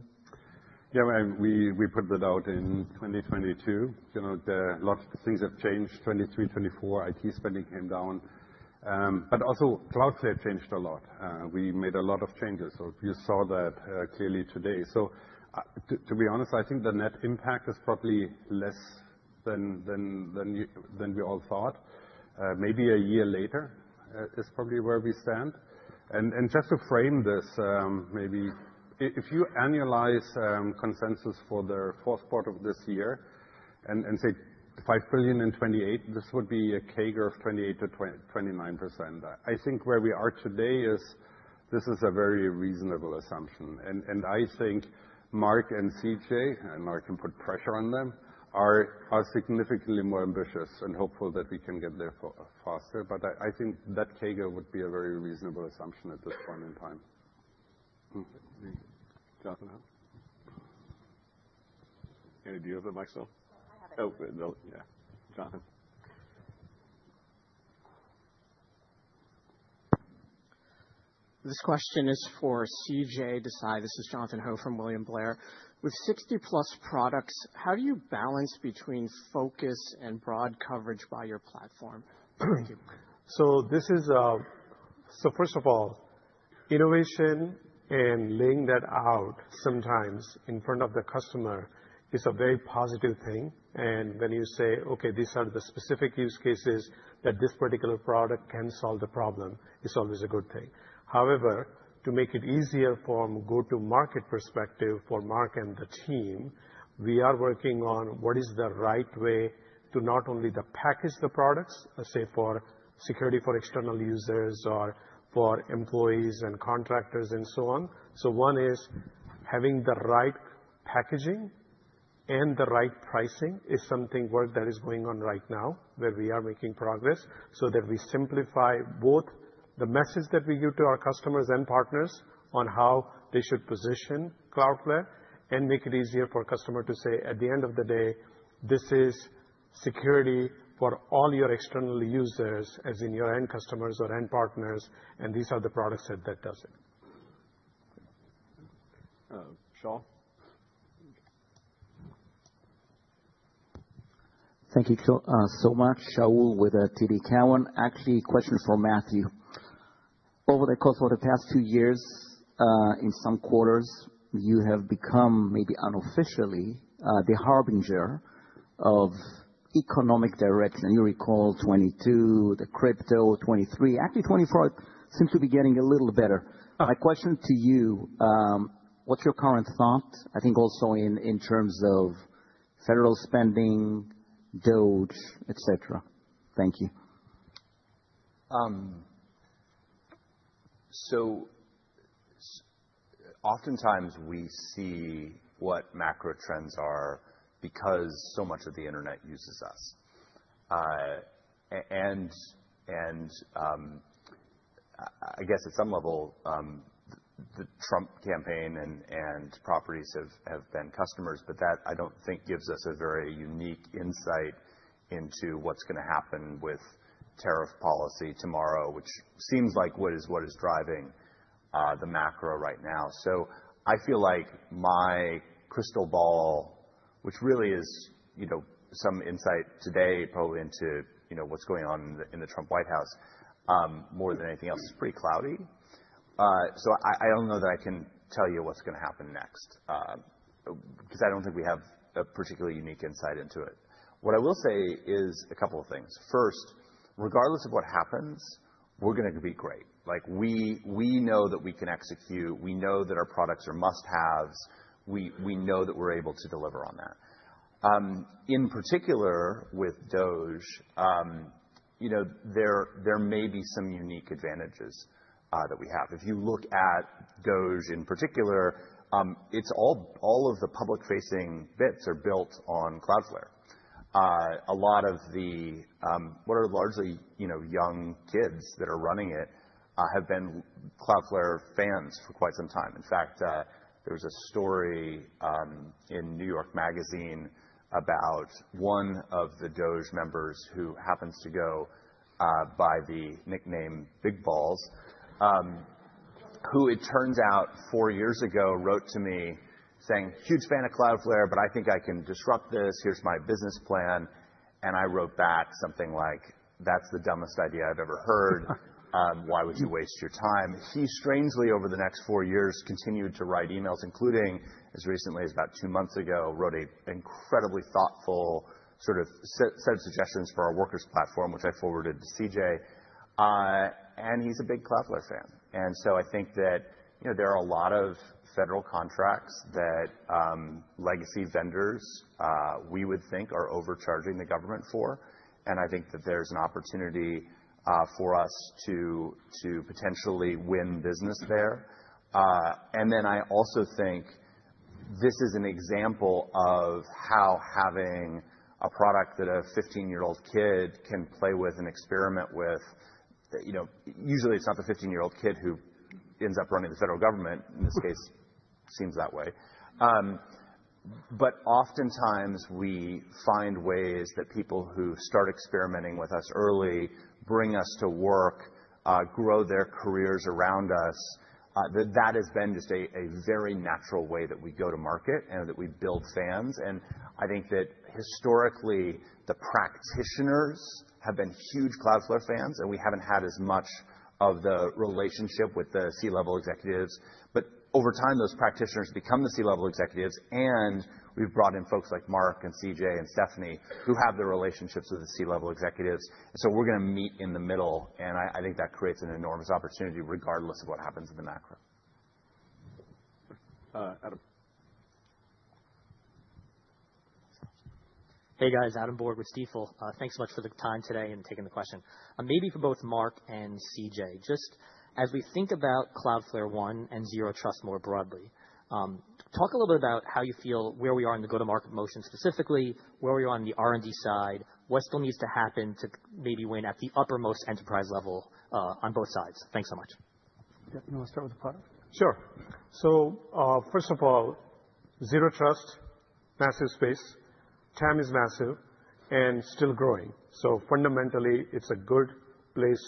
Yeah. We put that out in 2022. A lot of things have changed. 2023, 2024, IT spending came down. Also, Cloudflare changed a lot. We made a lot of changes. You saw that clearly today. To be honest, I think the net impact is probably less than we all thought. Maybe a year later is probably where we stand. Just to frame this, maybe if you annualize consensus for the fourth quarter of this year and say $5 billion in 2028, this would be a CAGR of 28-29%. I think where we are today is this is a very reasonable assumption. I think Mark and CJ, and Mark can put pressure on them, are significantly more ambitious and hopeful that we can get there faster. I think that CAGR would be a very reasonable assumption at this point in time. Okay. Thank you. Jonathan? Andy, do you have the mic still? I have it. Yeah. Jonathan. This question is for CJ Desai. This is Jonathan Ho from William Blair. With 60-plus products, how do you balance between focus and broad coverage by your platform? Thank you. First of all, innovation and laying that out sometimes in front of the customer is a very positive thing. When you say, "Okay, these are the specific use cases that this particular product can solve the problem," it's always a good thing. However, to make it easier from a go-to-market perspective for Mark and the team, we are working on what is the right way to not only package the products, say, for security for external users or for employees and contractors and so on. One is having the right packaging and the right pricing is something work that is going on right now where we are making progress so that we simplify both the message that we give to our customers and partners on how they should position Cloudflare and make it easier for a customer to say, "At the end of the day, this is security for all your external users, as in your end customers or end partners, and these are the products that does it." Thank you. Shaul? Thank you so much. Shaul with TD Cowan. Actually, question for Matthew. Over the course of the past two years, in some quarters, you have become maybe unofficially the harbinger of economic direction. You recall 2022, the crypto, 2023. Actually, 2024 seems to be getting a little better. My question to you, what's your current thought? I think also in terms of federal spending, DOGE, etc. Thank you. Oftentimes, we see what macro trends are because so much of the internet uses us. I guess at some level, the Trump campaign and properties have been customers, but that I do not think gives us a very unique insight into what's going to happen with tariff policy tomorrow, which seems like what is driving the macro right now. I feel like my crystal ball, which really is some insight today probably into what's going on in the Trump White House more than anything else, is pretty cloudy. I don't know that I can tell you what's going to happen next because I don't think we have a particularly unique insight into it. What I will say is a couple of things. First, regardless of what happens, we're going to be great. We know that we can execute. We know that our products are must-haves. We know that we're able to deliver on that. In particular, with DOGE, there may be some unique advantages that we have. If you look at DOGE in particular, all of the public-facing bits are built on Cloudflare. A lot of what are largely young kids that are running it have been Cloudflare fans for quite some time. In fact, there was a story in New York Magazine about one of the DOGE members who happens to go by the nickname Big Balls who, it turns out, four years ago wrote to me saying, "Huge fan of Cloudflare, but I think I can disrupt this. Here's my business plan." I wrote back something like, "That's the dumbest idea I've ever heard. Why would you waste your time?" He, strangely, over the next four years, continued to write emails, including, as recently as about two months ago, wrote an incredibly thoughtful set of suggestions for our Workers platform, which I forwarded to CJ. He's a big Cloudflare fan. I think that there are a lot of federal contracts that legacy vendors we would think are overcharging the government for. I think that there's an opportunity for us to potentially win business there. I also think this is an example of how having a product that a 15-year-old kid can play with and experiment with usually, it's not the 15-year-old kid who ends up running the federal government. In this case, it seems that way. Oftentimes, we find ways that people who start experimenting with us early bring us to work, grow their careers around us. That has been just a very natural way that we go to market and that we build fans. I think that historically, the practitioners have been huge Cloudflare fans, and we haven't had as much of the relationship with the C-level executives. Over time, those practitioners become the C-level executives, and we've brought in folks like Mark and CJ and Stephanie who have the relationships with the C-level executives. We are going to meet in the middle. I think that creates an enormous opportunity regardless of what happens in the macro. Hey, guys. Adam Borg with Stifel. Thanks so much for the time today and taking the question. Maybe for both Mark and CJ, just as we think about Cloudflare One and Zero Trust more broadly, talk a little bit about how you feel where we are in the go-to-market motion, specifically where we are on the R&D side, what still needs to happen to maybe win at the uppermost enterprise level on both sides. Thanks so much. Stephanie, you want to start with the product? Sure. First of all, Zero Trust, massive space. TAM is massive and still growing. Fundamentally, it's a good place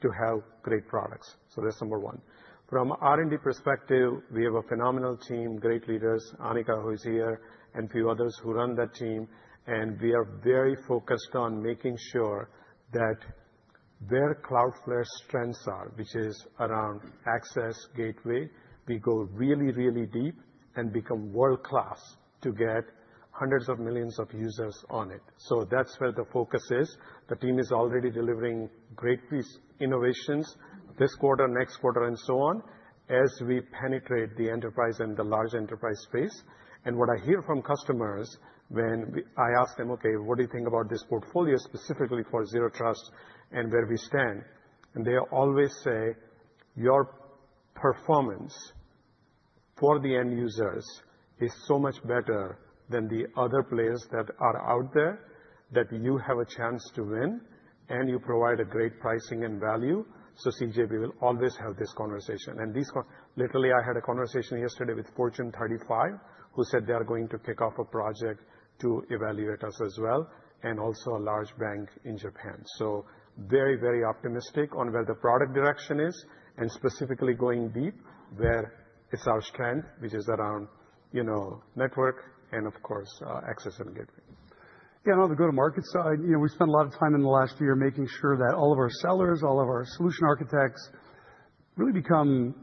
to have great products. That's number one. From an R&D perspective, we have a phenomenal team, great leaders, Anika, who is here, and a few others who run that team. We are very focused on making sure that where Cloudflare's strengths are, which is around access, gateway, we go really, really deep and become world-class to get hundreds of millions of users on it. That is where the focus is. The team is already delivering great innovations this quarter, next quarter, and so on as we penetrate the enterprise and the large enterprise space. What I hear from customers when I ask them, "Okay, what do you think about this portfolio specifically for Zero Trust and where we stand?" They always say, "Your performance for the end users is so much better than the other players that are out there that you have a chance to win, and you provide a great pricing and value." CJ, we will always have this conversation. Literally, I had a conversation yesterday with a Fortune 35, who said they are going to kick off a project to evaluate us as well, and also a large bank in Japan. Very, very optimistic on where the product direction is and specifically going deep where it's our strength, which is around network and, of course, access and gateway. Yeah. On the go-to-market side, we spent a lot of time in the last year making sure that all of our sellers, all of our solution architects really become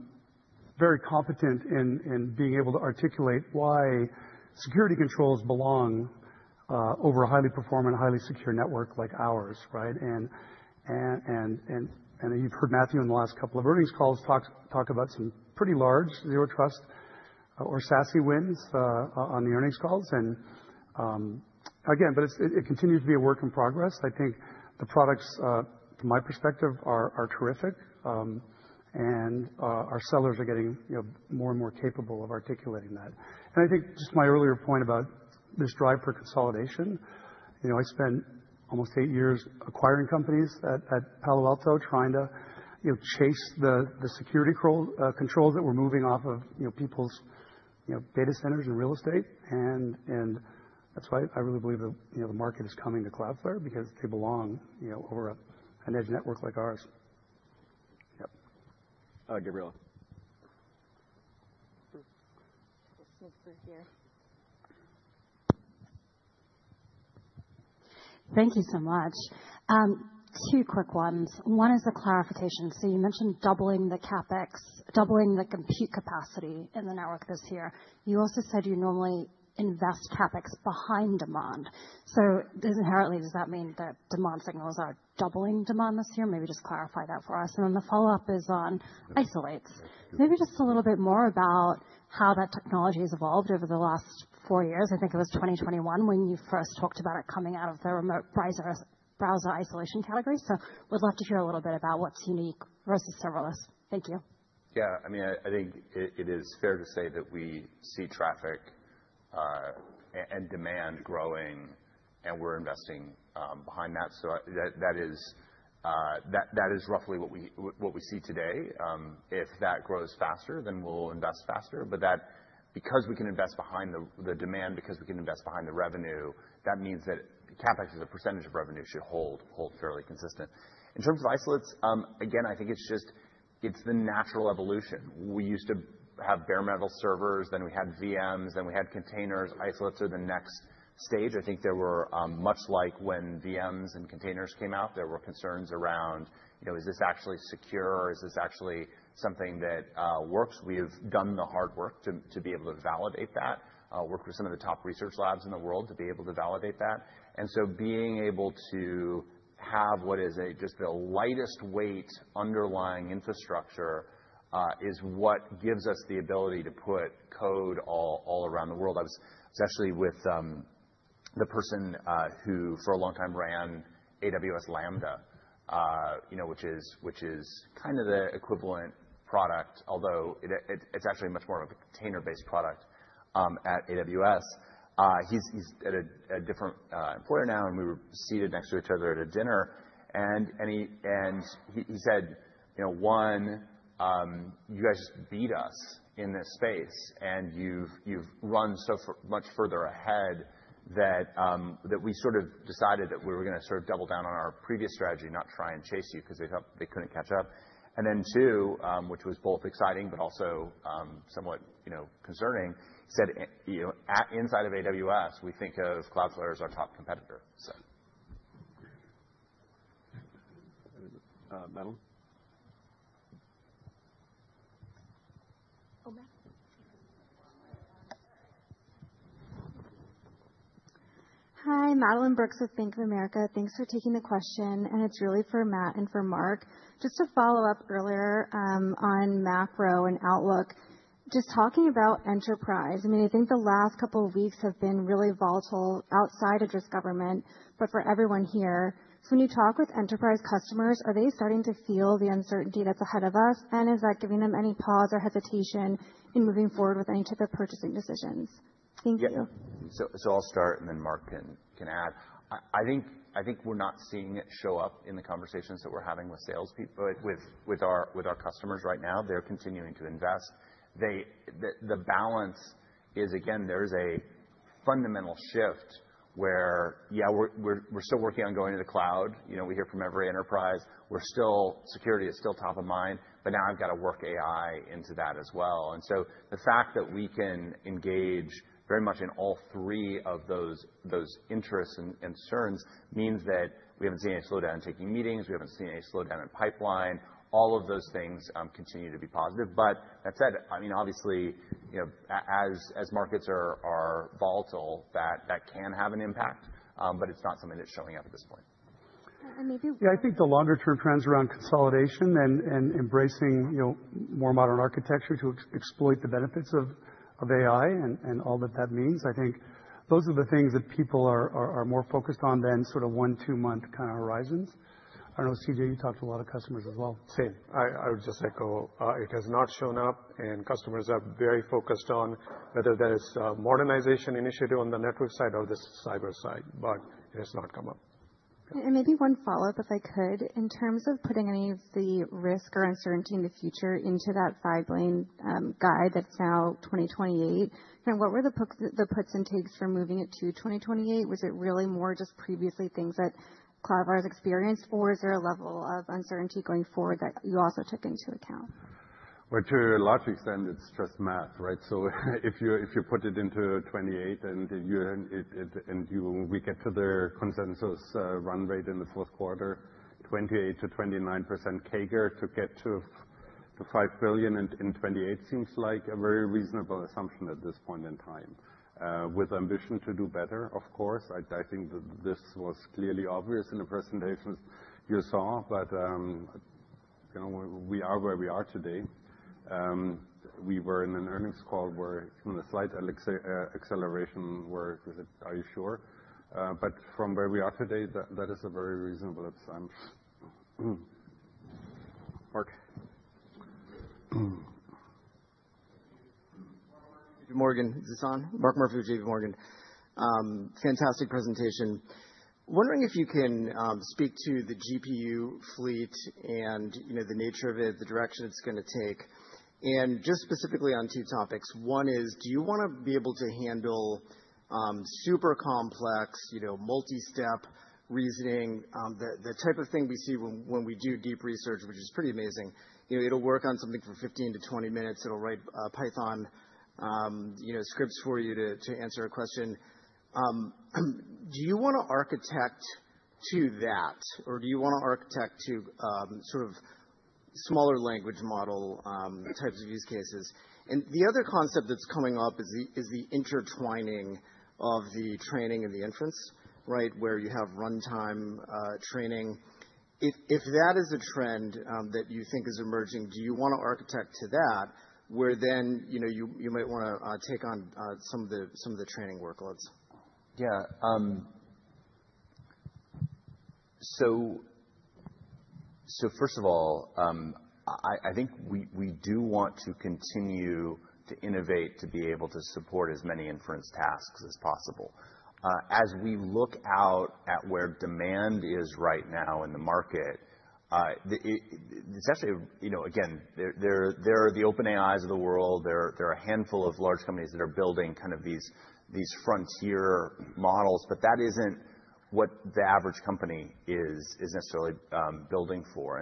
very competent in being able to articulate why security controls belong over a highly performant, highly secure network like ours, right? You have heard Matthew in the last couple of earnings calls talk about some pretty large Zero Trust or SASE wins on the earnings calls. It continues to be a work in progress. I think the products, from my perspective, are terrific. Our sellers are getting more and more capable of articulating that. I think just my earlier point about this drive for consolidation, I spent almost eight years acquiring companies at Palo Alto trying to chase the security controls that were moving off of people's data centers and real estate. That is why I really believe the market is coming to Cloudflare because they belong over an edge network like ours. Yep. Gabriella. We'll sneak through here. Thank you so much. Two quick ones. One is a clarification. You mentioned doubling the CapEx, doubling the compute capacity in the network this year. You also said you normally invest CapEx behind demand. Inherently, does that mean that demand signals are doubling demand this year? Maybe just clarify that for us. The follow-up is on isolates. Maybe just a little bit more about how that technology has evolved over the last four years. I think it was 2021 when you first talked about it coming out of the remote browser isolation category. Would love to hear a little bit about what is unique versus serverless. Thank you. Yeah. I mean, I think it is fair to say that we see traffic and demand growing, and we're investing behind that. That is roughly what we see today. If that grows faster, then we'll invest faster. Because we can invest behind the demand, because we can invest behind the revenue, that means that CapEx as a percentage of revenue should hold fairly consistent. In terms of isolates, again, I think it's the natural evolution. We used to have bare metal servers, then we had VMs, then we had containers. Isolates are the next stage. I think there were, much like when VMs and containers came out, there were concerns around, "Is this actually secure? Is this actually something that works?" We have done the hard work to be able to validate that, work with some of the top research labs in the world to be able to validate that. Being able to have what is just the lightest weight underlying infrastructure is what gives us the ability to put code all around the world. I was actually with the person who for a long time ran AWS Lambda, which is kind of the equivalent product, although it is actually much more of a container-based product at AWS. He is at a different employer now, and we were seated next to each other at a dinner. He said, "One, you guys just beat us in this space, and you've run so much further ahead that we sort of decided that we were going to sort of double down on our previous strategy, not try and chase you because they couldn't catch up." Two, which was both exciting but also somewhat concerning, he said, "Inside of AWS, we think of Cloudflare as our top competitor." Madeline? Oh, Matt? Hi, Madeline Brooks with Bank of America. Thanks for taking the question. It is really for Matt and for Mark. Just to follow up earlier on macro and outlook, just talking about enterprise, I mean, I think the last couple of weeks have been really volatile outside of just government, but for everyone here. When you talk with enterprise customers, are they starting to feel the uncertainty that's ahead of us? Is that giving them any pause or hesitation in moving forward with any type of purchasing decisions? Thank you. I'll start, and then Mark can add. I think we're not seeing it show up in the conversations that we're having with salespeople, with our customers right now. They're continuing to invest. The balance is, again, there is a fundamental shift where, yeah, we're still working on going to the cloud. We hear from every enterprise. Security is still top of mind, but now I've got to work AI into that as well. The fact that we can engage very much in all three of those interests and concerns means that we haven't seen any slowdown in taking meetings. We haven't seen any slowdown in pipeline. All of those things continue to be positive. That said, I mean, obviously, as markets are volatile, that can have an impact, but it's not something that's showing up at this point. Maybe, yeah, I think the longer-term trends around consolidation and embracing more modern architecture to exploit the benefits of AI and all that that means, I think those are the things that people are more focused on than sort of one, two-month kind of horizons. I don't know, CJ, you talked to a lot of customers as well. Same. I would just echo it has not shown up, and customers are very focused on whether there is a modernization initiative on the network side or the cyber side, but it has not come up. Maybe one follow-up, if I could, in terms of putting any of the risk or uncertainty in the future into that five-lane guide that's now 2028. Kind of what were the puts and takes for moving it to 2028? Was it really more just previously things that Cloudflare has experienced, or is there a level of uncertainty going forward that you also took into account? To a large extent, it's just math, right? If you put it into 2028 and we get to the consensus run rate in the fourth quarter, 28%-29% CAGR to get to $5 billion in 2028 seems like a very reasonable assumption at this point in time. With ambition to do better, of course. I think this was clearly obvious in the presentations you saw, but we are where we are today. We were in an earnings call where even a slight acceleration were, "Are you sure?" From where we are today, that is a very reasonable assumption. Mark. JP Morgan. Is this on? Fantastic presentation. Wondering if you can speak to the GPU fleet and the nature of it, the direction it's going to take. Just specifically on two topics. One is, do you want to be able to handle super complex, multi-step reasoning, the type of thing we see when we do deep research, which is pretty amazing? It'll work on something for 15 to 20 minutes. It'll write Python scripts for you to answer a question. Do you want to architect to that, or do you want to architect to sort of smaller language model types of use cases? The other concept that's coming up is the intertwining of the training and the inference, right, where you have runtime training. If that is a trend that you think is emerging, do you want to architect to that where then you might want to take on some of the training workloads? Yeah. First of all, I think we do want to continue to innovate to be able to support as many inference tasks as possible. As we look out at where demand is right now in the market, it's actually, again, there are the OpenAIs of the world. There are a handful of large companies that are building kind of these frontier models, but that isn't what the average company is necessarily building for.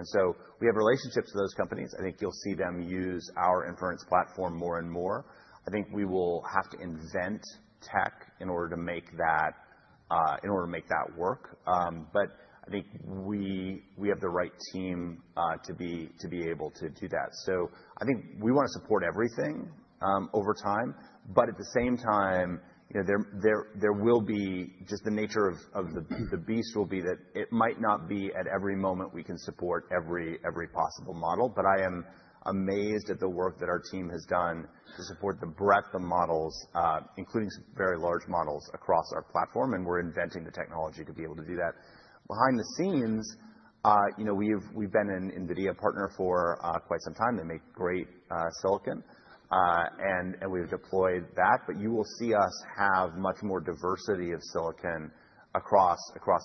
We have relationships to those companies. I think you'll see them use our inference platform more and more. I think we will have to invent tech in order to make that work. I think we have the right team to be able to do that. I think we want to support everything over time. At the same time, there will be just the nature of the beast will be that it might not be at every moment we can support every possible model. I am amazed at the work that our team has done to support the breadth of models, including very large models across our platform. We are inventing the technology to be able to do that. Behind the scenes, we've been an NVIDIA partner for quite some time. They make great silicon. We have deployed that. You will see us have much more diversity of silicon across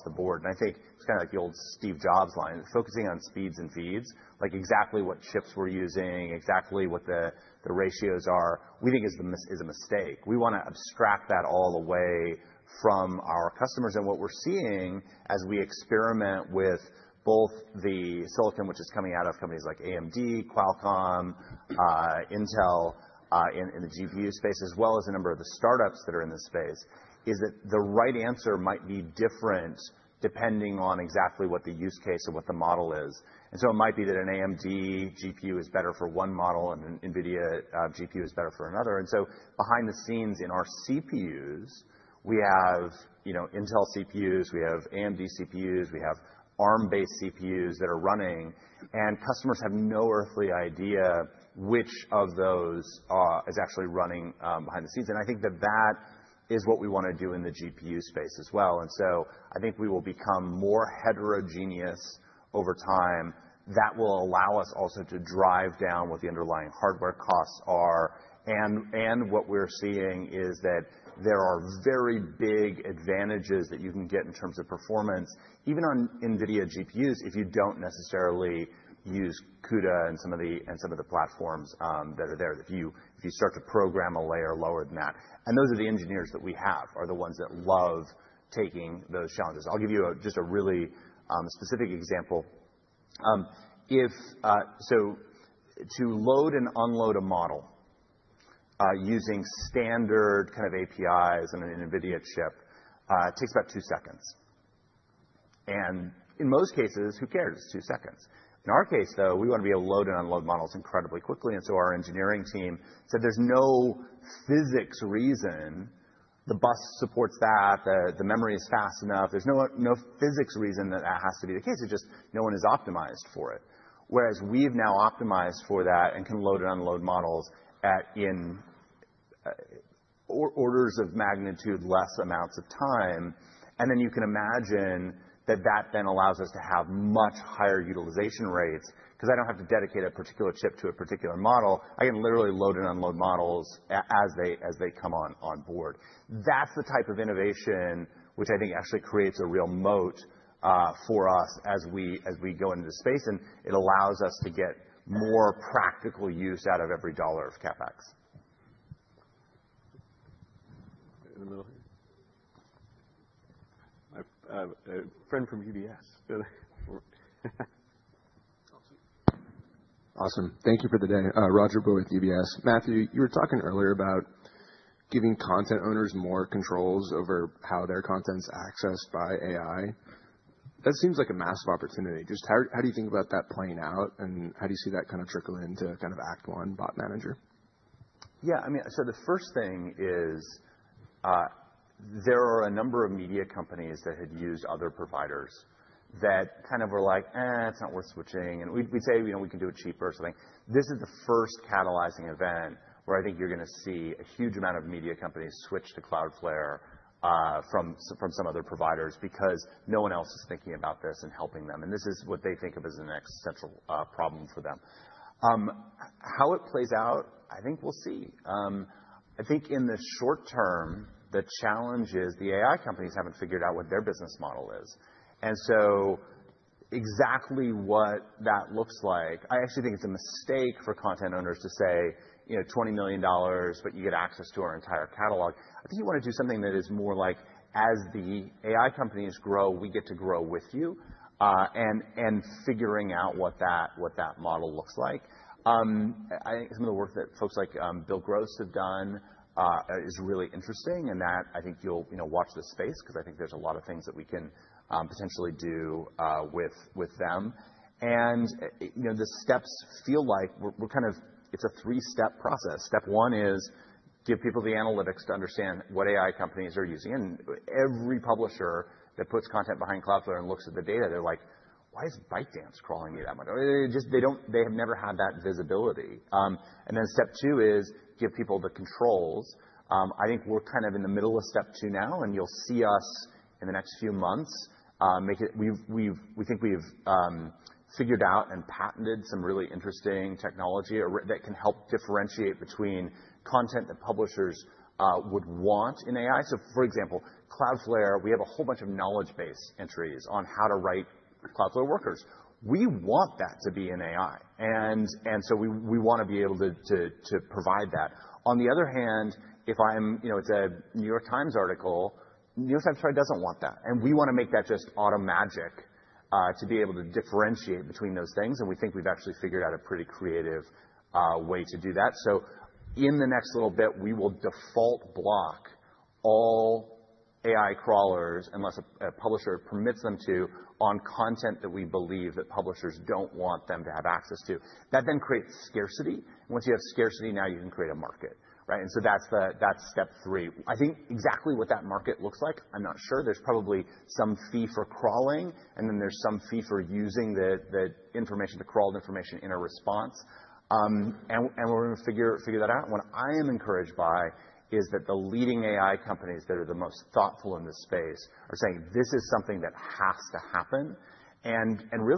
the board. I think it's kind of like the old Steve Jobs line, focusing on speeds and feeds, like exactly what chips we're using, exactly what the ratios are, we think is a mistake. We want to abstract that all away from our customers. What we're seeing as we experiment with both the silicon, which is coming out of companies like AMD, Qualcomm, Intel in the GPU space, as well as a number of the startups that are in this space, is that the right answer might be different depending on exactly what the use case and what the model is. It might be that an AMD GPU is better for one model and an NVIDIA GPU is better for another. Behind the scenes in our CPUs, we have Intel CPUs, we have AMD CPUs, we have ARM-based CPUs that are running. Customers have no earthly idea which of those is actually running behind the scenes. I think that that is what we want to do in the GPU space as well. I think we will become more heterogeneous over time. That will allow us also to drive down what the underlying hardware costs are. What we are seeing is that there are very big advantages that you can get in terms of performance, even on NVIDIA GPUs, if you do not necessarily use CUDA and some of the platforms that are there, if you start to program a layer lower than that. Those are the engineers that we have, the ones that love taking those challenges. I will give you just a really specific example. To load and unload a model using standard kind of APIs on an NVIDIA chip takes about two seconds. In most cases, who cares? It's two seconds. In our case, though, we want to be able to load and unload models incredibly quickly. Our engineering team said there's no physics reason. The bus supports that. The memory is fast enough. There's no physics reason that that has to be the case. It's just no one is optimized for it. Whereas we've now optimized for that and can load and unload models in orders of magnitude less amounts of time. You can imagine that that then allows us to have much higher utilization rates because I don't have to dedicate a particular chip to a particular model. I can literally load and unload models as they come on board. That's the type of innovation which I think actually creates a real moat for us as we go into the space. It allows us to get more practical use out of every dollar of CapEx. In the middle here? A friend from UBS. Awesome. Thank you for the day. Roger Boyd with UBS. Matthew, you were talking earlier about giving content owners more controls over how their content's accessed by AI. That seems like a massive opportunity. Just how do you think about that playing out, and how do you see that kind of trickle into kind of Act One, Bot Manager? Yeah. I mean, the first thing is there are a number of media companies that had used other providers that kind of were like, "It's not worth switching." We'd say, "We can do it cheaper or something." This is the first catalyzing event where I think you're going to see a huge amount of media companies switch to Cloudflare from some other providers because no one else is thinking about this and helping them. This is what they think of as the next central problem for them. How it plays out, I think we'll see. I think in the short term, the challenge is the AI companies haven't figured out what their business model is. Exactly what that looks like, I actually think it's a mistake for content owners to say, "$20 million, but you get access to our entire catalog." I think you want to do something that is more like, "As the AI companies grow, we get to grow with you," and figuring out what that model looks like. I think some of the work that folks like Bill Gross have done is really interesting. I think you'll watch this space because I think there's a lot of things that we can potentially do with them. The steps feel like we're kind of it's a three-step process. Step one is give people the analytics to understand what AI companies are using. Every publisher that puts content behind Cloudflare and looks at the data, they're like, "Why is ByteDance crawling you that much?" They have never had that visibility. Step two is give people the controls. I think we're kind of in the middle of step two now, and you'll see us in the next few months. We think we've figured out and patented some really interesting technology that can help differentiate between content that publishers would want in AI. For example, Cloudflare, we have a whole bunch of knowledge-based entries on how to write Cloudflare Workers. We want that to be in AI. We want to be able to provide that. On the other hand, if it's a New York Times article, New York Times probably doesn't want that. We want to make that just auto magic to be able to differentiate between those things. We think we've actually figured out a pretty creative way to do that. In the next little bit, we will default block all AI crawlers, unless a publisher permits them to, on content that we believe that publishers don't want them to have access to. That then creates scarcity. Once you have scarcity, now you can create a market, right? That's step three. I think exactly what that market looks like, I'm not sure. There's probably some fee for crawling, and then there's some fee for using the information to crawl the information in a response. We're going to figure that out. What I am encouraged by is that the leading AI companies that are the most thoughtful in this space are saying, "This is something that has to happen."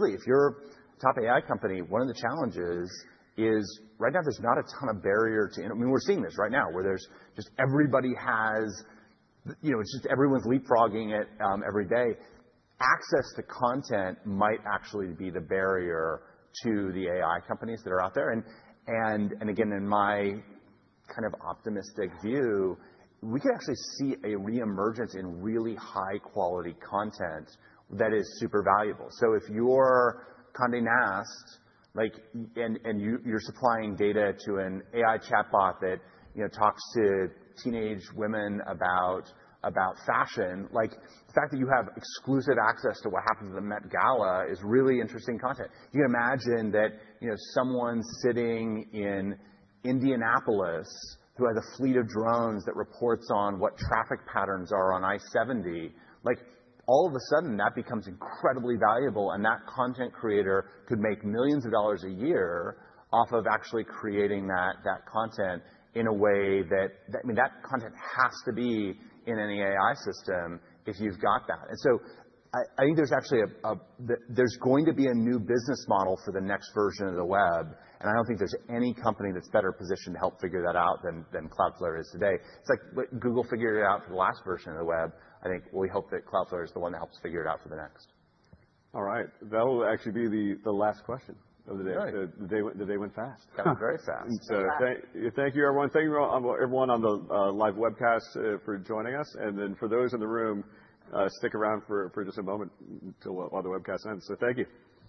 If you're a top AI company, one of the challenges is right now there's not a ton of barrier to, I mean, we're seeing this right now where just everybody has, it's just everyone's leapfrogging it every day. Access to content might actually be the barrier to the AI companies that are out there. In my kind of optimistic view, we could actually see a reemergence in really high-quality content that is super valuable. If you're Condé Nast and you're supplying data to an AI chatbot that talks to teenage women about fashion, the fact that you have exclusive access to what happens at the Met Gala is really interesting content. You can imagine that someone sitting in Indianapolis who has a fleet of drones that reports on what traffic patterns are on I-70, all of a sudden, that becomes incredibly valuable. That content creator could make millions of dollars a year off of actually creating that content in a way that, I mean, that content has to be in an AI system if you've got that. I think there's actually a, there's going to be a new business model for the next version of the web. I don't think there's any company that's better positioned to help figure that out than Cloudflare is today. It's like Google figured it out for the last version of the web. I think we hope that Cloudflare is the one that helps figure it out for the next. All right. That'll actually be the last question of the day. The day went fast. Got it. Very fast. Thank you, everyone. Thank you, everyone on the live webcast for joining us. For those in the room, stick around for just a moment while the webcast ends. Thank you.